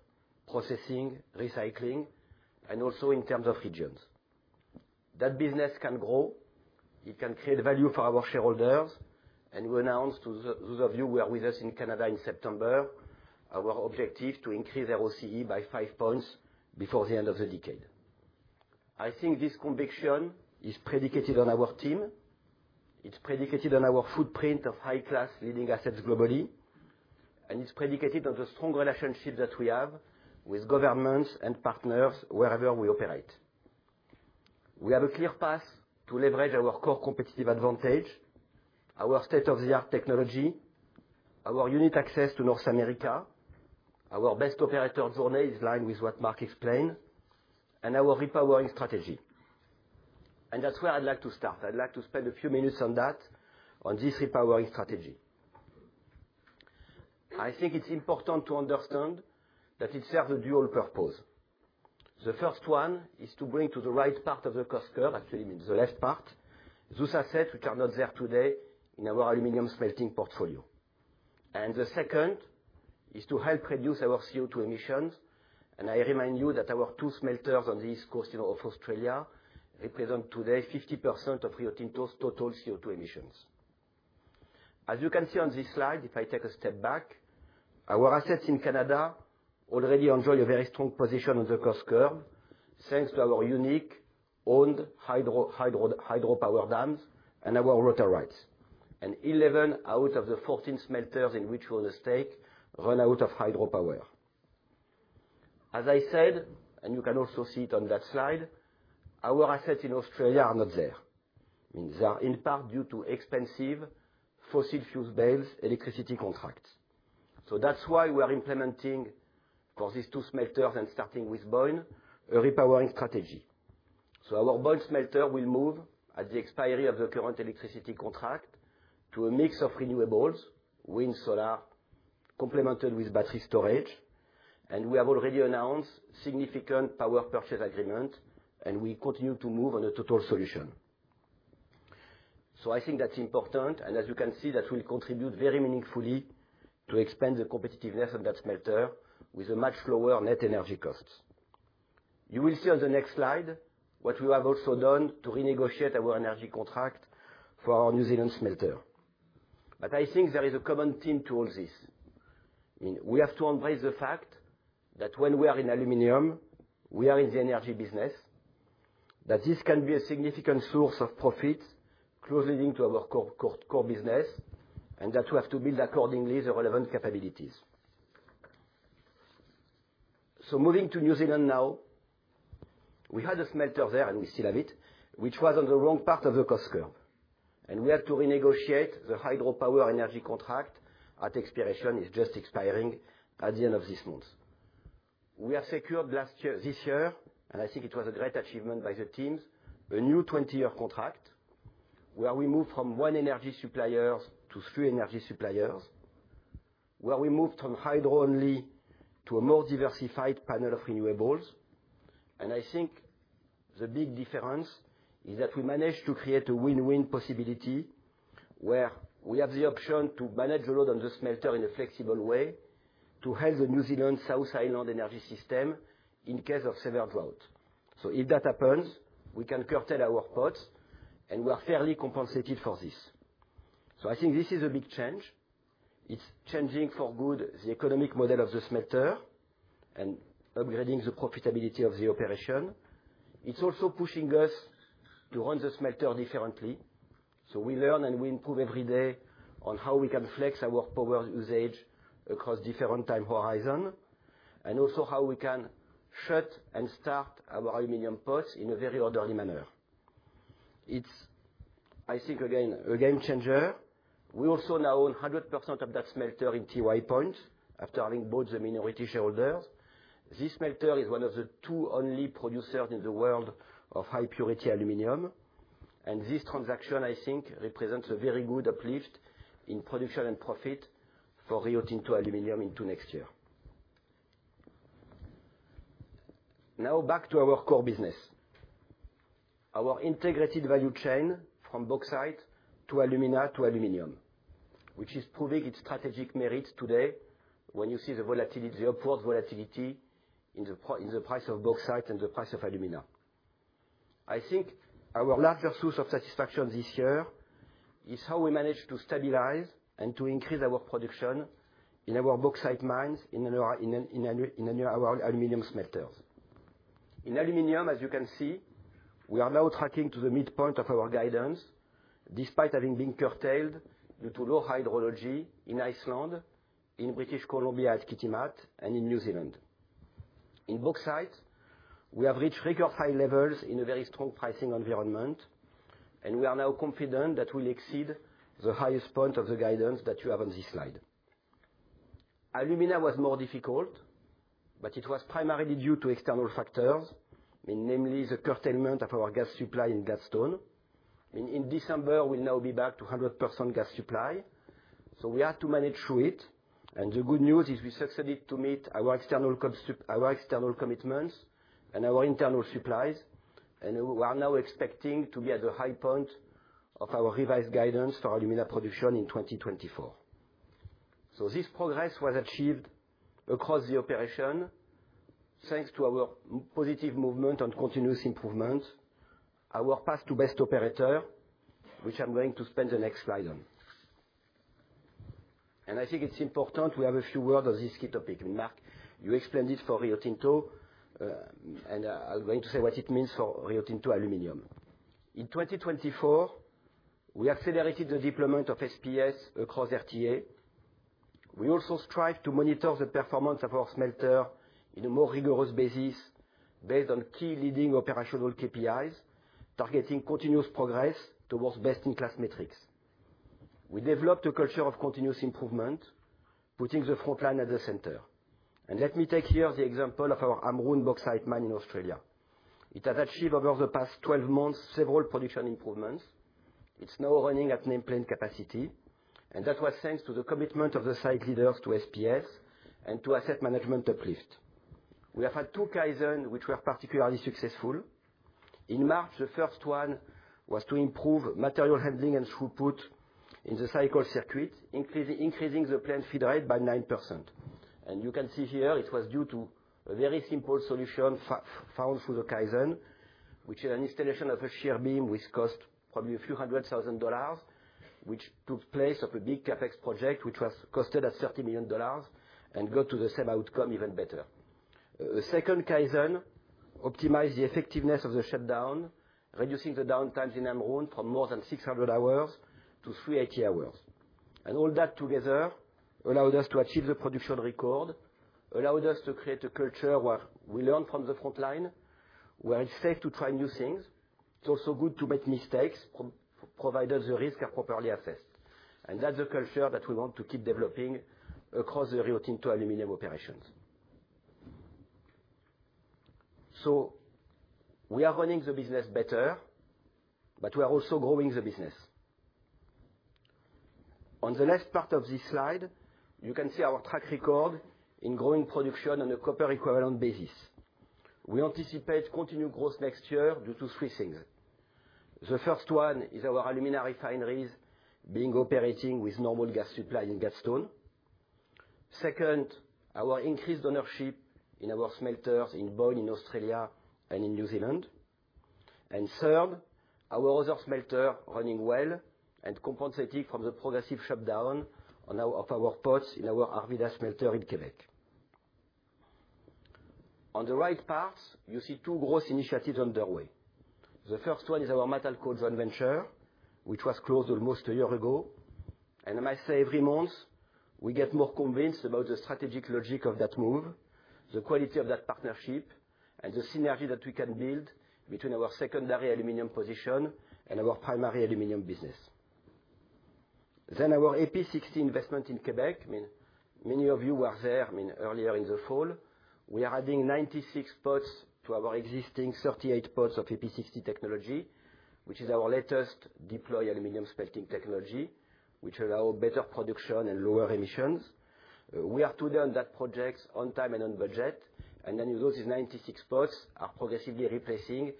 processing, recycling, and also in terms of regions. That business can grow. It can create value for our shareholders. We announced to those of you who are with us in Canada in September our objective to increase ROCE by five points before the end of the decade. I think this conviction is predicated on our team. It's predicated on our footprint of high-class leading assets globally. It's predicated on the strong relationship that we have with governments and partners wherever we operate. We have a clear path to leverage our core competitive advantage, our state-of-the-art technology, our unique access to North America, our best operator journey is lined with what Mark explained, and our repowering strategy. That's where I'd like to start. I'd like to spend a few minutes on that, on this repowering strategy. I think it's important to understand that it serves a dual purpose. The first one is to bring to the right part of the cluster, actually means the left part, those assets which are not there today in our aluminum smelting portfolio. The second is to help reduce our CO2 emissions. I remind you that our two smelters on the East Coast of Australia represent today 50% of Rio Tinto's total CO2 emissions. As you can see on this slide, if I take a step back, our assets in Canada already enjoy a very strong position on the curve, thanks to our uniquely owned hydropower dams and our water rights, and 11 out of the 14 smelters in which we own a stake run on hydropower. As I said, and you can also see it on that slide, our assets in Australia are not there. I mean, they are in part due to expensive fossil fuel-based electricity contracts, so that's why we are implementing, for these two smelters and starting with Boyne, a repowering strategy, so our Boyne smelter will move, at the expiry of the current electricity contract, to a mix of renewables, wind, solar, complemented with battery storage, and we have already announced significant power purchase agreements, and we continue to move on a total solution. I think that's important. And as you can see, that will contribute very meaningfully to expand the competitiveness of that smelter with a much lower net energy cost. You will see on the next slide what we have also done to renegotiate our energy contract for our New Zealand smelter. But I think there is a common theme to all this. I mean, we have to embrace the fact that when we are in aluminum, we are in the energy business, that this can be a significant source of profit closely linked to our core business, and that we have to build accordingly the relevant capabilities. So moving to New Zealand now, we had a smelter there, and we still have it, which was on the wrong part of the cluster. We have to renegotiate the hydropower energy contract at expiration. It's just expiring at the end of this month. We have secured this year, and I think it was a great achievement by the teams, a new 20-year contract where we moved from one energy supplier to three energy suppliers, where we moved from hydro only to a more diversified panel of renewables. I think the big difference is that we managed to create a win-win possibility where we have the option to manage the load on the smelter in a flexible way to help the New Zealand South Island energy system in case of severe drought. If that happens, we can curtail our pots, and we are fairly compensated for this. I think this is a big change. It's changing for good the economic model of the smelter and upgrading the profitability of the operation. It's also pushing us to run the smelter differently. So we learn and we improve every day on how we can flex our power usage across different time horizons and also how we can shut and start our aluminum pots in a very orderly manner. It's, I think, again, a game changer. We also now own 100% of that smelter in Tiwai Point after having bought the mIron Oreity shareholders. This smelter is one of the two only producers in the world of high-purity aluminum, and this transaction, I think, represents a very good uplift in production and profit for Rio Tinto Aluminum into next year. Now back to our core business. Our integrated value chain from bauxite to alumina to aluminum, which is proving its strategic merit today when you see the upward volatility in the price of bauxite and the price of alumina. I think our larger source of satisfaction this year is how we managed to stabilize and to increase our production in our bauxite mines in our aluminum smelters. In aluminum, as you can see, we are now tracking to the midpoint of our guidance despite having been curtailed due to low hydrology in Iceland, in British Columbia at Kitimat, and in New Zealand. In bauxite, we have reached record high levels in a very strong pricing environment, and we are now confident that we'll exceed the highest point of the guidance that you have on this slide. Alumina was more difficult, but it was primarily due to external factors, namely the curtailment of our gas supply in Gladstone. In December, we'll now be back to 100% gas supply, so we had to manage through it. The good news is we succeeded to meet our external commitments and our internal supplies. We are now expecting to be at the high point of our revised guidance for alumina production in 2024. This progress was achieved across the operation thanks to our positive movement and continuous improvement, our path to best operator, which I'm going to spend the next slide on. I think it's important we have a few words on this key topic. I mean, Mark, you explained it for Rio Tinto, and I'm going to say what it means for Rio Tinto Aluminium. In 2024, we accelerated the deployment of SPS across RTA. We also strive to monitor the performance of our smelter in a more rigorous basis based on key leading operational KPIs, targeting continuous progress towards best-in-class metrics. We developed a culture of continuous improvement, putting the front line at the center, and let me take here the example of our Amrun bauxite mine in Australia. It has achieved, over the past 12 months, several production improvements. It's now running at nameplate capacity, and that was thanks to the commitment of the site leaders to SPS and to asset management uplift. We have had two Kaizen, which were particularly successful. In March, the first one was to improve material handling and throughput in the cycle circuit, increasing the plant feed rate by 9%, and you can see here it was due to a very simple solution found through the Kaizen, which is an installation of a shear beam which cost probably a few hundred thousand dollars, which took place of a big CapEx project which was costed at $30 million and got to the same outcome even better. A second Kaizen optimized the effectiveness of the shutdown, reducing the downtimes in Amrun from more than 600 hours to 380 hours. And all that together allowed us to achieve the production record, allowed us to create a culture where we learn from the front line, where it's safe to try new things. It's also good to make mistakes provided the risks are properly assessed. And that's a culture that we want to keep developing across the Rio Tinto Aluminum operations. So we are running the business better, but we are also growing the business. On the left part of this slide, you can see our track record in growing production on a copper-equivalent basis. We anticipate continued growth next year due to three things. The first one is our alumina refineries being operating with normal gas supply in Gladstone. Second, our increased ownership in our smelters in Boyne, in Australia, and in New Zealand. And third, our other smelter running well and compensating from the progressive shutdown of our pots in our Arvida smelter in Quebec. On the right part, you see two growth initiatives underway. The first one is our Matalco Joint Venture, which was closed almost a year ago. And as I say, every month, we get more convinced about the strategic logic of that move, the quality of that partnership, and the synergy that we can build between our secondary aluminum position and our primary aluminum business. Then our AP60 investment in Quebec. I mean, many of you were there earlier in the fall. We are adding 96 pots to our existing 38 pots of AP60 technology, which is our latest deploy aluminum smelting technology, which allows better production and lower emissions. We are too done on that project on time and on budget. Then those 96 pots are progressively replacing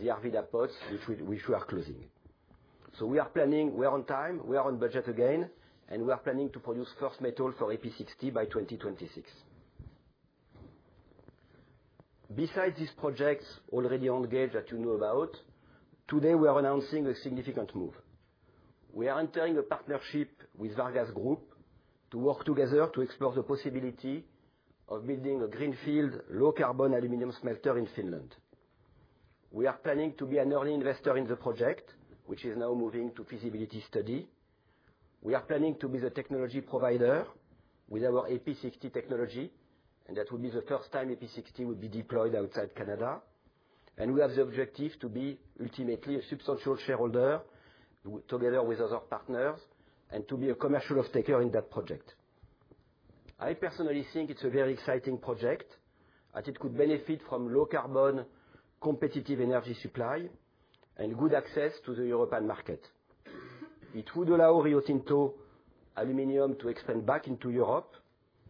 the Arvida pots, which we are closing. We are on time, we are on budget again, and we are planning to produce first metal for AP60 by 2026. Besides these projects already on the go that you know about, today we are announcing a significant move. We are entering a partnership with Vargas Group to work together to explore the possibility of building a greenfield low-carbon aluminum smelter in Finland. We are planning to be an early investor in the project, which is now moving to feasibility study. We are planning to be the technology provider with our AP60 technology, and that will be the first time AP60 would be deployed outside Canada. And we have the objective to be ultimately a substantial shareholder together with other partners and to be a commercial staker in that project. I personally think it's a very exciting project as it could benefit from low-carbon competitive energy supply and good access to the European market. It would allow Rio Tinto Aluminium to expand back into Europe,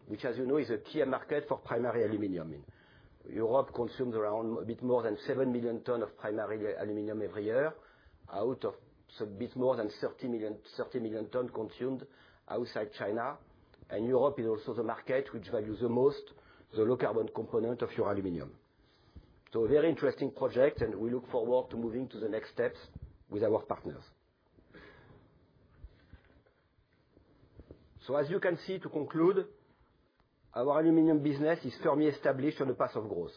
which, as you know, is a key market for primary aluminium. Europe consumes around a bit more than seven million tons of primary aluminium every year out of a bit more than 30 million tons consumed outside China. And Europe is also the market which values the most the low-carbon component of your aluminium. So a very interesting project, and we look forward to moving to the next steps with our partners. So, as you can see, to conclude, our aluminium business is firmly established on the path of growth.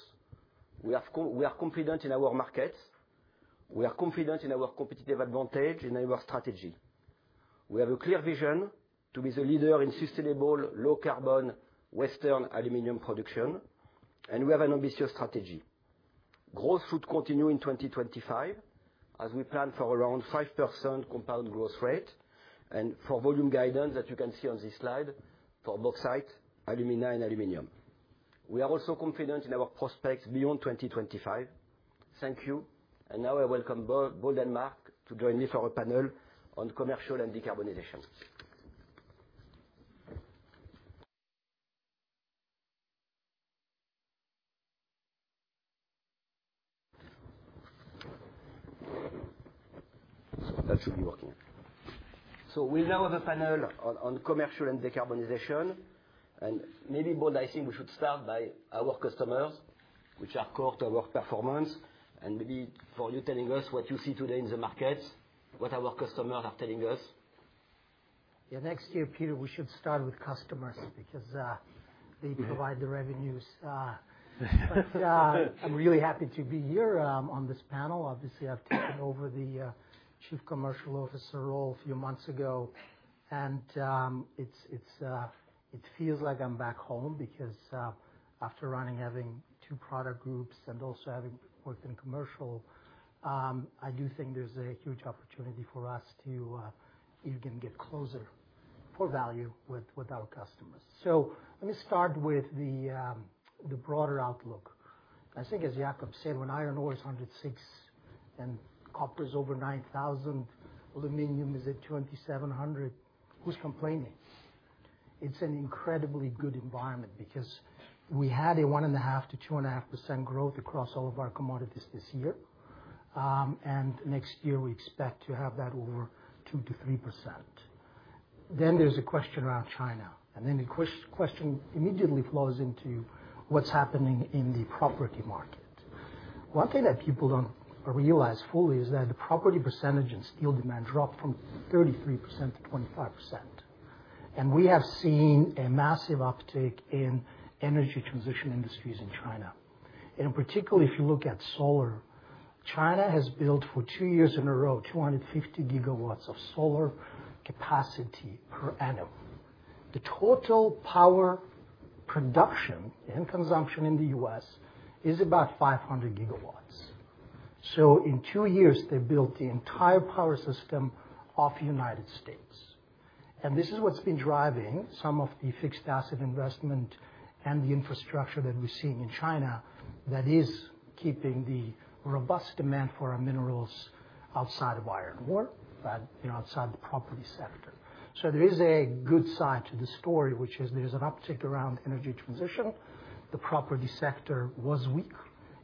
We are confident in our markets. We are confident in our competitive advantage and in our strategy. We have a clear vision to be the leader in sustainable low-carbon Western aluminium production, and we have an ambitious strategy. Growth should continue in 2025 as we plan for around 5% compound growth rate and for volume guidance that you can see on this slide for bauxite, alumina, and aluminium. We are also confident in our prospects beyond 2025. Thank you. And now I welcome Bold and Mark to join me for a panel on commercial and decarbonization. That should be working. So we now have a panel on commercial and decarbonization. And maybe, Bold, I think we should start by our customers, which are core to our performance, and maybe for you telling us what you see today in the markets, what our customers are telling us. Yeah, next year, Peter, we should start with customers because they provide the revenues. But I'm really happy to be here on this panel. Obviously, I've taken over the Chief Commercial Officer role a few months ago. And it feels like I'm back home because after running, having two product groups and also having worked in commercial, I do think there's a huge opportunity for us to even get closer for value with our customers. So let me start with the broader outlook. I think, as Jakob said, when iron ore is $106 and copper is over $9,000, aluminium is at $2,700, who's complaining? It's an incredibly good environment because we had a 1.5-2.5% growth across all of our commodities this year. And next year, we expect to have that over 2-3%. Then there's a question around China. And then the question immediately flows into what's happening in the property market. One thing that people don't realize fully is that the property percentage in steel demand dropped from 33% to 25%. We have seen a massive uptick in energy transition industries in China. Particularly, if you look at solar, China has built for two years in a row 250 gigawatts of solar capacity per annum. The total power production and consumption in the U.S. is about 500 gigawatts. In two years, they built the entire power system of the United States. This is what's been driving some of the fixed asset investment and the infrastructure that we're seeing in China that is keeping the robust demand for our minerals outside of iron ore, outside the property sector. There is a good side to the story, which is there's an uptick around energy transition. The property sector was weak.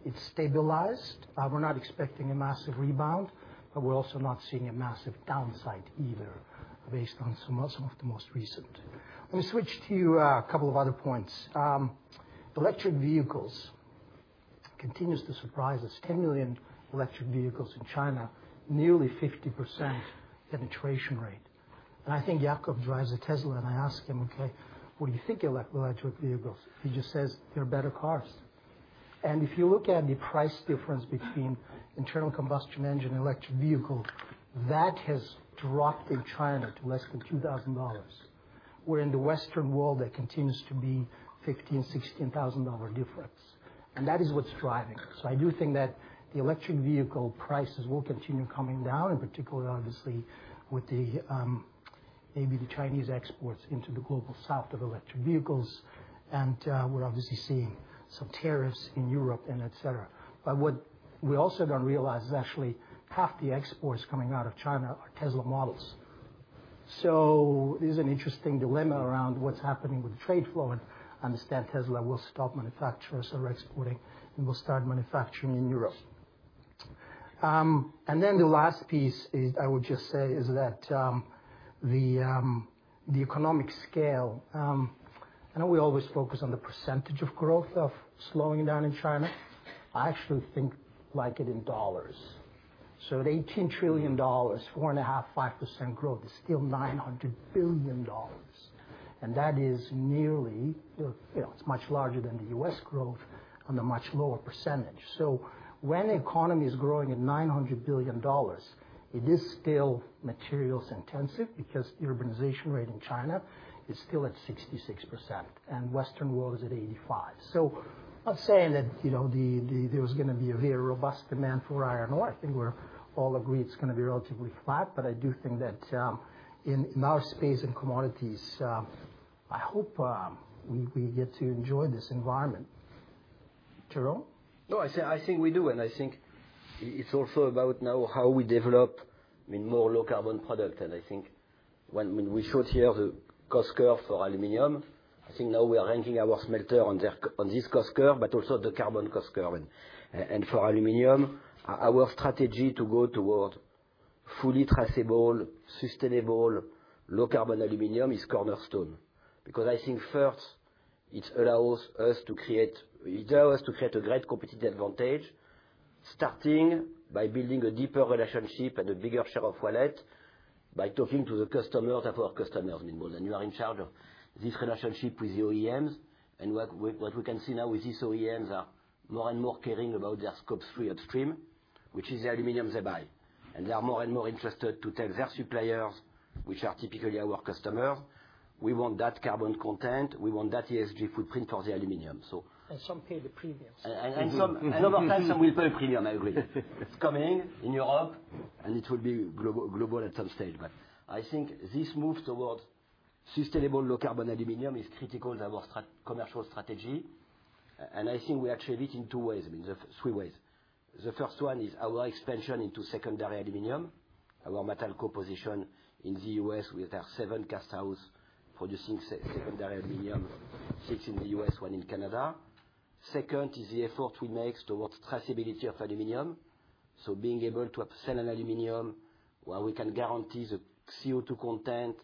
It's stabilized. We're not expecting a massive rebound, but we're also not seeing a massive downside either based on some of the most recent. Let me switch to a couple of other points. Electric vehicles continues to surprise us. 10 million electric vehicles in China, nearly 50% penetration rate, and I think Jakob drives a Tesla, and I ask him, "Okay, what do you think of electric vehicles?" He just says, "They're better cars." And if you look at the price difference between internal combustion engine electric vehicle, that has dropped in China to less than $2,000, where in the Western world, there continues to be $15,000-$16,000 dollar difference. And that is what's driving. So I do think that the electric vehicle prices will continue coming down, in particular, obviously, with maybe the Chinese exports into the global south of electric vehicles. We're obviously seeing some tariffs in Europe, etc. But what we also don't realize is actually half the exports coming out of China are Tesla models. So there's an interesting dilemma around what's happening with the trade flow. And I understand Tesla will stop manufacturers who are exporting and will start manufacturing in Europe. And then the last piece I would just say is that the economic scale, I know we always focus on the percentage of growth slowing down in China. I actually think like it in dollars. So at $18 trillion, 4.5-5% growth is still $900 billion. And that is nearly, it's much larger than the U.S. growth on a much lower percentage. So when the economy is growing at $900 billion, it is still materials intensive because the urbanization rate in China is still at 66% and Western world is at 85%. I'm not saying that there was going to be a very robust demand for iron ore. I think we're all agreed it's going to be relatively flat, but I do think that in our space and commodities, I hope we get to enjoy this environment. Jérôme? No, I think we do. I think it's also about now how we develop, I mean, more low-carbon products. I think when we showed here the cost curve for aluminum, I think now we are ranking our smelter on this cost curve, but also the carbon cost curve. For aluminum, our strategy to go toward fully traceable, sustainable, low-carbon aluminum is cornerstone. Because I think first, it allows us to create a great competitive advantage starting by building a deeper relationship and a bigger share of wallet by talking to the customers, our customers. I mean, Bold and you are in charge of this relationship with the OEMs, and what we can see now with these OEMs are more and more caring about their Scope 3 upstream, which is the aluminium they buy. And they are more and more interested to tell their suppliers, which are typically our customers, "We want that carbon content. We want that ESG footprint for the aluminium." And some pay the premium. And over time, some will pay premium. I agree. It's coming in Europe, and it will be global at some stage, but I think this move toward sustainable low-carbon aluminium is critical to our commercial strategy, and I think we achieve it in two ways, three ways. The first one is our expansion into secondary aluminium, our Matalco position in the U.S. with our seven casthouses producing secondary aluminium, six in the U.S., one in Canada. Second is the effort we make towards traceability of aluminum, so being able to sell an aluminum where we can guarantee the CO2 content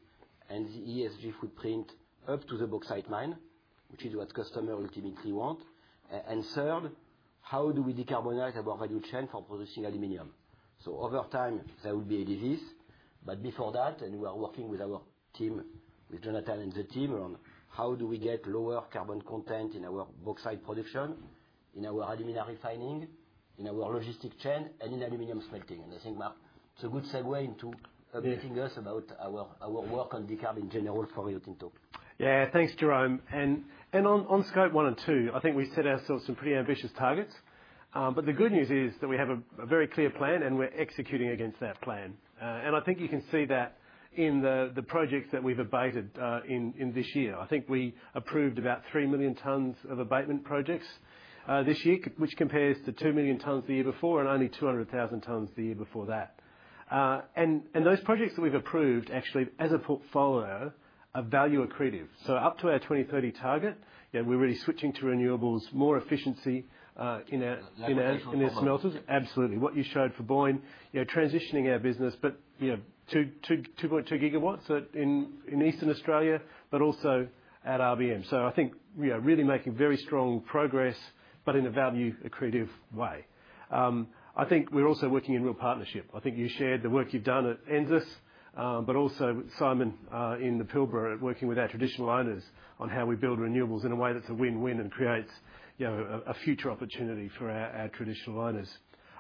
and the ESG footprint up to the bauxite mine, which is what customers ultimately want, and third, how do we decarbonize our value chain for producing aluminum? So over time, there will be a decrease. But before that, and we are working with our team, with Jonathan and the team around how do we get lower carbon content in our bauxite production, in our alumina refining, in our logistic chain, and in aluminum smelting, and I think, Mark, it's a good segue into updating us about our work on decarb in general for Rio Tinto. Yeah, thanks, Jerome, and on Scope 1 and 2, I think we set ourselves some pretty ambitious targets. But the good news is that we have a very clear plan, and we're executing against that plan. And I think you can see that in the projects that we've abated in this year. I think we approved about three million tons of abatement projects this year, which compares to two million tons the year before and only 200,000 tons the year before that. And those projects that we've approved, actually, as a portfolio of value accretive. So up to our 2030 target, we're really switching to renewables, more efficiency in our smelters. Absolutely. What you showed for Boyne, transitioning our business, but 2.2 gigawatts in Eastern Australia, but also at RBM. So I think we are really making very strong progress, but in a value accretive way. I think we're also working in real partnership. I think you shared the work you've done at Elysis, but also with Simon in the Pilbara working with our traditional owners on how we build renewables in a way that's a win-win and creates a future opportunity for our traditional owners.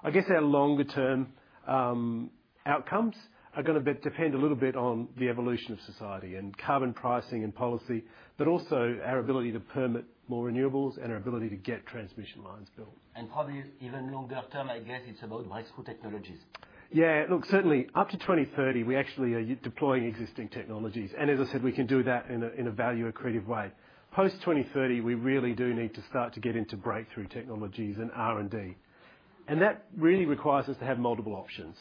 I guess our longer-term outcomes are going to depend a little bit on the evolution of society and carbon pricing and policy, but also our ability to permit more renewables and our ability to get transmission lines built, and probably even longer term, I guess it's about breakthrough technologies. Yeah. Look, certainly, up to 2030, we actually are deploying existing technologies, and as I said, we can do that in a value accretive way. Post 2030, we really do need to start to get into breakthrough technologies and R&D, and that really requires us to have multiple options.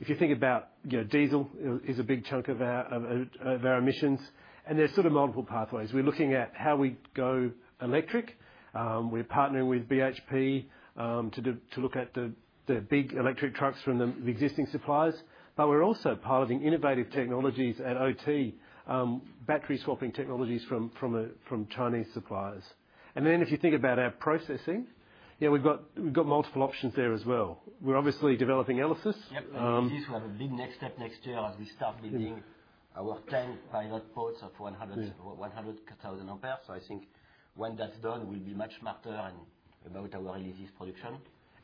If you think about diesel is a big chunk of our emissions, and there's sort of multiple pathways. We're looking at how we go electric. We're partnering with BHP to look at the big electric trucks from the existing suppliers. But we're also piloting innovative technologies at OT, battery swapping technologies from Chinese suppliers. And then if you think about our processing, yeah, we've got multiple options there as well. We're obviously developing Elysis. Yep. This is a big next step next year as we start building our 10 pilot pods of 100,000 amps. So I think when that's done, we'll be much smarter about our Elysis production.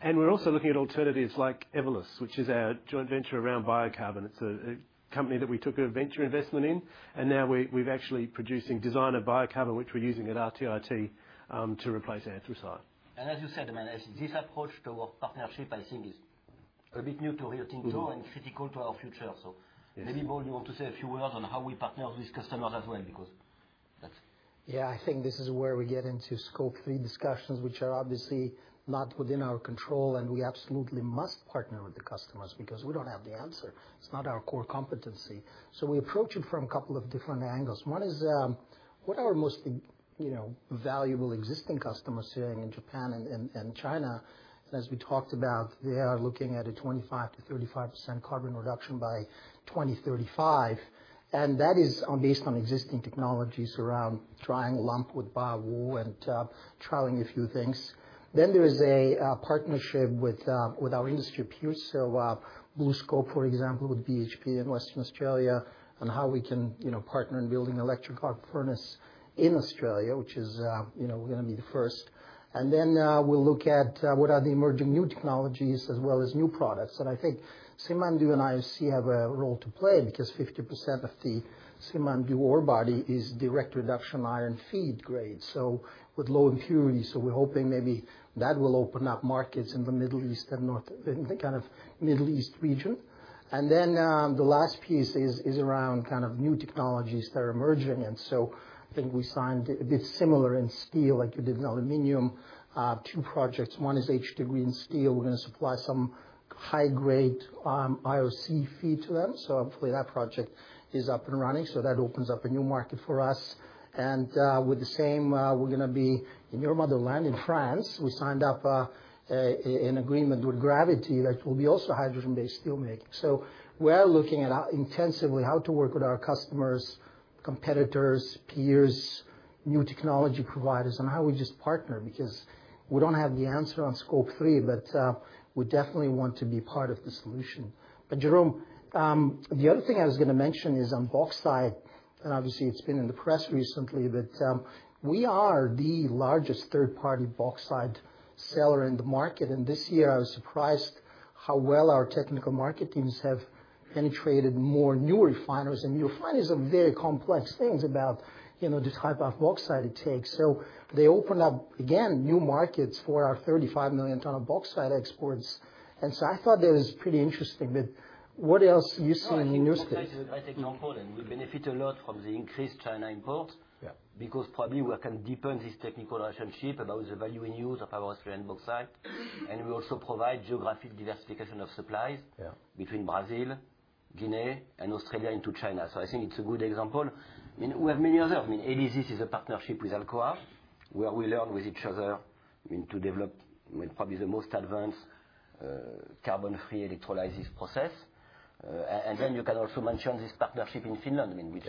And we're also looking at alternatives like Elysis, which is our joint venture around biocarbon. It's a company that we took a venture investment in, and now we're actually producing designer biocarbon, which we're using at RTIT to replace anthracite. As you said, this approach to our partnership, I think, is a bit new to Rio Tinto and critical to our future. So maybe, Bold, you want to say a few words on how we partner with customers as well because that's. Yeah, I think this is where we get into Scope 3 discussions, which are obviously not within our control, and we absolutely must partner with the customers because we don't have the answer. It's not our core competency. So we approach it from a couple of different angles. One is what are our most valuable existing customers doing in Japan and China? And as we talked about, they are looking at a 25%-35% carbon reduction by 2035. And that is based on existing technologies around trying lump with Baowu and trialing a few things. Then there is a partnership with our industry peers, so BlueScope, for example, with BHP in Western Australia and how we can partner in building electric arc furnace in Australia, which is going to be the first. And then we'll look at what are the emerging new technologies as well as new products. And I think Simandou and IOC have a role to play because 50% of the Simandou ore body is direct reduction iron feed grade, so with low impurity. So we're hoping maybe that will open up markets in the Middle East and kind of Middle East region. And then the last piece is around kind of new technologies that are emerging. And so I think we signed a bit similar in steel, like you did in aluminum, two projects. One is H2 Green Steel. We're going to supply some high-grade IOC feed to them. Hopefully, that project is up and running. So that opens up a new market for us. And with the same, we're going to be in your motherland in France. We signed up an agreement with GravitHy that will be also hydrogen-based steelmaking. So we're looking intensively at how to work with our customers, competitors, peers, new technology providers, and how we just partner because we don't have the answer on Scope 3, but we definitely want to be part of the solution. But Jérôme, the other thing I was going to mention is on bauxite, and obviously, it's been in the press recently, but we are the largest third-party bauxite seller in the market. And this year, I was surprised how well our technical market teams have penetrated more new refiners. And new refiners are very complex things about the type of bauxite it takes. So they opened up, again, new markets for our 35 million tons of bauxite exports. And so I thought that was pretty interesting. But what else are you seeing in your space? I take no call. And we benefit a lot from the increased China imports because probably we can deepen this technical relationship about the value we use of our Australian bauxite. And we also provide geographic diversification of supplies between Brazil, Guinea, and Australia into China. So I think it's a good example. I mean, we have many others. I mean, Elysis is a partnership with Alcoa, where we learn with each other to develop probably the most advanced carbon-free electrolysis process. And then you can also mention this partnership in Finland. I mean,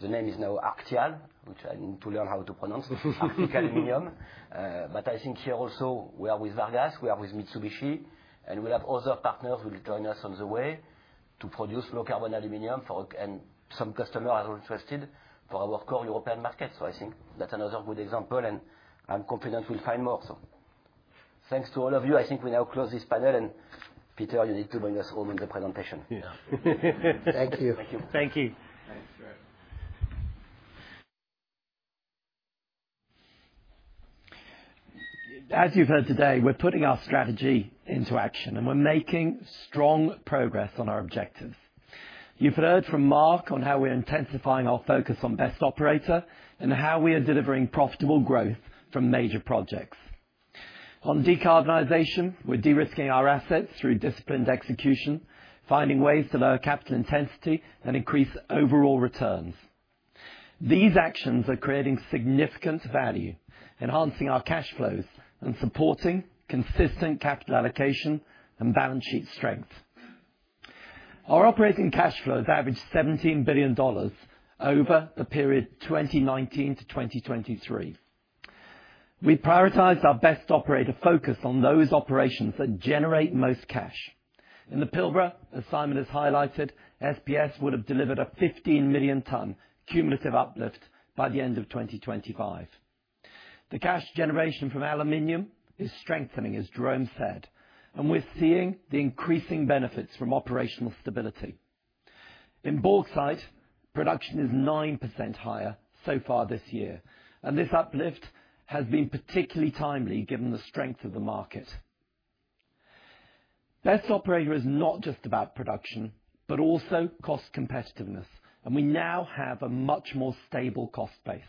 the name is now Arctia, which I need to learn how to pronounce, Arctic Aluminum. But I think here also, we are with Vargas, we are with Mitsubishi, and we have other partners who will join us on the way to produce low-carbon aluminium for some customers who are interested for our core European markets. So I think that's another good example, and I'm confident we'll find more. So thanks to all of you. I think we now close this panel. And Peter, you need to bring us home on the presentation. Yeah. Thank you. Thank you. Thank you. Thanks, Jérôme. As you've heard today, we're putting our strategy into action, and we're making strong progress on our objectives. You've heard from Mark on how we're intensifying our focus on best operator and how we are delivering profitable growth from major projects. On decarbonization, we're de-risking our assets through disciplined execution, finding ways to lower capital intensity and increase overall returns. These actions are creating significant value, enhancing our cash flows, and supporting consistent capital allocation and balance sheet strength. Our operating cash flows average $17 billion over the period 2019 to 2023. We prioritized our best operator focus on those operations that generate most cash. In the Pilbara, as Simon has highlighted, SPS would have delivered a 15 million ton cumulative uplift by the end of 2025. The cash generation from aluminum is strengthening, as Jerome said, and we're seeing the increasing benefits from operational stability. In bauxite, production is 9% higher so far this year, and this uplift has been particularly timely given the strength of the market. Best operator is not just about production, but also cost competitiveness, and we now have a much more stable cost base.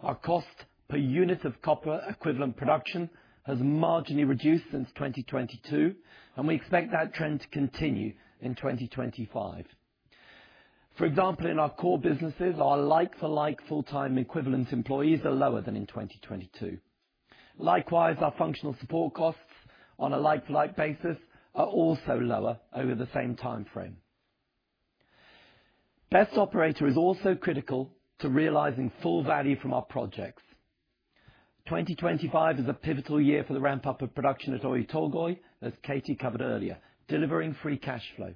Our cost per unit of copper equivalent production has marginally reduced since 2022, and we expect that trend to continue in 2025. For example, in our core businesses, our like-for-like full-time equivalent employees are lower than in 2022. Likewise, our functional support costs on a like-for-like basis are also lower over the same timeframe. Best operator is also critical to realizing full value from our projects. 2025 is a pivotal year for the ramp-up of production at Oyu Tolgoi, as Katie covered earlier, delivering free cash flow,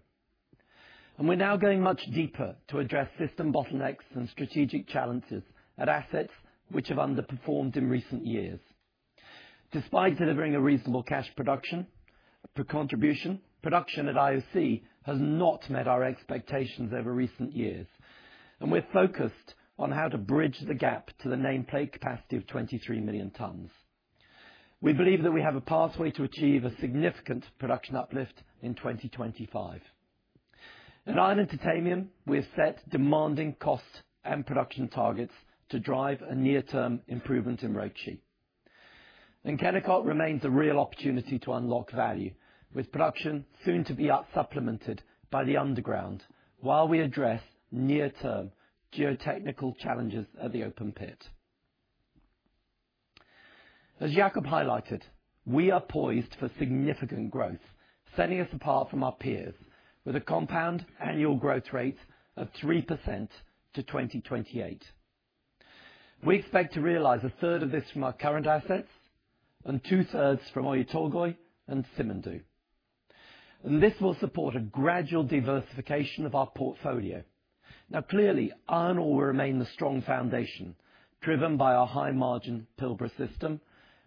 and we're now going much deeper to address system bottlenecks and strategic challenges at assets which have underperformed in recent years. Despite delivering a reasonable cash production contribution, production at IOC has not met our expectations over recent years, and we're focused on how to bridge the gap to the nameplate capacity of 23 million tons. We believe that we have a pathway to achieve a significant production uplift in 2025. At Iron Ore, we have set demanding cost and production targets to drive a near-term improvement in ROCE, and Kennecott remains a real opportunity to unlock value, with production soon to be supplemented by the underground while we address near-term geotechnical challenges at the open pit. As Jakob highlighted, we are poised for significant growth, setting us apart from our peers with a compound annual growth rate of 3% to 2028. We expect to realize a third of this from our current assets and two-thirds from Oyu Tolgoi and Simandou, and this will support a gradual diversification of our portfolio. Now, clearly, iron ore will remain the strong foundation driven by our high-margin Pilbara system,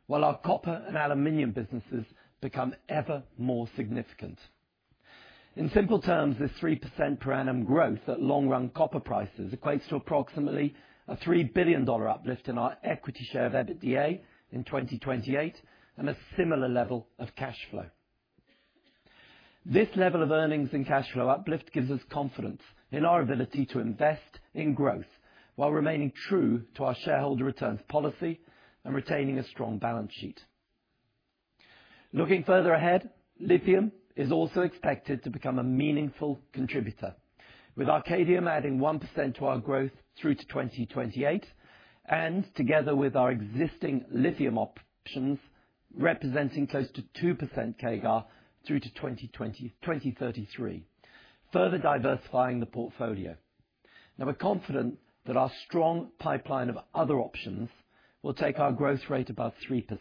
while our copper and aluminum businesses become ever more significant. In simple terms, this 3% per annum growth at long-run copper prices equates to approximately a $3 billion uplift in our equity share of EBITDA in 2028 and a similar level of cash flow. This level of earnings and cash flow uplift gives us confidence in our ability to invest in growth while remaining true to our shareholder returns policy and retaining a strong balance sheet. Looking further ahead, lithium is also expected to become a meaningful contributor, with Arcadium adding 1% to our growth through to 2028 and together with our existing lithium options representing close to 2% CAGR through to 2033, further diversifying the portfolio. Now, we're confident that our strong pipeline of other options will take our growth rate above 3%.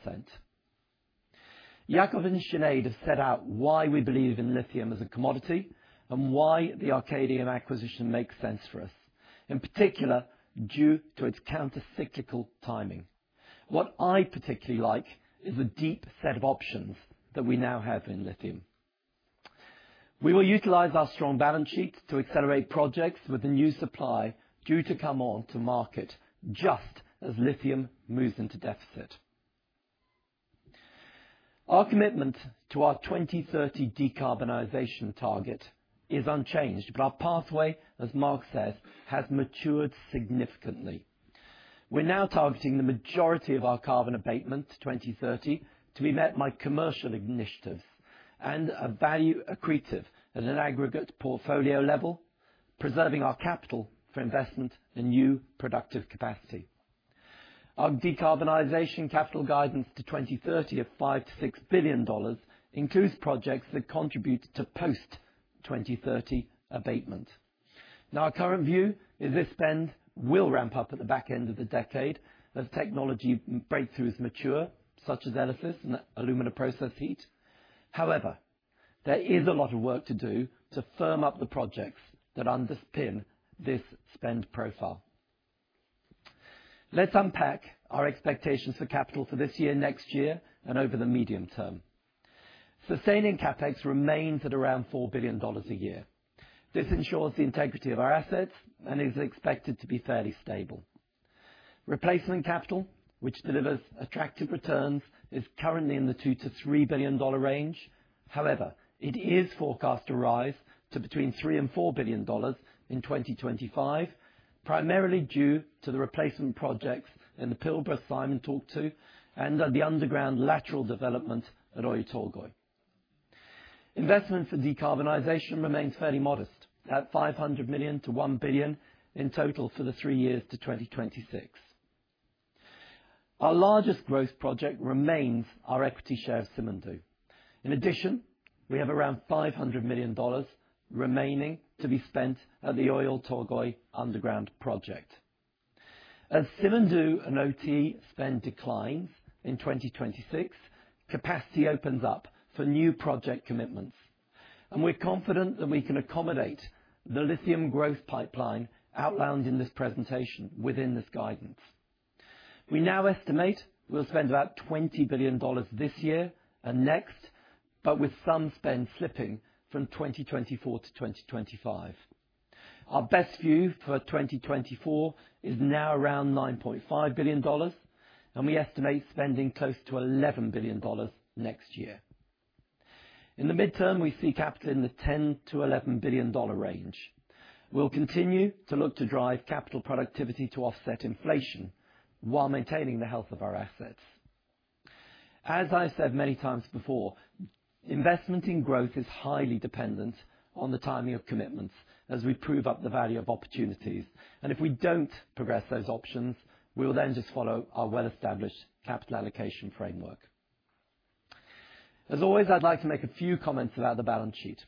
Jakob and Sinead have set out why we believe in lithium as a commodity and why the Arcadium acquisition makes sense for us, in particular due to its countercyclical timing. What I particularly like is the deep set of options that we now have in lithium. We will utilize our strong balance sheet to accelerate projects with the new supply due to come onto market just as lithium moves into deficit. Our commitment to our 2030 decarbonization target is unchanged, but our pathway, as Mark says, has matured significantly. We're now targeting the majority of our carbon abatement to 2030 to be met by commercial initiatives and a value accretive at an aggregate portfolio level, preserving our capital for investment and new productive capacity. Our decarbonization capital guidance to 2030 of $5-$6 billion includes projects that contribute to post-2030 abatement. Now, our current view is this spend will ramp up at the back end of the decade as technology breakthroughs mature, such as Elysis and Alumina Process Heat. However, there is a lot of work to do to firm up the projects that underpin this spend profile. Let's unpack our expectations for capital for this year, next year, and over the medium term. Sustaining CapEx remains at around $4 billion a year. This ensures the integrity of our assets and is expected to be fairly stable. Replacement capital, which delivers attractive returns, is currently in the $2-$3 billion range. However, it is forecast to rise to between $3-$4 billion in 2025, primarily due to the replacement projects in the Pilbara Simon talked to and the underground lateral development at Oyu Tolgoi. Investment for decarbonization remains fairly modest, at $500 million-$1 billion in total for the three years to 2026. Our largest growth project remains our equity share of Simandou. In addition, we have around $500 million remaining to be spent at the Oyu Tolgoi underground project. As Simandou and OT spend declines in 2026, capacity opens up for new project commitments, and we're confident that we can accommodate the lithium growth pipeline outlined in this presentation within this guidance. We now estimate we'll spend about $20 billion this year and next, but with some spend slipping from 2024 to 2025. Our best view for 2024 is now around $9.5 billion, and we estimate spending close to $11 billion next year. In the midterm, we see capital in the $10-$11 billion range. We'll continue to look to drive capital productivity to offset inflation while maintaining the health of our assets. As I've said many times before, investment in growth is highly dependent on the timing of commitments as we prove up the value of opportunities. And if we don't progress those options, we'll then just follow our well-established capital allocation framework. As always, I'd like to make a few comments about the balance sheet.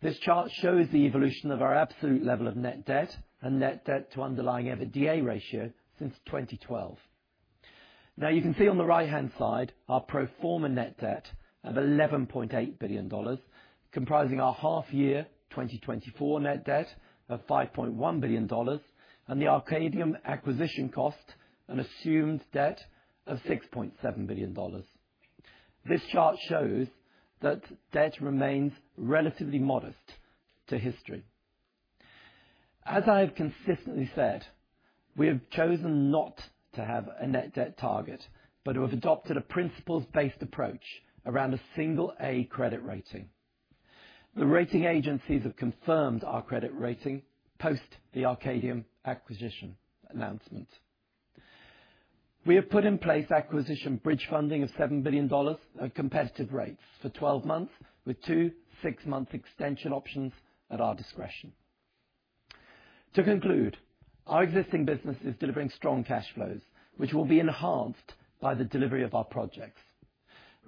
This chart shows the evolution of our absolute level of net debt and net debt to underlying EBITDA ratio since 2012. Now, you can see on the right-hand side our pro forma net debt of $11.8 billion, comprising our half-year 2024 net debt of $5.1 billion, and the Arcadium acquisition cost and assumed debt of $6.7 billion. This chart shows that debt remains relatively modest to history. As I have consistently said, we have chosen not to have a net debt target, but we've adopted a principles-based approach around a single-A credit rating. The rating agencies have confirmed our credit rating post the Arcadium acquisition announcement. We have put in place acquisition bridge funding of $7 billion at competitive rates for 12 months, with two six-month extension options at our discretion. To conclude, our existing business is delivering strong cash flows, which will be enhanced by the delivery of our projects.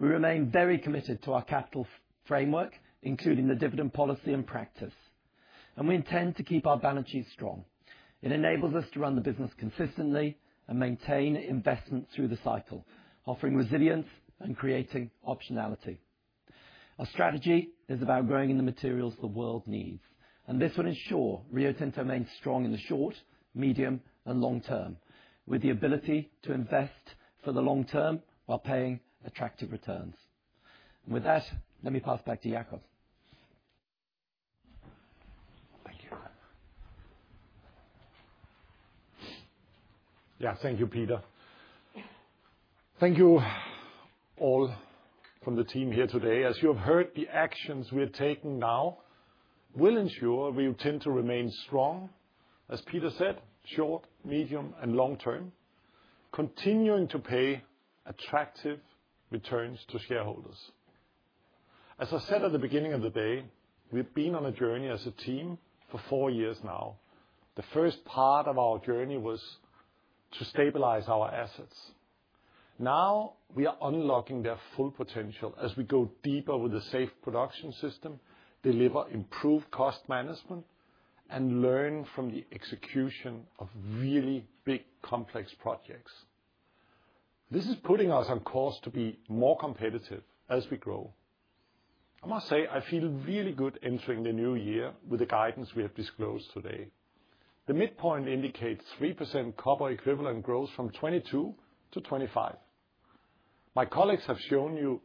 We remain very committed to our capital framework, including the dividend policy and practice, and we intend to keep our balance sheet strong. It enables us to run the business consistently and maintain investment through the cycle, offering resilience and creating optionality. Our strategy is about growing in the materials the world needs, and this will ensure Rio Tinto remains strong in the short, medium, and long term, with the ability to invest for the long term while paying attractive returns, and with that, let me pass back to Jakob. Thank you. Yeah, thank you, Peter. Thank you all from the team here today. As you have heard, the actions we're taking now will ensure Rio Tinto remains strong, as Peter said, short, medium, and long term, continuing to pay attractive returns to shareholders. As I said at the beginning of the day, we've been on a journey as a team for four years now. The first part of our journey was to stabilize our assets. Now, we are unlocking their full potential as we go deeper with the Safe Production System, deliver improved cost management, and learn from the execution of really big, complex projects. This is putting us on course to be more competitive as we grow. I must say, I feel really good entering the new year with the guidance we have disclosed today. The midpoint indicates 3% copper equivalent growth from 2022-2025. My colleagues have shown you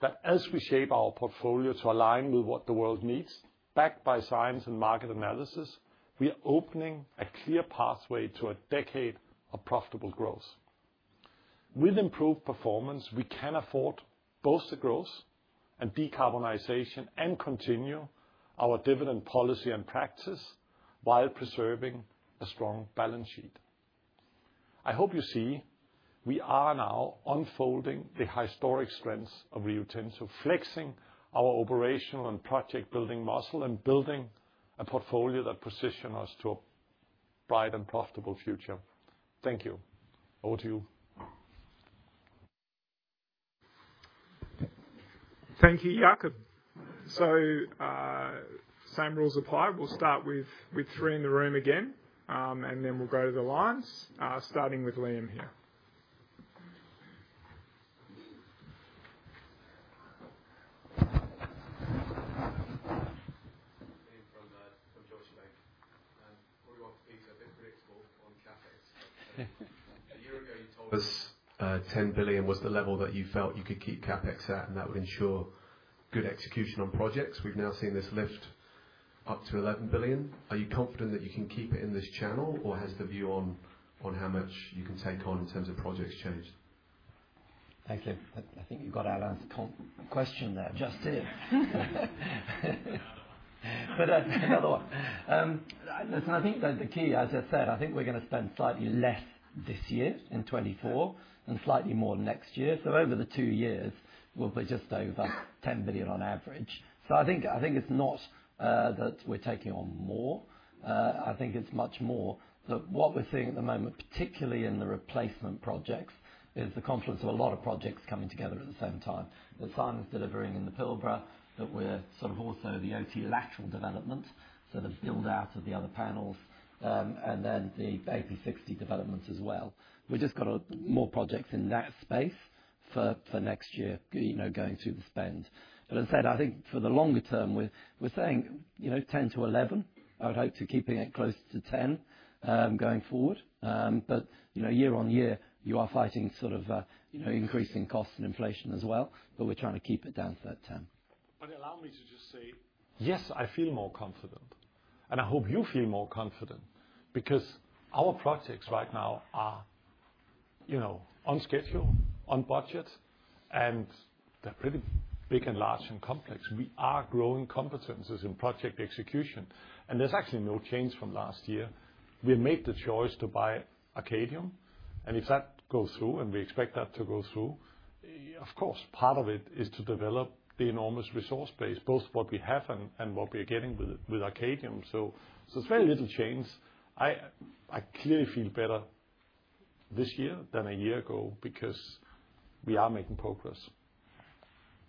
that as we shape our portfolio to align with what the world needs, backed by science and market analysis, we are opening a clear pathway to a decade of profitable growth. With improved performance, we can afford both the growth and decarbonization and continue our dividend policy and practice while preserving a strong balance sheet. I hope you see we are now unfolding the historic strengths of Rio Tinto, flexing our operational and project-building muscle and building a portfolio that positions us to a bright and profitable future. Thank you. Over to you. Thank you, Jakob. Same rules apply. We'll start with three in the room again, and then we'll go to the lines, starting with Liam here. From Deutsche Bank. What do you want to be the best predictable on CapEx? A year ago, you told us $10 billion was the level that you felt you could keep CapEx at, and that would ensure good execution on projects. We've now seen this lift up to $11 billion. Are you confident that you can keep it in this channel, or has the view on how much you can take on in terms of projects changed? Thank you. I think you've got to answer Tom's question there. Justin. Another one. But that's another one. Listen, I think that the key, as I said, I think we're going to spend slightly less this year in 2024 and slightly more next year. So over the two years, we'll be just over $10 billion on average. So I think it's not that we're taking on more. I think it's much more that what we're seeing at the moment, particularly in the replacement projects, is the confluence of a lot of projects coming together at the same time. The mine is delivering in the Pilbara, but we're sort of also the OT lateral development, so the build-out of the other panels and then the AP60 developments as well. We've just got more projects in that space for next year going through the spend. But as I said, I think for the longer term, we're saying $10-$11. I would hope to keep it close to $10 going forward. But year on year, you are fighting sort of increasing costs and inflation as well, but we're trying to keep it down to that $10. And allow me to just say. Yes, I feel more confident, and I hope you feel more confident because our projects right now are on schedule, on budget, and they're pretty big and large and complex. We are growing competencies in project execution, and there's actually no change from last year. We made the choice to buy Arcadium, and if that goes through, and we expect that to go through, of course, part of it is to develop the enormous resource base, both what we have and what we're getting with Arcadium. So it's very little change. I clearly feel better this year than a year ago because we are making progress.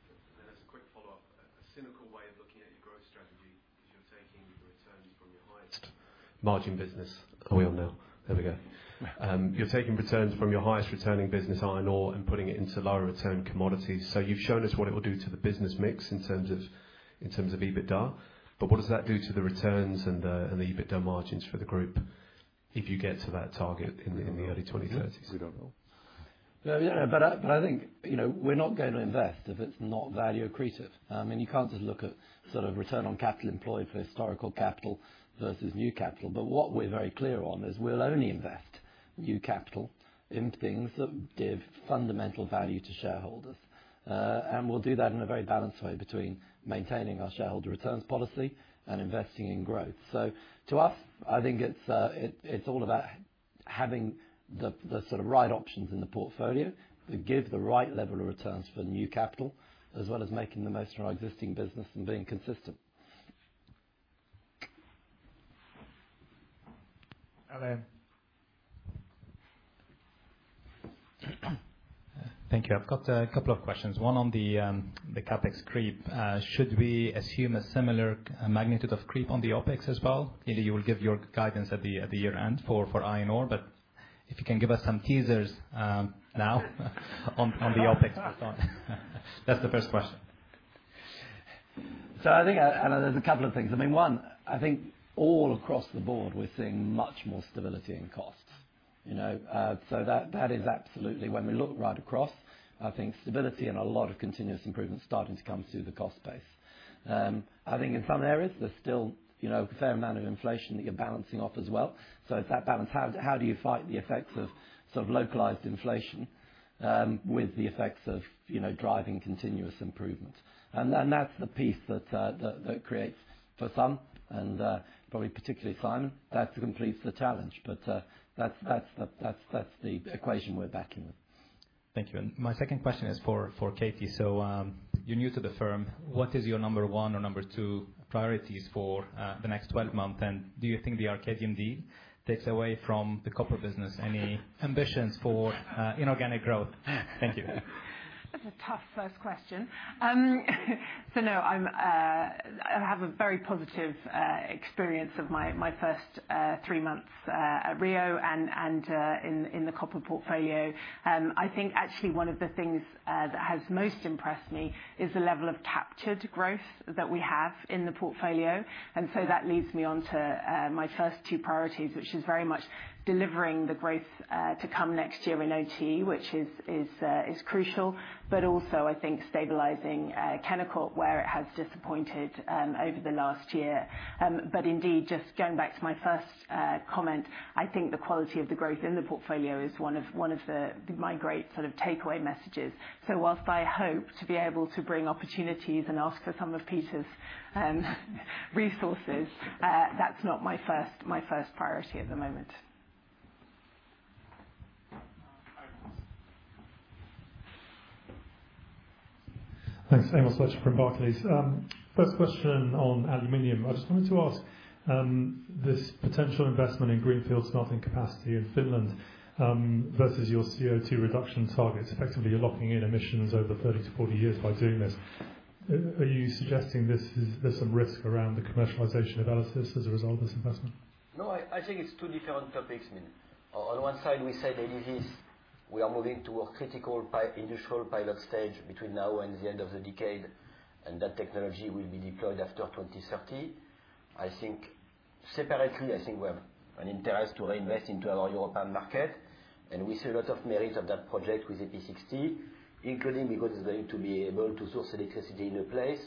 And as a quick follow-up, a cynical way of looking at your growth strategy is you're taking returns from your highest margin business. Oh, we all know. There we go. You're taking returns from your highest returning business, I know, and putting it into lower return commodities. So you've shown us what it will do to the business mix in terms of EBITDA, but what does that do to the returns and the EBITDA margins for the group if you get to that target in the early 2030s? We don't know. But I think we're not going to invest if it's not value accretive. I mean, you can't just look at sort of return on capital employed for historical capital versus new capital. But what we're very clear on is we'll only invest new capital in things that give fundamental value to shareholders. And we'll do that in a very balanced way between maintaining our shareholder returns policy and investing in growth. So to us, I think it's all about having the sort of right options in the portfolio that give the right level of returns for new capital, as well as making the most from our existing business and being consistent. Hello? Thank you. I've got a couple of questions. One on the CapEx creep? Should we assume a similar magnitude of creep on the OpEx as well? You will give your guidance at the year-end for iron ore, but if you can give us some teasers now on the OpEx. That's the first question. So I think there's a couple of things. I mean, one, I think all across the board, we're seeing much more stability in costs. So that is absolutely when we look right across, I think stability and a lot of continuous improvement starting to come through the cost base. I think in some areas, there's still a fair amount of inflation that you're balancing off as well. So it's that balance. How do you fight the effects of sort of localized inflation with the effects of driving continuous improvement? And that's the piece that creates for some, and probably particularly Simon, that completes the challenge. But that's the equation we're backing with. Thank you. And my second question is for Katie. So you're new to the firm. What is your number one or number two priorities for the next 12 months? And do you think the Arcadium deal takes away from the copper business any ambitions for Iron Oreganic growth? Thank you. That's a tough first question. So no, I have a very positive experience of my first three months at Rio and in the copper portfolio. I think actually one of the things that has most impressed me is the level of captured growth that we have in the portfolio. And so that leads me on to my first two priorities, which is very much delivering the growth to come next year in OT, which is crucial, but also, I think, stabilizing Kennecott, where it has disappointed over the last year. But indeed, just going back to my first comment, I think the quality of the growth in the portfolio is one of my great sort of takeaway messages. So whilst I hope to be able to bring opportunities and ask for some of Peter's resources, that's not my first priority at the moment. Thanks. Amos Fletcher from Barclays. First question on aluminum. I just wanted to ask this potential investment in greenfield smelting capacity in Finland versus your CO2 reduction targets. Effectively, you're locking in emissions over 30-40 years by doing this. Are you suggesting there's some risk around the commercialization of Elysis as a result of this investment? No, I think it's two different topics. I mean, on one side, we said Elysis, we are moving to a critical industrial pilot stage between now and the end of the decade, and that technology will be deployed after 2030. I think separately, I think we have an interest to reinvest into our European market, and we see a lot of merit of that project with AP60, including because it's going to be able to source electricity in a place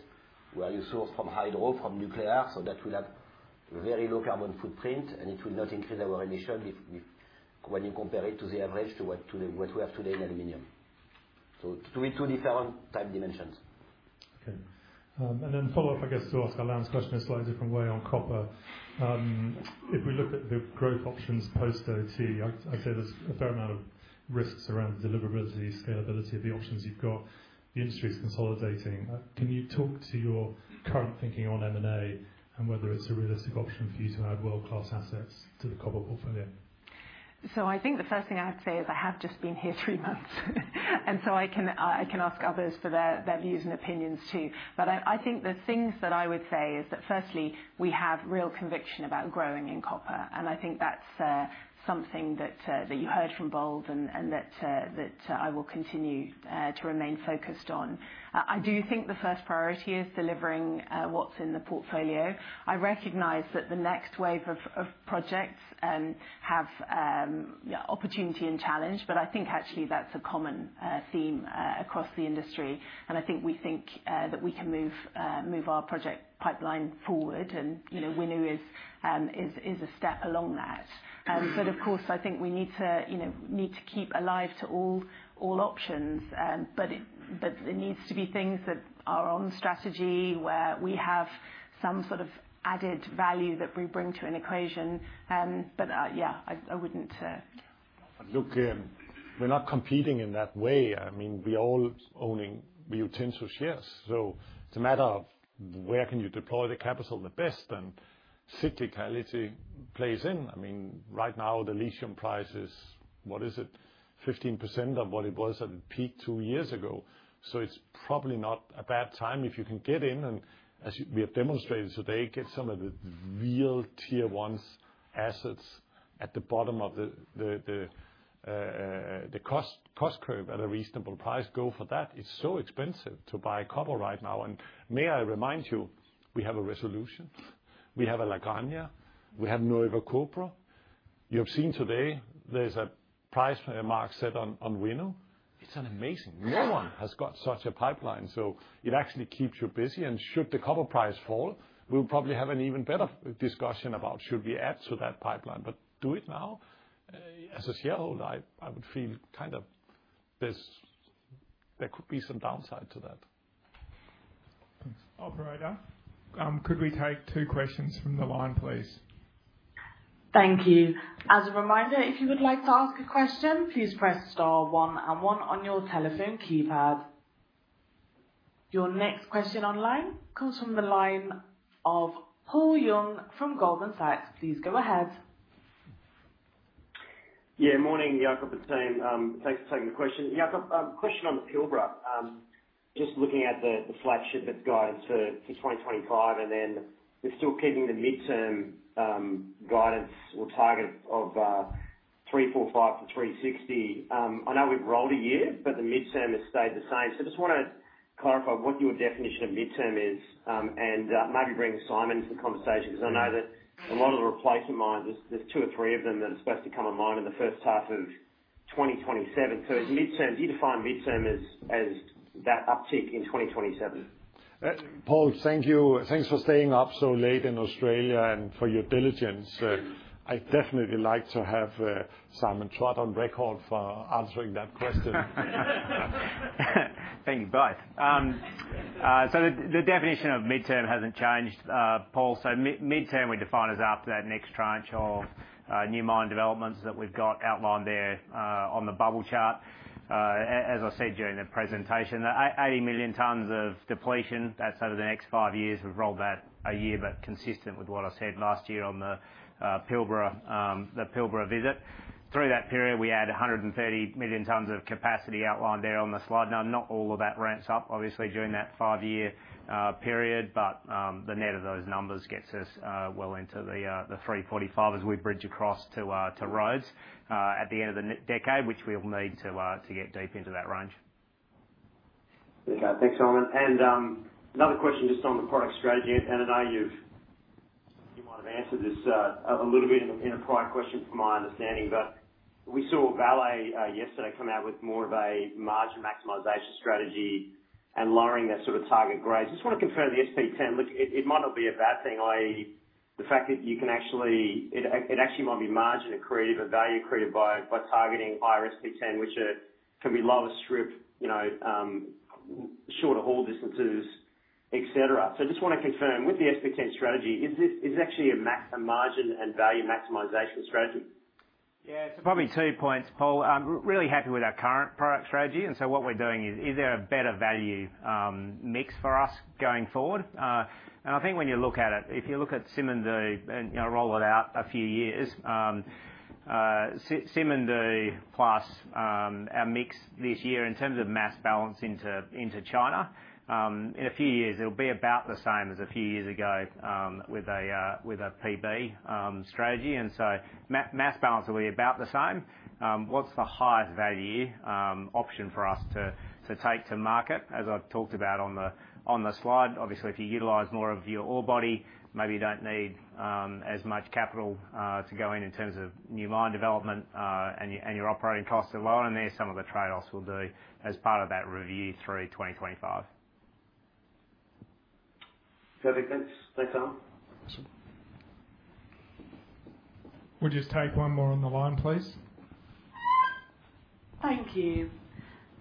where you source from hydro, from nuclear, so that we'll have very low carbon footprint, and it will not increase our emissions when you compare it to the average to what we have today in aluminum. So two different type dimensions. Okay. And then follow-up, I guess, to ask Alain's question a slightly different way on copper. If we look at the growth options post-OT, I'd say there's a fair amount of risks around the deliverability, scalability of the options you've got. The industry is consolidating. Can you talk to your current thinking on M&A and whether it's a realistic option for you to add world-class assets to the copper portfolio? So I think the first thing I would say is I have just been here three months, and so I can ask others for their views and opinions too. But I think the things that I would say is that, firstly, we have real conviction about growing in copper, and I think that's something that you heard from Bold and that I will continue to remain focused on. I do think the first priority is delivering what's in the portfolio. I recognize that the next wave of projects have opportunity and challenge, but I think actually that's a common theme across the industry. And I think we think that we can move our project pipeline forward, and Winu is a step along that. But of course, I think we need to keep alive to all options, but it needs to be things that are on strategy where we have some sort of added value that we bring to an equation. But yeah, I wouldn't. Look, we're not competing in that way. I mean, we're all owning Rio Tinto shares. So it's a matter of where can you deploy the capital the best, and cyclicality plays in. I mean, right now, the lithium price is, what is it, 15% of what it was at the peak two years ago. So it's probably not a bad time if you can get in and, as we have demonstrated today, get some of the real tier-one assets at the bottom of the cost curve at a reasonable price, go for that. It's so expensive to buy copper right now. And may I remind you, we have a Resolution. We have a La Granja. We have Nuevo Cobre. You have seen today there's a price mark set on Winu. It's amazing. No one has got such a pipeline. So it actually keeps you busy. And should the copper price fall, we'll probably have an even better discussion about should we add to that pipeline. But do it now. As a shareholder, I would feel kind of there could be some downside to that. Thanks. Operator, could we take two questions from the line, please? Thank you. As a reminder, if you would like to ask a question, please press star one and one on your telephone keypad. Your next question online comes from the line of Paul Young from Goldman Sachs. Please go ahead. Yeah. Morning, Jakob and team. Thanks for taking the question. Jakob, question on the Pilbara. Just looking at the flagship guidance for 2025, and then we're still keeping the midterm guidance or target of 345-360. I know we've rolled a year, but the midterm has stayed the same. So I just want to clarify what your definition of midterm is and maybe bring Simon into the conversation because I know that a lot of the replacement mines, there's two or three of them that are supposed to come online in the first half of 2027. So do you define midterm as that uptick in 2027? Paul, thank you. Thanks for staying up so late in Australia and for your diligence. I'd definitely like to have Simon Trott on record for answering that question. Thank you both. So the definition of midterm hasn't changed, Paul. So midterm, we define as after that next tranche of new mine developments that we've got outlined there on the bubble chart. As I said during the presentation, 80 million tons of depletion. That's over the next five years. We've rolled that a year, but consistent with what I said last year on the Pilbara visit. Through that period, we add 130 million tons of capacity outlined there on the slide. Now, not all of that ramps up, obviously, during that five-year period, but the net of those numbers gets us well into the 345 as we bridge across to Rhodes at the end of the decade, which we'll need to get deep into that range. Thanks, Simon. And another question just on the product strategy. I know you might have answered this a little bit in a prior question from my understanding, but we saw Vale yesterday come out with more of a margin maximization strategy and lowering their sort of target grades. I just want to confirm the SP10. Look, it might not be a bad thing, i.e., the fact that you can actually it actually might be margin accretive and value accretive by targeting higher SP10, which can be lower strip, shorter haul distances, etc. So I just want to confirm, with the SP10 strategy, is this actually a margin and value maximization strategy? Yeah. Probably two points, Paul. Really happy with our current product strategy. What we're doing is there a better value mix for us going forward? I think when you look at it, if you look at Simandou and roll it out a few years, Simandou plus our mix this year in terms of mass balance into China, in a few years, it'll be about the same as a few years ago with a PB strategy. And so mass balance will be about the same. What's the highest value option for us to take to market, as I've talked about on the slide? Obviously, if you utilize more of your ore body, maybe you don't need as much capital to go in in terms of new mine development, and your operating costs are lower. And there's some of the trade-offs we'll do as part of that review through 2025. Perfect. Thanks. Thanks, Simon. We'll just take one more on the line, please. Thank you.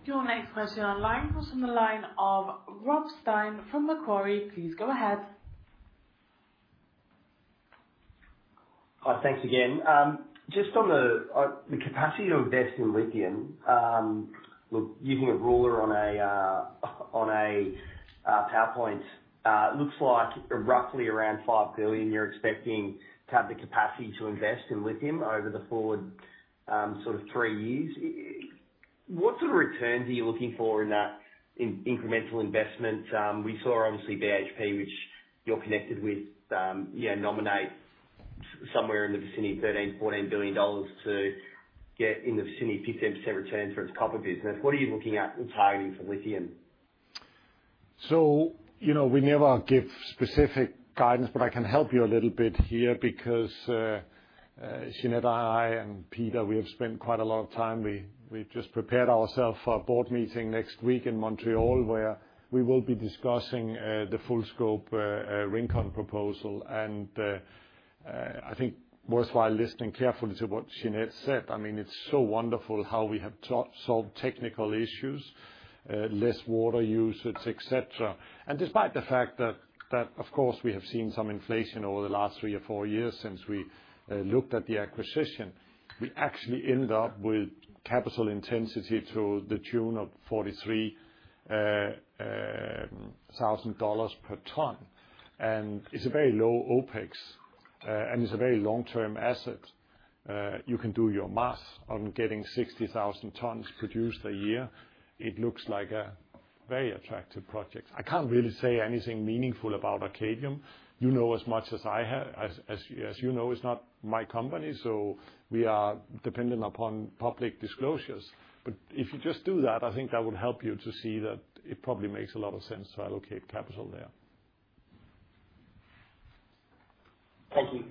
Your next question online was from the line of Rob Stein from Macquarie. Please go ahead. Hi. Thanks again. Just on the capacity to invest in lithium, look, using a ruler on a PowerPoint, it looks like roughly around $5 billion you're expecting to have the capacity to invest in lithium over the forward sort of three years. What sort of returns are you looking for in that incremental investment? We saw, obviously, BHP, which you're connected with, nominate somewhere in the vicinity of $13-$14 billion to get in the vicinity of 15% return for its copper business. What are you looking at and targeting for lithium? So we never give specific guidance, but I can help you a little bit here because Jerome, I, and Peter, we have spent quite a lot of time. We've just prepared ourselves for a board meeting next week in Montreal where we will be discussing the full-scope Rincon proposal, and I think worthwhile listening carefully to what Jeanette said. I mean, it's so wonderful how we have solved technical issues, less water usage, etc. And despite the fact that, of course, we have seen some inflation over the last three or four years since we looked at the acquisition, we actually ended up with capital intensity to the tune of $43,000 per ton, and it's a very low OPEX, and it's a very long-term asset. You can do your math on getting 60,000 tons produced a year. It looks like a very attractive project. I can't really say anything meaningful about Arcadium. You know as much as I have, as you know, it's not my company, so we are dependent upon public disclosures. But if you just do that, I think that would help you to see that it probably makes a lot of sense to allocate capital there. Thank you.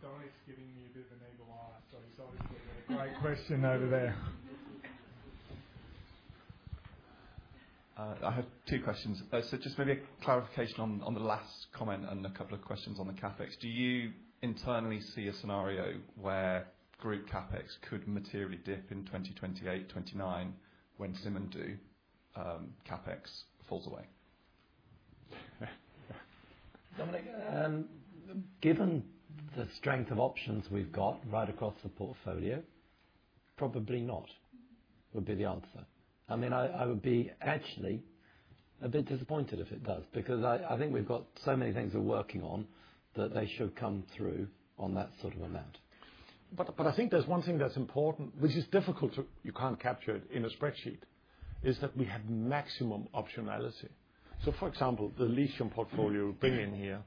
Sorry, it's giving me a bit of a navel-gazing. Great question over there. I have two questions. So just maybe a clarification on the last comment and a couple of questions on the CapEx. Do you internally see a scenario where group CapEx could materially dip in 2028, 2029 when Simandou CapEx falls away? Dominic, given the strength of options we've got right across the portfolio, probably not would be the answer. I mean, I would be actually a bit disappointed if it does because I think we've got so many things we're working on that they should come through on that sort of amount. But I think there's one thing that's important, which is difficult to, you can't capture it in a spreadsheet, is that we have maximum optionality. So, for example, the lithium portfolio we bring in here,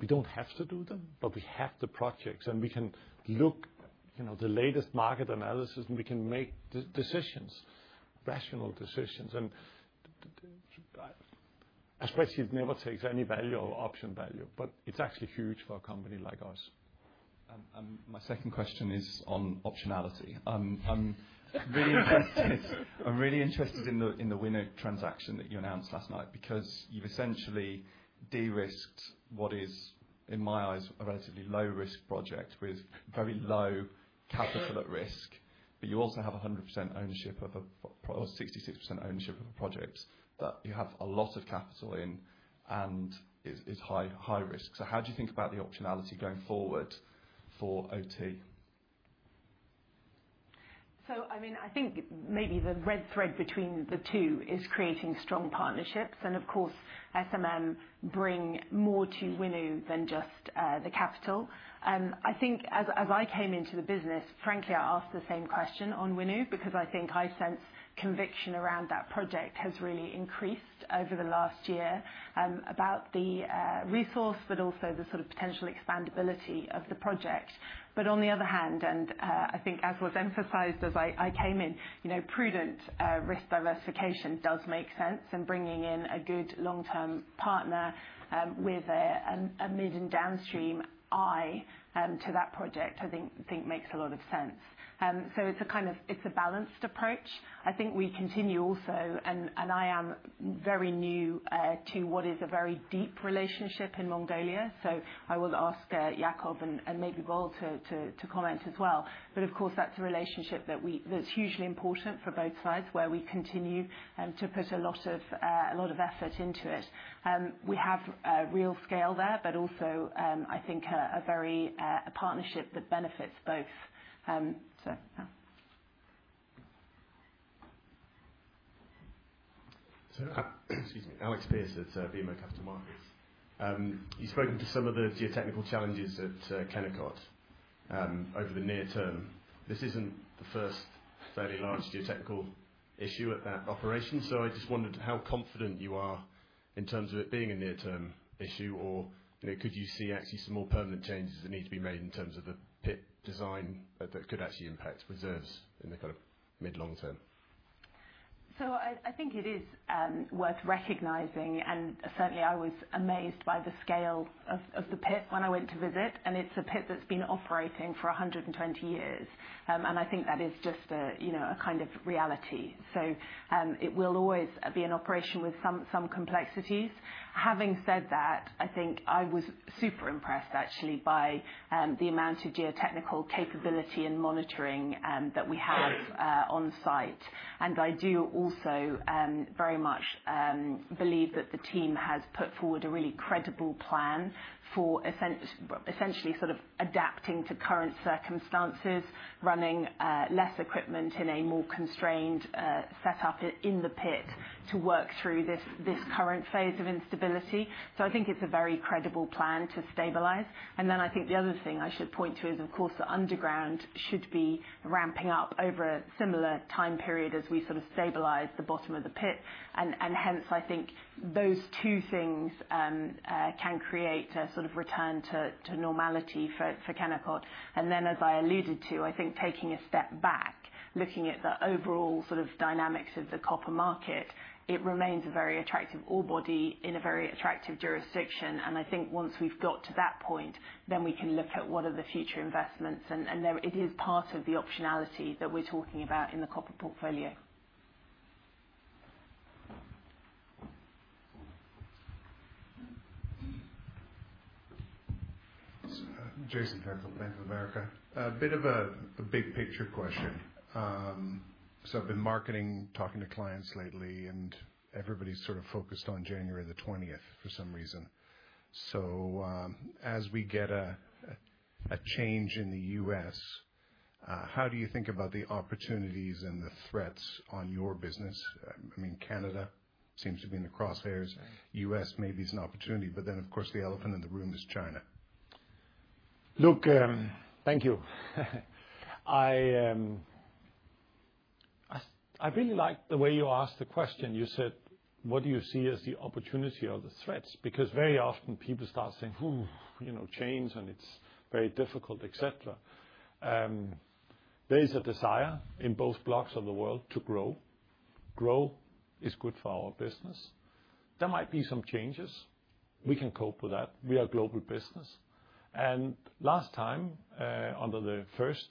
we don't have to do them, but we have the projects, and we can look at the latest market analysis, and we can make decisions, rational decisions. And a spreadsheet never takes any value or option value, but it's actually huge for a company like ours. And my second question is on optionality. I'm really interested in the Winu transaction that you announced last night because you've essentially de-risked what is, in my eyes, a relatively low-risk project with very low capital at risk, but you also have 100% ownership of a, or 66% ownership of a project that you have a lot of capital in and is high risk. So how do you think about the optionality going forward for OT? So, I mean, I think maybe the red thread between the two is creating strong partnerships. And, of course, SMM bring more to Winu than just the capital. I think as I came into the business, frankly, I asked the same question on Winu because I think I sense conviction around that project has really increased over the last year about the resource, but also the sort of potential expandability of the project. But on the other hand, and I think, as was emphasized as I came in, prudent risk diversification does make sense, and bringing in a good long-term partner with a mid and downstream eye to that project, I think makes a lot of sense. So it's a balanced approach. I think we continue also, and I am very new to what is a very deep relationship in Mongolia. So I will ask Jakob and maybe Bold to comment as well. But, of course, that's a relationship that's hugely important for both sides where we continue to put a lot of effort into it. We have real scale there, but also, I think, a partnership that benefits both. So, yeah. Excuse me. Alex Pearce at BMO Capital Markets. You've spoken to some of the geotechnical challenges at Kennecott over the near term. This isn't the first fairly large geotechnical issue at that operation. So I just wondered how confident you are in terms of it being a near-term issue, or could you see actually some more permanent changes that need to be made in terms of the pit design that could actually impact reserves in the kind of mid-long term? So I think it is worth recognizing, and certainly, I was amazed by the scale of the pit when I went to visit. And it's a pit that's been operating for 120 years. And I think that is just a kind of reality. So it will always be an operation with some complexities. Having said that, I think I was super impressed, actually, by the amount of geotechnical capability and monitoring that we have on site. And I do also very much believe that the team has put forward a really credible plan for essentially sort of adapting to current circumstances, running less equipment in a more constrained setup in the pit to work through this current phase of instability. So I think it's a very credible plan to stabilize. And then I think the other thing I should point to is, of course, the underground should be ramping up over a similar time period as we sort of stabilize the bottom of the pit. And hence, I think those two things can create a sort of return to normality for Kennecott. And then, as I alluded to, I think taking a step back, looking at the overall sort of dynamics of the copper market, it remains a very attractive ore body in a very attractive jurisdiction. And I think once we've got to that point, then we can look at what are the future investments. And it is part of the optionality that we're talking about in the copper portfolio. Jason Fairclough of Bank of America. A bit of a big-picture question. So I've been marketing, talking to clients lately, and everybody's sort of focused on January the 20th for some reason. So as we get a change in the U.S., how do you think about the opportunities and the threats on your business? I mean, Canada seems to be in the crosshairs. U.S. maybe is an opportunity, but then, of course, the elephant in the room is China. Look, thank you. I really like the way you asked the question. You said, "What do you see as the opportunity or the threats?" Because very often, people start saying, "Whew, change, and it's very difficult," etc. There is a desire in both blocs of the world to grow. Grow is good for our business. There might be some changes. We can cope with that. We are a global business. And last time, under the first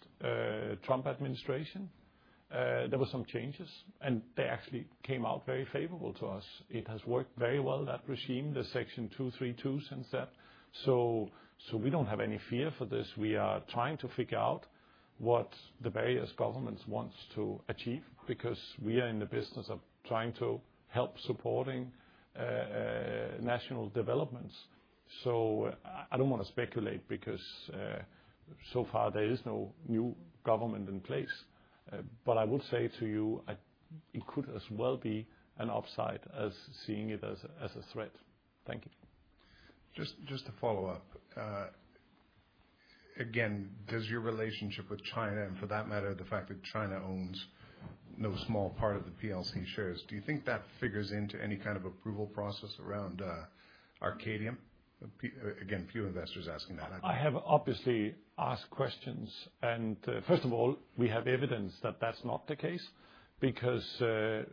Trump administration, there were some changes, and they actually came out very favorable to us. It has worked very well, that regime, the Section 232 since then. So we don't have any fear for this. We are trying to figure out what the various governments want to achieve because we are in the business of trying to help supporting national developments. So I don't want to speculate because so far, there is no new government in place. But I would say to you, it could as well be an upside as seeing it as a threat. Thank you. Just to follow up, again, does your relationship with China, and for that matter, the fact that China owns no small part of the PLC shares, do you think that figures into any kind of approval process around Arcadium? Again, few investors asking that. I have obviously asked questions, and first of all, we have evidence that that's not the case because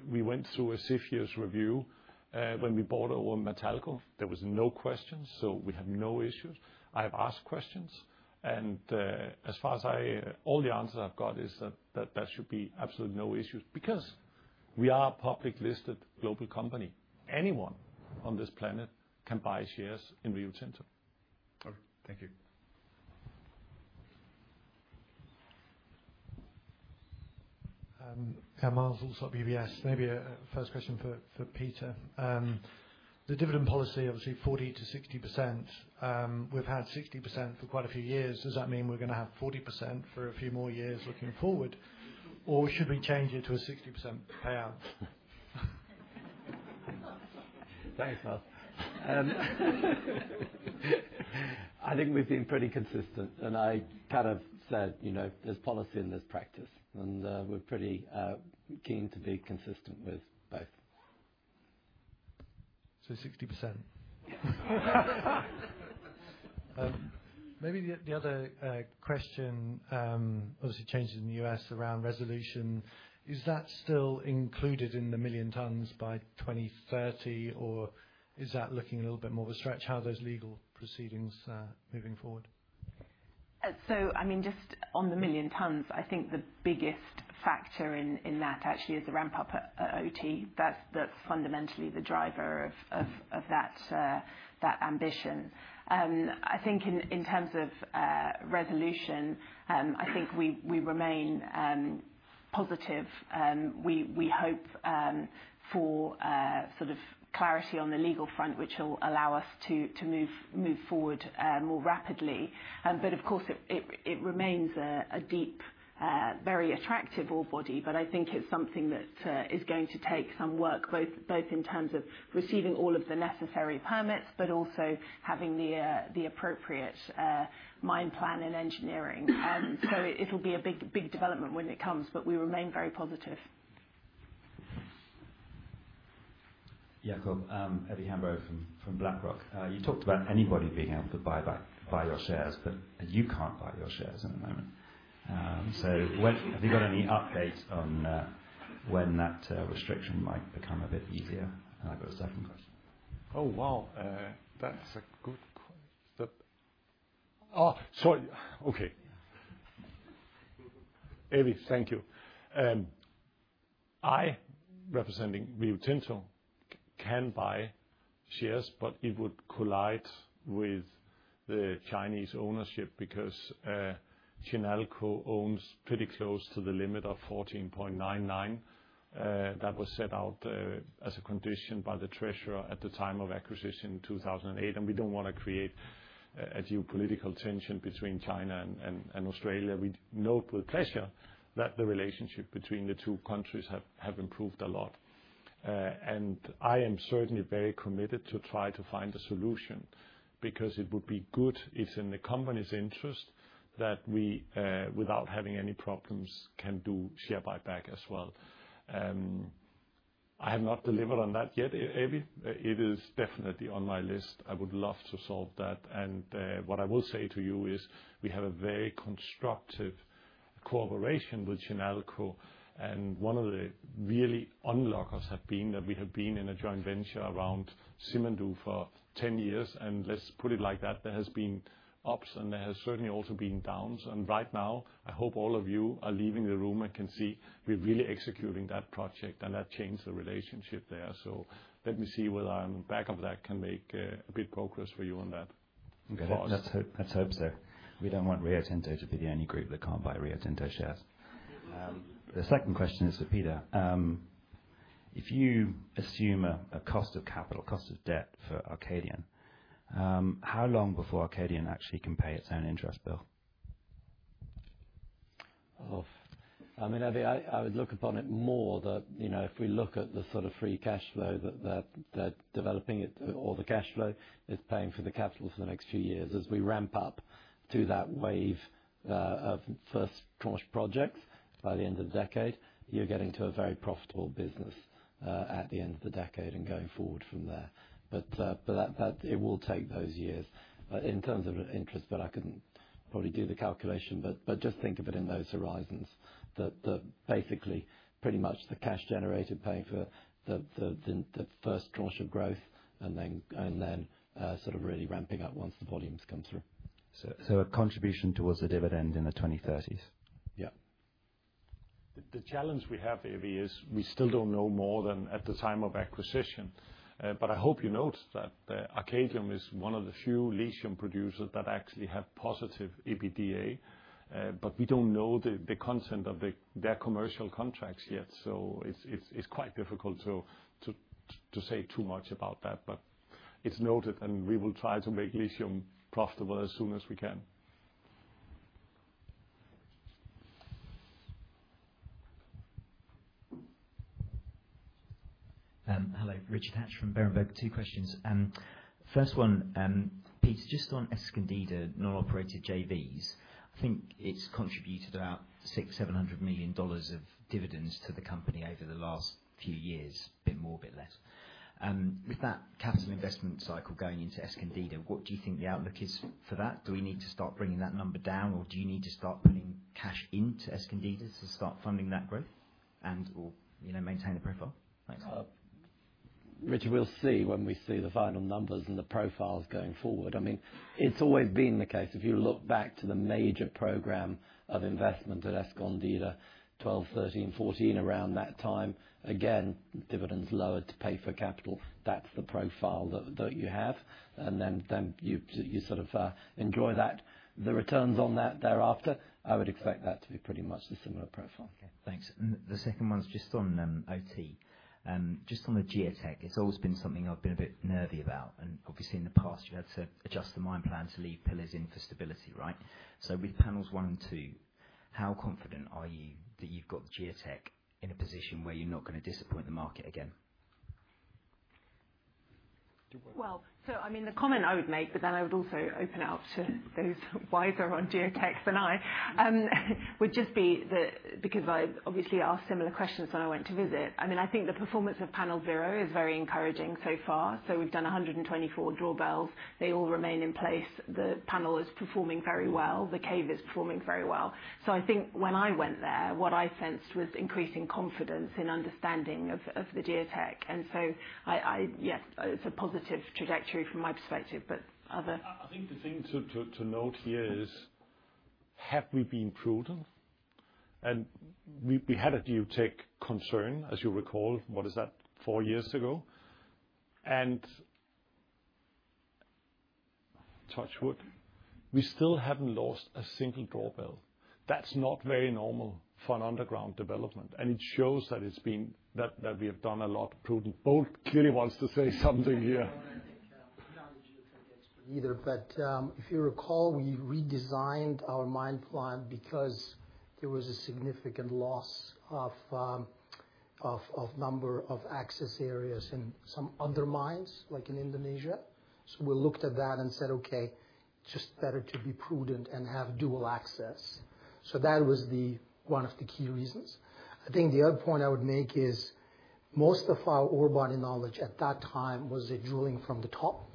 we went through a CFIUS review when we bought our Matalco. There was no questions. So we have no issues. I have asked questions, and as far as all the answers I've got is that there should be absolutely no issues because we are a public-listed global company. Anyone on this planet can buy shares in Rio Tinto. All right. Thank you. Emma also at BBS. Maybe a first question for Peter. The dividend policy, obviously, 40%-60%. We've had 60% for quite a few years. Does that mean we're going to have 40% for a few more years looking forward, or should we change it to a 60% payout? Thanks, Emma. I think we've been pretty consistent. I kind of said, "There's policy and there's practice." We're pretty keen to be consistent with both. So 60%. Maybe the other question, obviously, changes in the U.S. around Resolution. Is that still included in the million tons by 2030, or is that looking a little bit more of a stretch? How are those legal proceedings moving forward? I mean, just on the million tons, I think the biggest factor in that actually is the ramp-up at OT. That's fundamentally the driver of that ambition. I think in terms of Resolution, I think we remain positive. We hope for sort of clarity on the legal front, which will allow us to move forward more rapidly. But, of course, it remains a deep, very attractive ore body, but I think it's something that is going to take some work, both in terms of receiving all of the necessary permits, but also having the appropriate mine plan and engineering. So it'll be a big development when it comes, but we remain very positive. Jakob, Evy Hambro from BlackRock. You talked about anybody being able to buy your shares, but you can't buy your shares at the moment. So have you got any updates on when that restriction might become a bit easier? And I've got a second question. Oh, wow. That's a good question. Oh, sorry. Okay. Evy, thank you. I, representing Rio Tinto, can buy shares, but it would collide with the Chinese ownership because Kennecott owns pretty close to the limit of 14.99%. That was set out as a condition by the treasurer at the time of acquisition in 2008, and we don't want to create geopolitical tension between China and Australia. We know with pleasure that the relationship between the two countries have improved a lot, and I am certainly very committed to try to find a solution because it would be good. It's in the company's interest that we, without having any problems, can do share buyback as well. I have not delivered on that yet, Evy. It is definitely on my list. I would love to solve that, and what I will say to you is we have a very constructive cooperation with Kennecott, and one of the really unlockers have been that we have been in a joint venture around Simandou for 10 years, and let's put it like that. There have been ups, and there have certainly also been downs, and right now, I hope all of you are leaving the room and can see we're really executing that project, and that changed the relationship there, so let me see whether I'm on the back of that can make a bit of progress for you on that. That's hopes there. We don't want Rio Tinto to be the only group that can't buy Rio Tinto shares. The second question is for Peter. If you assume a cost of capital, cost of debt for Arcadium, how long before Arcadium actually can pay its own interest bill? I mean, Evy, I would look upon it more that if we look at the sort of free cash flow that they're developing, or the cash flow it's paying for the capital for the next few years. As we ramp up to that wave of first tranche projects by the end of the decade, you're getting to a very profitable business at the end of the decade and going forward from there. But it will take those years in terms of interest, but I couldn't probably do the calculation. But just think of it in those horizons. Basically, pretty much the cash generated paying for the first tranche of growth and then sort of really ramping up once the volumes come through. So a contribution towards the dividend in the 2030s? Yeah. The challenge we have, Eddie, is we still don't know more than at the time of acquisition. But I hope you noticed that Arcadium is one of the few lithium producers that actually have positive EBITDA. But we don't know the content of their commercial contracts yet. So it's quite difficult to say too much about that. But it's noted, and we will try to make lithium profitable as soon as we can. Hello. Richard Hatch from Berenberg. Two questions. First one, Peter, just on Escondida non-operated JVs, I think it's contributed about $600-$700 million of dividends to the company over the last few years, a bit more, a bit less. With that capital investment cycle going into Escondida, what do you think the outlook is for that? Do we need to start bringing that number down, or do you need to start putting cash into Escondida to start funding that growth and/or maintain the profile? Thanks. Richard, we'll see when we see the final numbers and the profiles going forward. I mean, it's always been the case. If you look back to the major program of investment at Escondida, 2012, 2013, 2014, around that time, again, dividends lowered to pay for capital. That's the profile that you have, and then you sort of enjoy that. The returns on that thereafter, I would expect that to be pretty much the similar profile. Okay. Thanks, and the second one's just on OT. Just on the geotech, it's always been something I've been a bit nervy about. And obviously, in the past, you had to adjust the mine plan to leave pillars in for stability, right? So with panels one and two, how confident are you that you've got geotech in a position where you're not going to disappoint the market again? So I mean, the comment I would make, but then I would also open it up to those wiser on geotech than I, would just be that because I obviously asked similar questions when I went to visit. I mean, I think the performance of panel zero is very encouraging so far. So we've done 124 drawbells. They all remain in place. The panel is performing very well. The cave is performing very well. So I think when I went there, what I sensed was increasing confidence in understanding of the geotech. And so, yes, it's a positive trajectory from my perspective, but other. I think the thing to note here is, have we been prudent? And we had a geotech concern, as you recall, what is that, four years ago? And touch wood, we still haven't lost a single drawbell. That's not very normal for an underground development. It shows that we have done a lot prudent. Bold clearly wants to say something here. Neither. But if you recall, we redesigned our mine plan because there was a significant loss of number of access areas in some other mines, like in Indonesia. So we looked at that and said, "Okay, it's just better to be prudent and have dual access." So that was one of the key reasons. I think the other point I would make is most of our ore body knowledge at that time was a drilling from the top,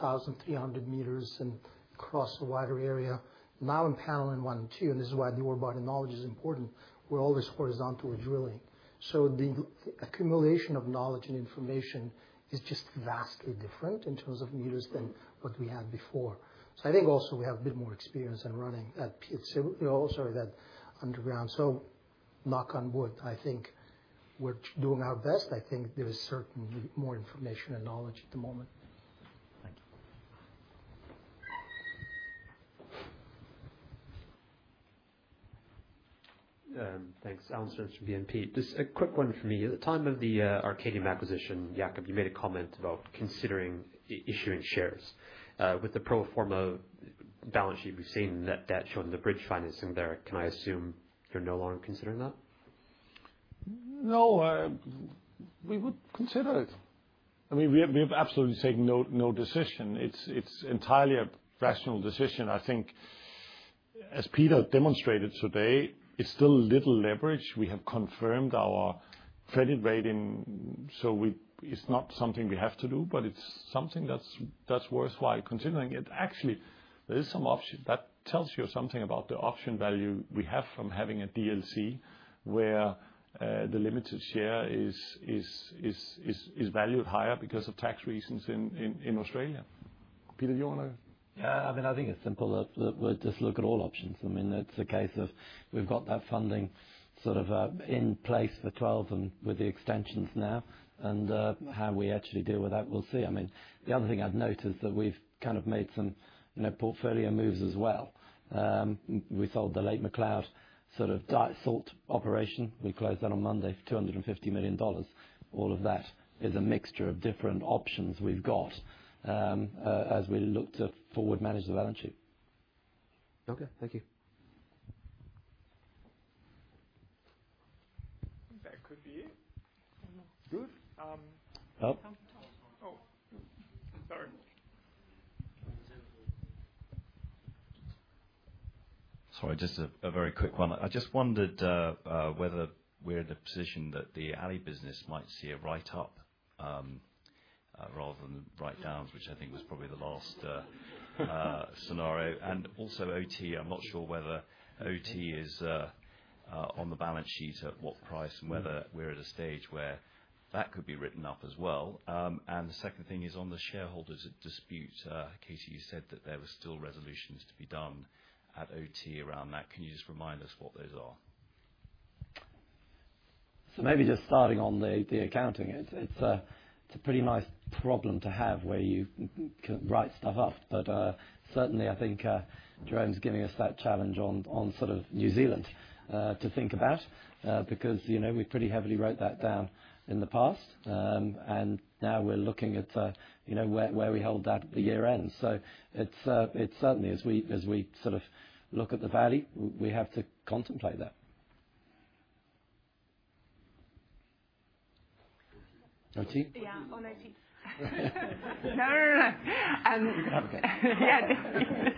so 1,300 meters and across a wider area. Now in panel one and two, and this is why the ore body knowledge is important, we're always horizontal with drilling. So the accumulation of knowledge and information is just vastly different in terms of meters than what we had before. So I think also we have a bit more experience in running that underground. So knock on wood, I think we're doing our best. I think there is certainly more information and knowledge at the moment. Thank you. Thanks. Alan Spence from BNP. Just a quick one for me. At the time of the Arcadium acquisition, Jakob, you made a comment about considering issuing shares. With the pro forma balance sheet we've seen that showing the bridge financing there, can I assume you're no longer considering that? No, we would consider it. I mean, we have absolutely taken no decision. It's entirely a rational decision. I think, as Peter demonstrated today, it's still little leverage. We have confirmed our credit rating so it's not something we have to do, but it's something that's worthwhile considering. Actually, there is some option that tells you something about the option value we have from having a DLC where the limited share is valued higher because of tax reasons in Australia. Peter, do you want to? Yeah. I mean, I think it's simple that we'll just look at all options. I mean, it's a case of we've got that funding sort of in place for 12 and with the extensions now. And how we actually deal with that, we'll see. I mean, the other thing I've noticed is that we've kind of made some portfolio moves as well. We sold the Lake MacLeod sort of dried salt operation. We closed that on Monday, $250 million. All of that is a mixture of different options we've got as we look to forward manage the balance sheet. Okay. Thank you. That could be it. Good. Oh. Sorry. Sorry, just a very quick one. I just wondered whether we're in the position that the Alcoa business might see a write-up rather than write-downs, which I think was probably the last scenario. And also OT, I'm not sure whether OT is on the balance sheet at what price and whether we're at a stage where that could be written up as well. And the second thing is on the shareholders' dispute. Katie, you said that there were still resolutions to be done at OT around that. Can you just remind us what those are? So maybe just starting on the accounting, it's a pretty nice problem to have where you can write stuff up. But certainly, I think Jerome's giving us that challenge on sort of New Zealand to think about because we pretty heavily wrote that down in the past. Now we're looking at where we held that at the year-end. It's certainly, as we sort of look at the value, we have to contemplate that. Katie? Yeah, on OT. No, no, no.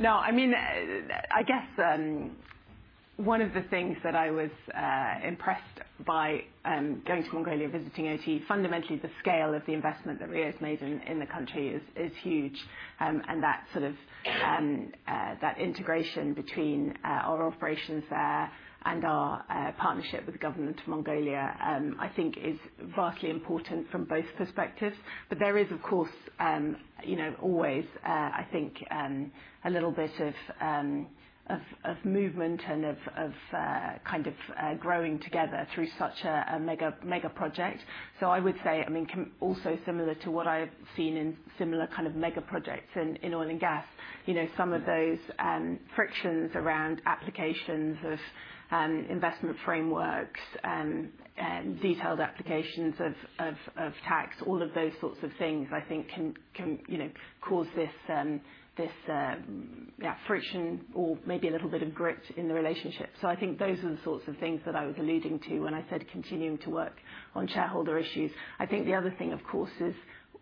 No, I mean, I guess one of the things that I was impressed by going to Mongolia, visiting OT, fundamentally, the scale of the investment that Rio has made in the country is huge. And that sort of integration between our operations there and our partnership with the government of Mongolia, I think, is vastly important from both perspectives. But there is, of course, always, I think, a little bit of movement and of kind of growing together through such a mega project. I would say, I mean, also similar to what I've seen in similar kind of mega projects in oil and gas, some of those frictions around applications of investment frameworks and detailed applications of tax, all of those sorts of things, I think, can cause this friction or maybe a little bit of grit in the relationship. So I think those are the sorts of things that I was alluding to when I said continuing to work on stakeholder issues. I think the other thing, of course, is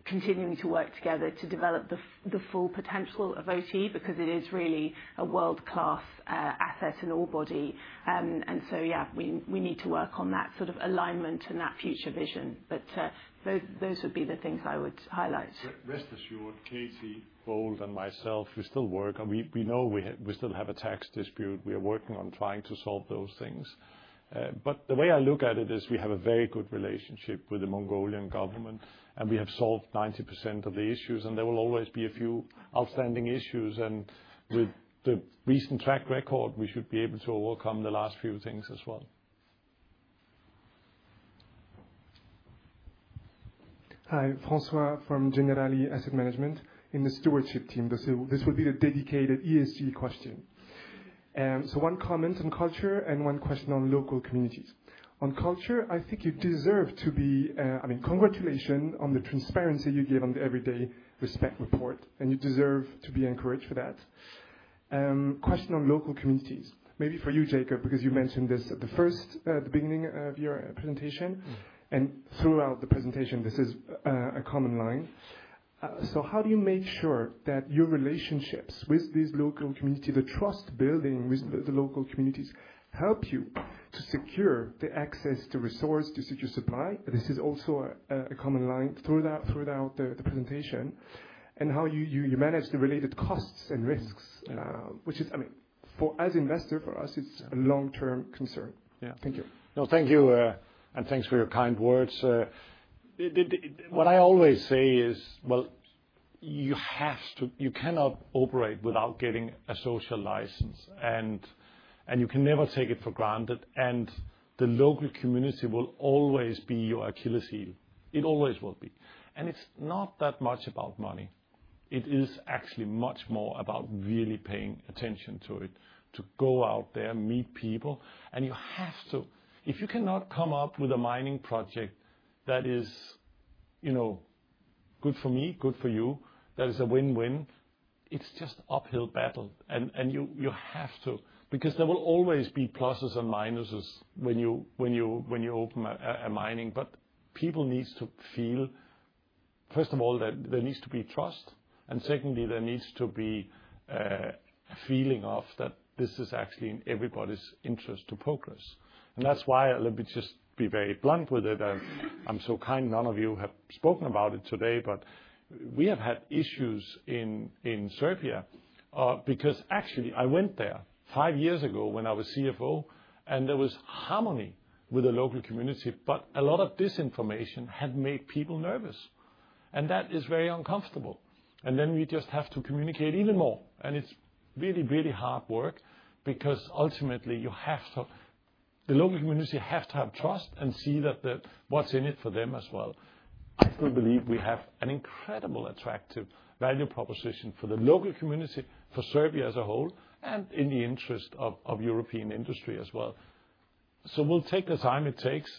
continuing to work together to develop the full potential of OT because it is really a world-class asset and ore body. And so, yeah, we need to work on that sort of alignment and that future vision. But those would be the things I would highlight. Rest assured, Katie, Bold, and myself, we still work. We know we still have a tax dispute. We are working on trying to solve those things. But the way I look at it is we have a very good relationship with the Mongolian government, and we have solved 90% of the issues. And there will always be a few outstanding issues. And with the recent track record, we should be able to overcome the last few things as well. Hi, François from Generali Asset Management. In the stewardship team, this will be the dedicated ESG question. So one comment on culture and one question on local communities. On culture, I think you deserve to be- I mean, congratulations on the transparency you gave on the Everyday Respect report. And you deserve to be encouraged for that. Question on local communities. Maybe for you, Jakob, because you mentioned this at the beginning of your presentation. Throughout the presentation, this is a common line. How do you make sure that your relationships with these local communities, the trust building with the local communities, help you to secure the access to resource, to secure supply? This is also a common line throughout the presentation. How you manage the related costs and risks, which is, I mean, as an investor, for us, it's a long-term concern. Yeah. Thank you. No, thank you. Thanks for your kind words. What I always say is, well, you cannot operate without getting a social license. You can never take it for granted. The local community will always be your Achilles heel. It always will be. It's not that much about money. It is actually much more about really paying attention to it, to go out there, meet people. And you have to, if you cannot come up with a mining project that is good for me, good for you, that is a win-win, it's just uphill battle. And you have to, because there will always be pluses and minuses when you open a mining. But people need to feel, first of all, that there needs to be trust. And secondly, there needs to be a feeling of that this is actually in everybody's interest to progress. And that's why I'll just be very blunt with it. I'm so kind. None of you have spoken about it today, but we have had issues in Serbia because actually, I went there five years ago when I was CFO, and there was harmony with the local community, but a lot of disinformation had made people nervous. And that is very uncomfortable. And then we just have to communicate even more. It's really, really hard work because ultimately, the local community has to have trust and see that what's in it for them as well. I still believe we have an incredible attractive value proposition for the local community, for Serbia as a whole, and in the interest of European industry as well. We'll take the time it takes.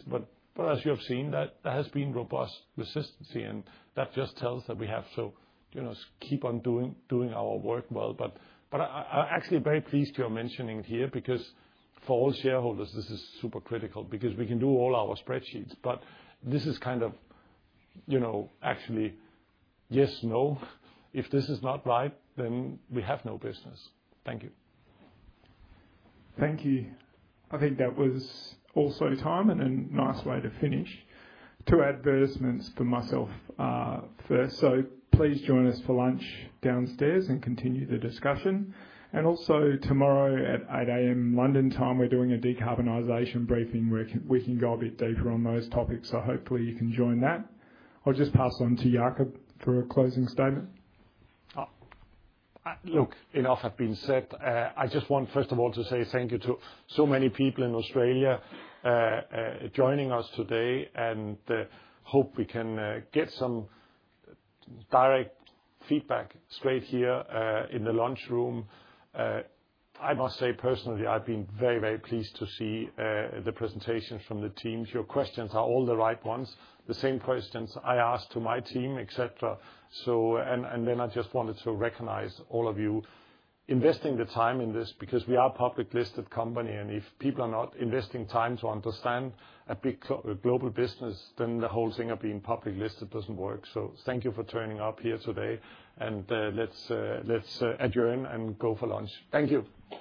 As you have seen, there has been robust resistance. That just tells that we have to keep on doing our work well. I'm actually very pleased you're mentioning it here because for all shareholders, this is super critical because we can do all our spreadsheets. This is kind of actually yes, no. If this is not right, then we have no business. Thank you. Thank you. I think that was also time and a nice way to finish. Two advertisements for myself first. So please join us for lunch downstairs and continue the discussion. And also tomorrow at 8:00 A.M. London time, we're doing a decarbonization briefing where we can go a bit deeper on those topics. So hopefully, you can join that. I'll just pass on to Jakob for a closing statement. Look, enough have been said. I just want, first of all, to say thank you to so many people in Australia joining us today and hope we can get some direct feedback straight here in the lunchroom. I must say, personally, I've been very, very pleased to see the presentations from the teams. Your questions are all the right ones, the same questions I asked to my team, etc. And then I just wanted to recognize all of you investing the time in this because we are a public-listed company. And if people are not investing time to understand a big global business, then the whole thing of being public-listed doesn't work. So thank you for turning up here today. And let's adjourn and go for lunch. Thank you.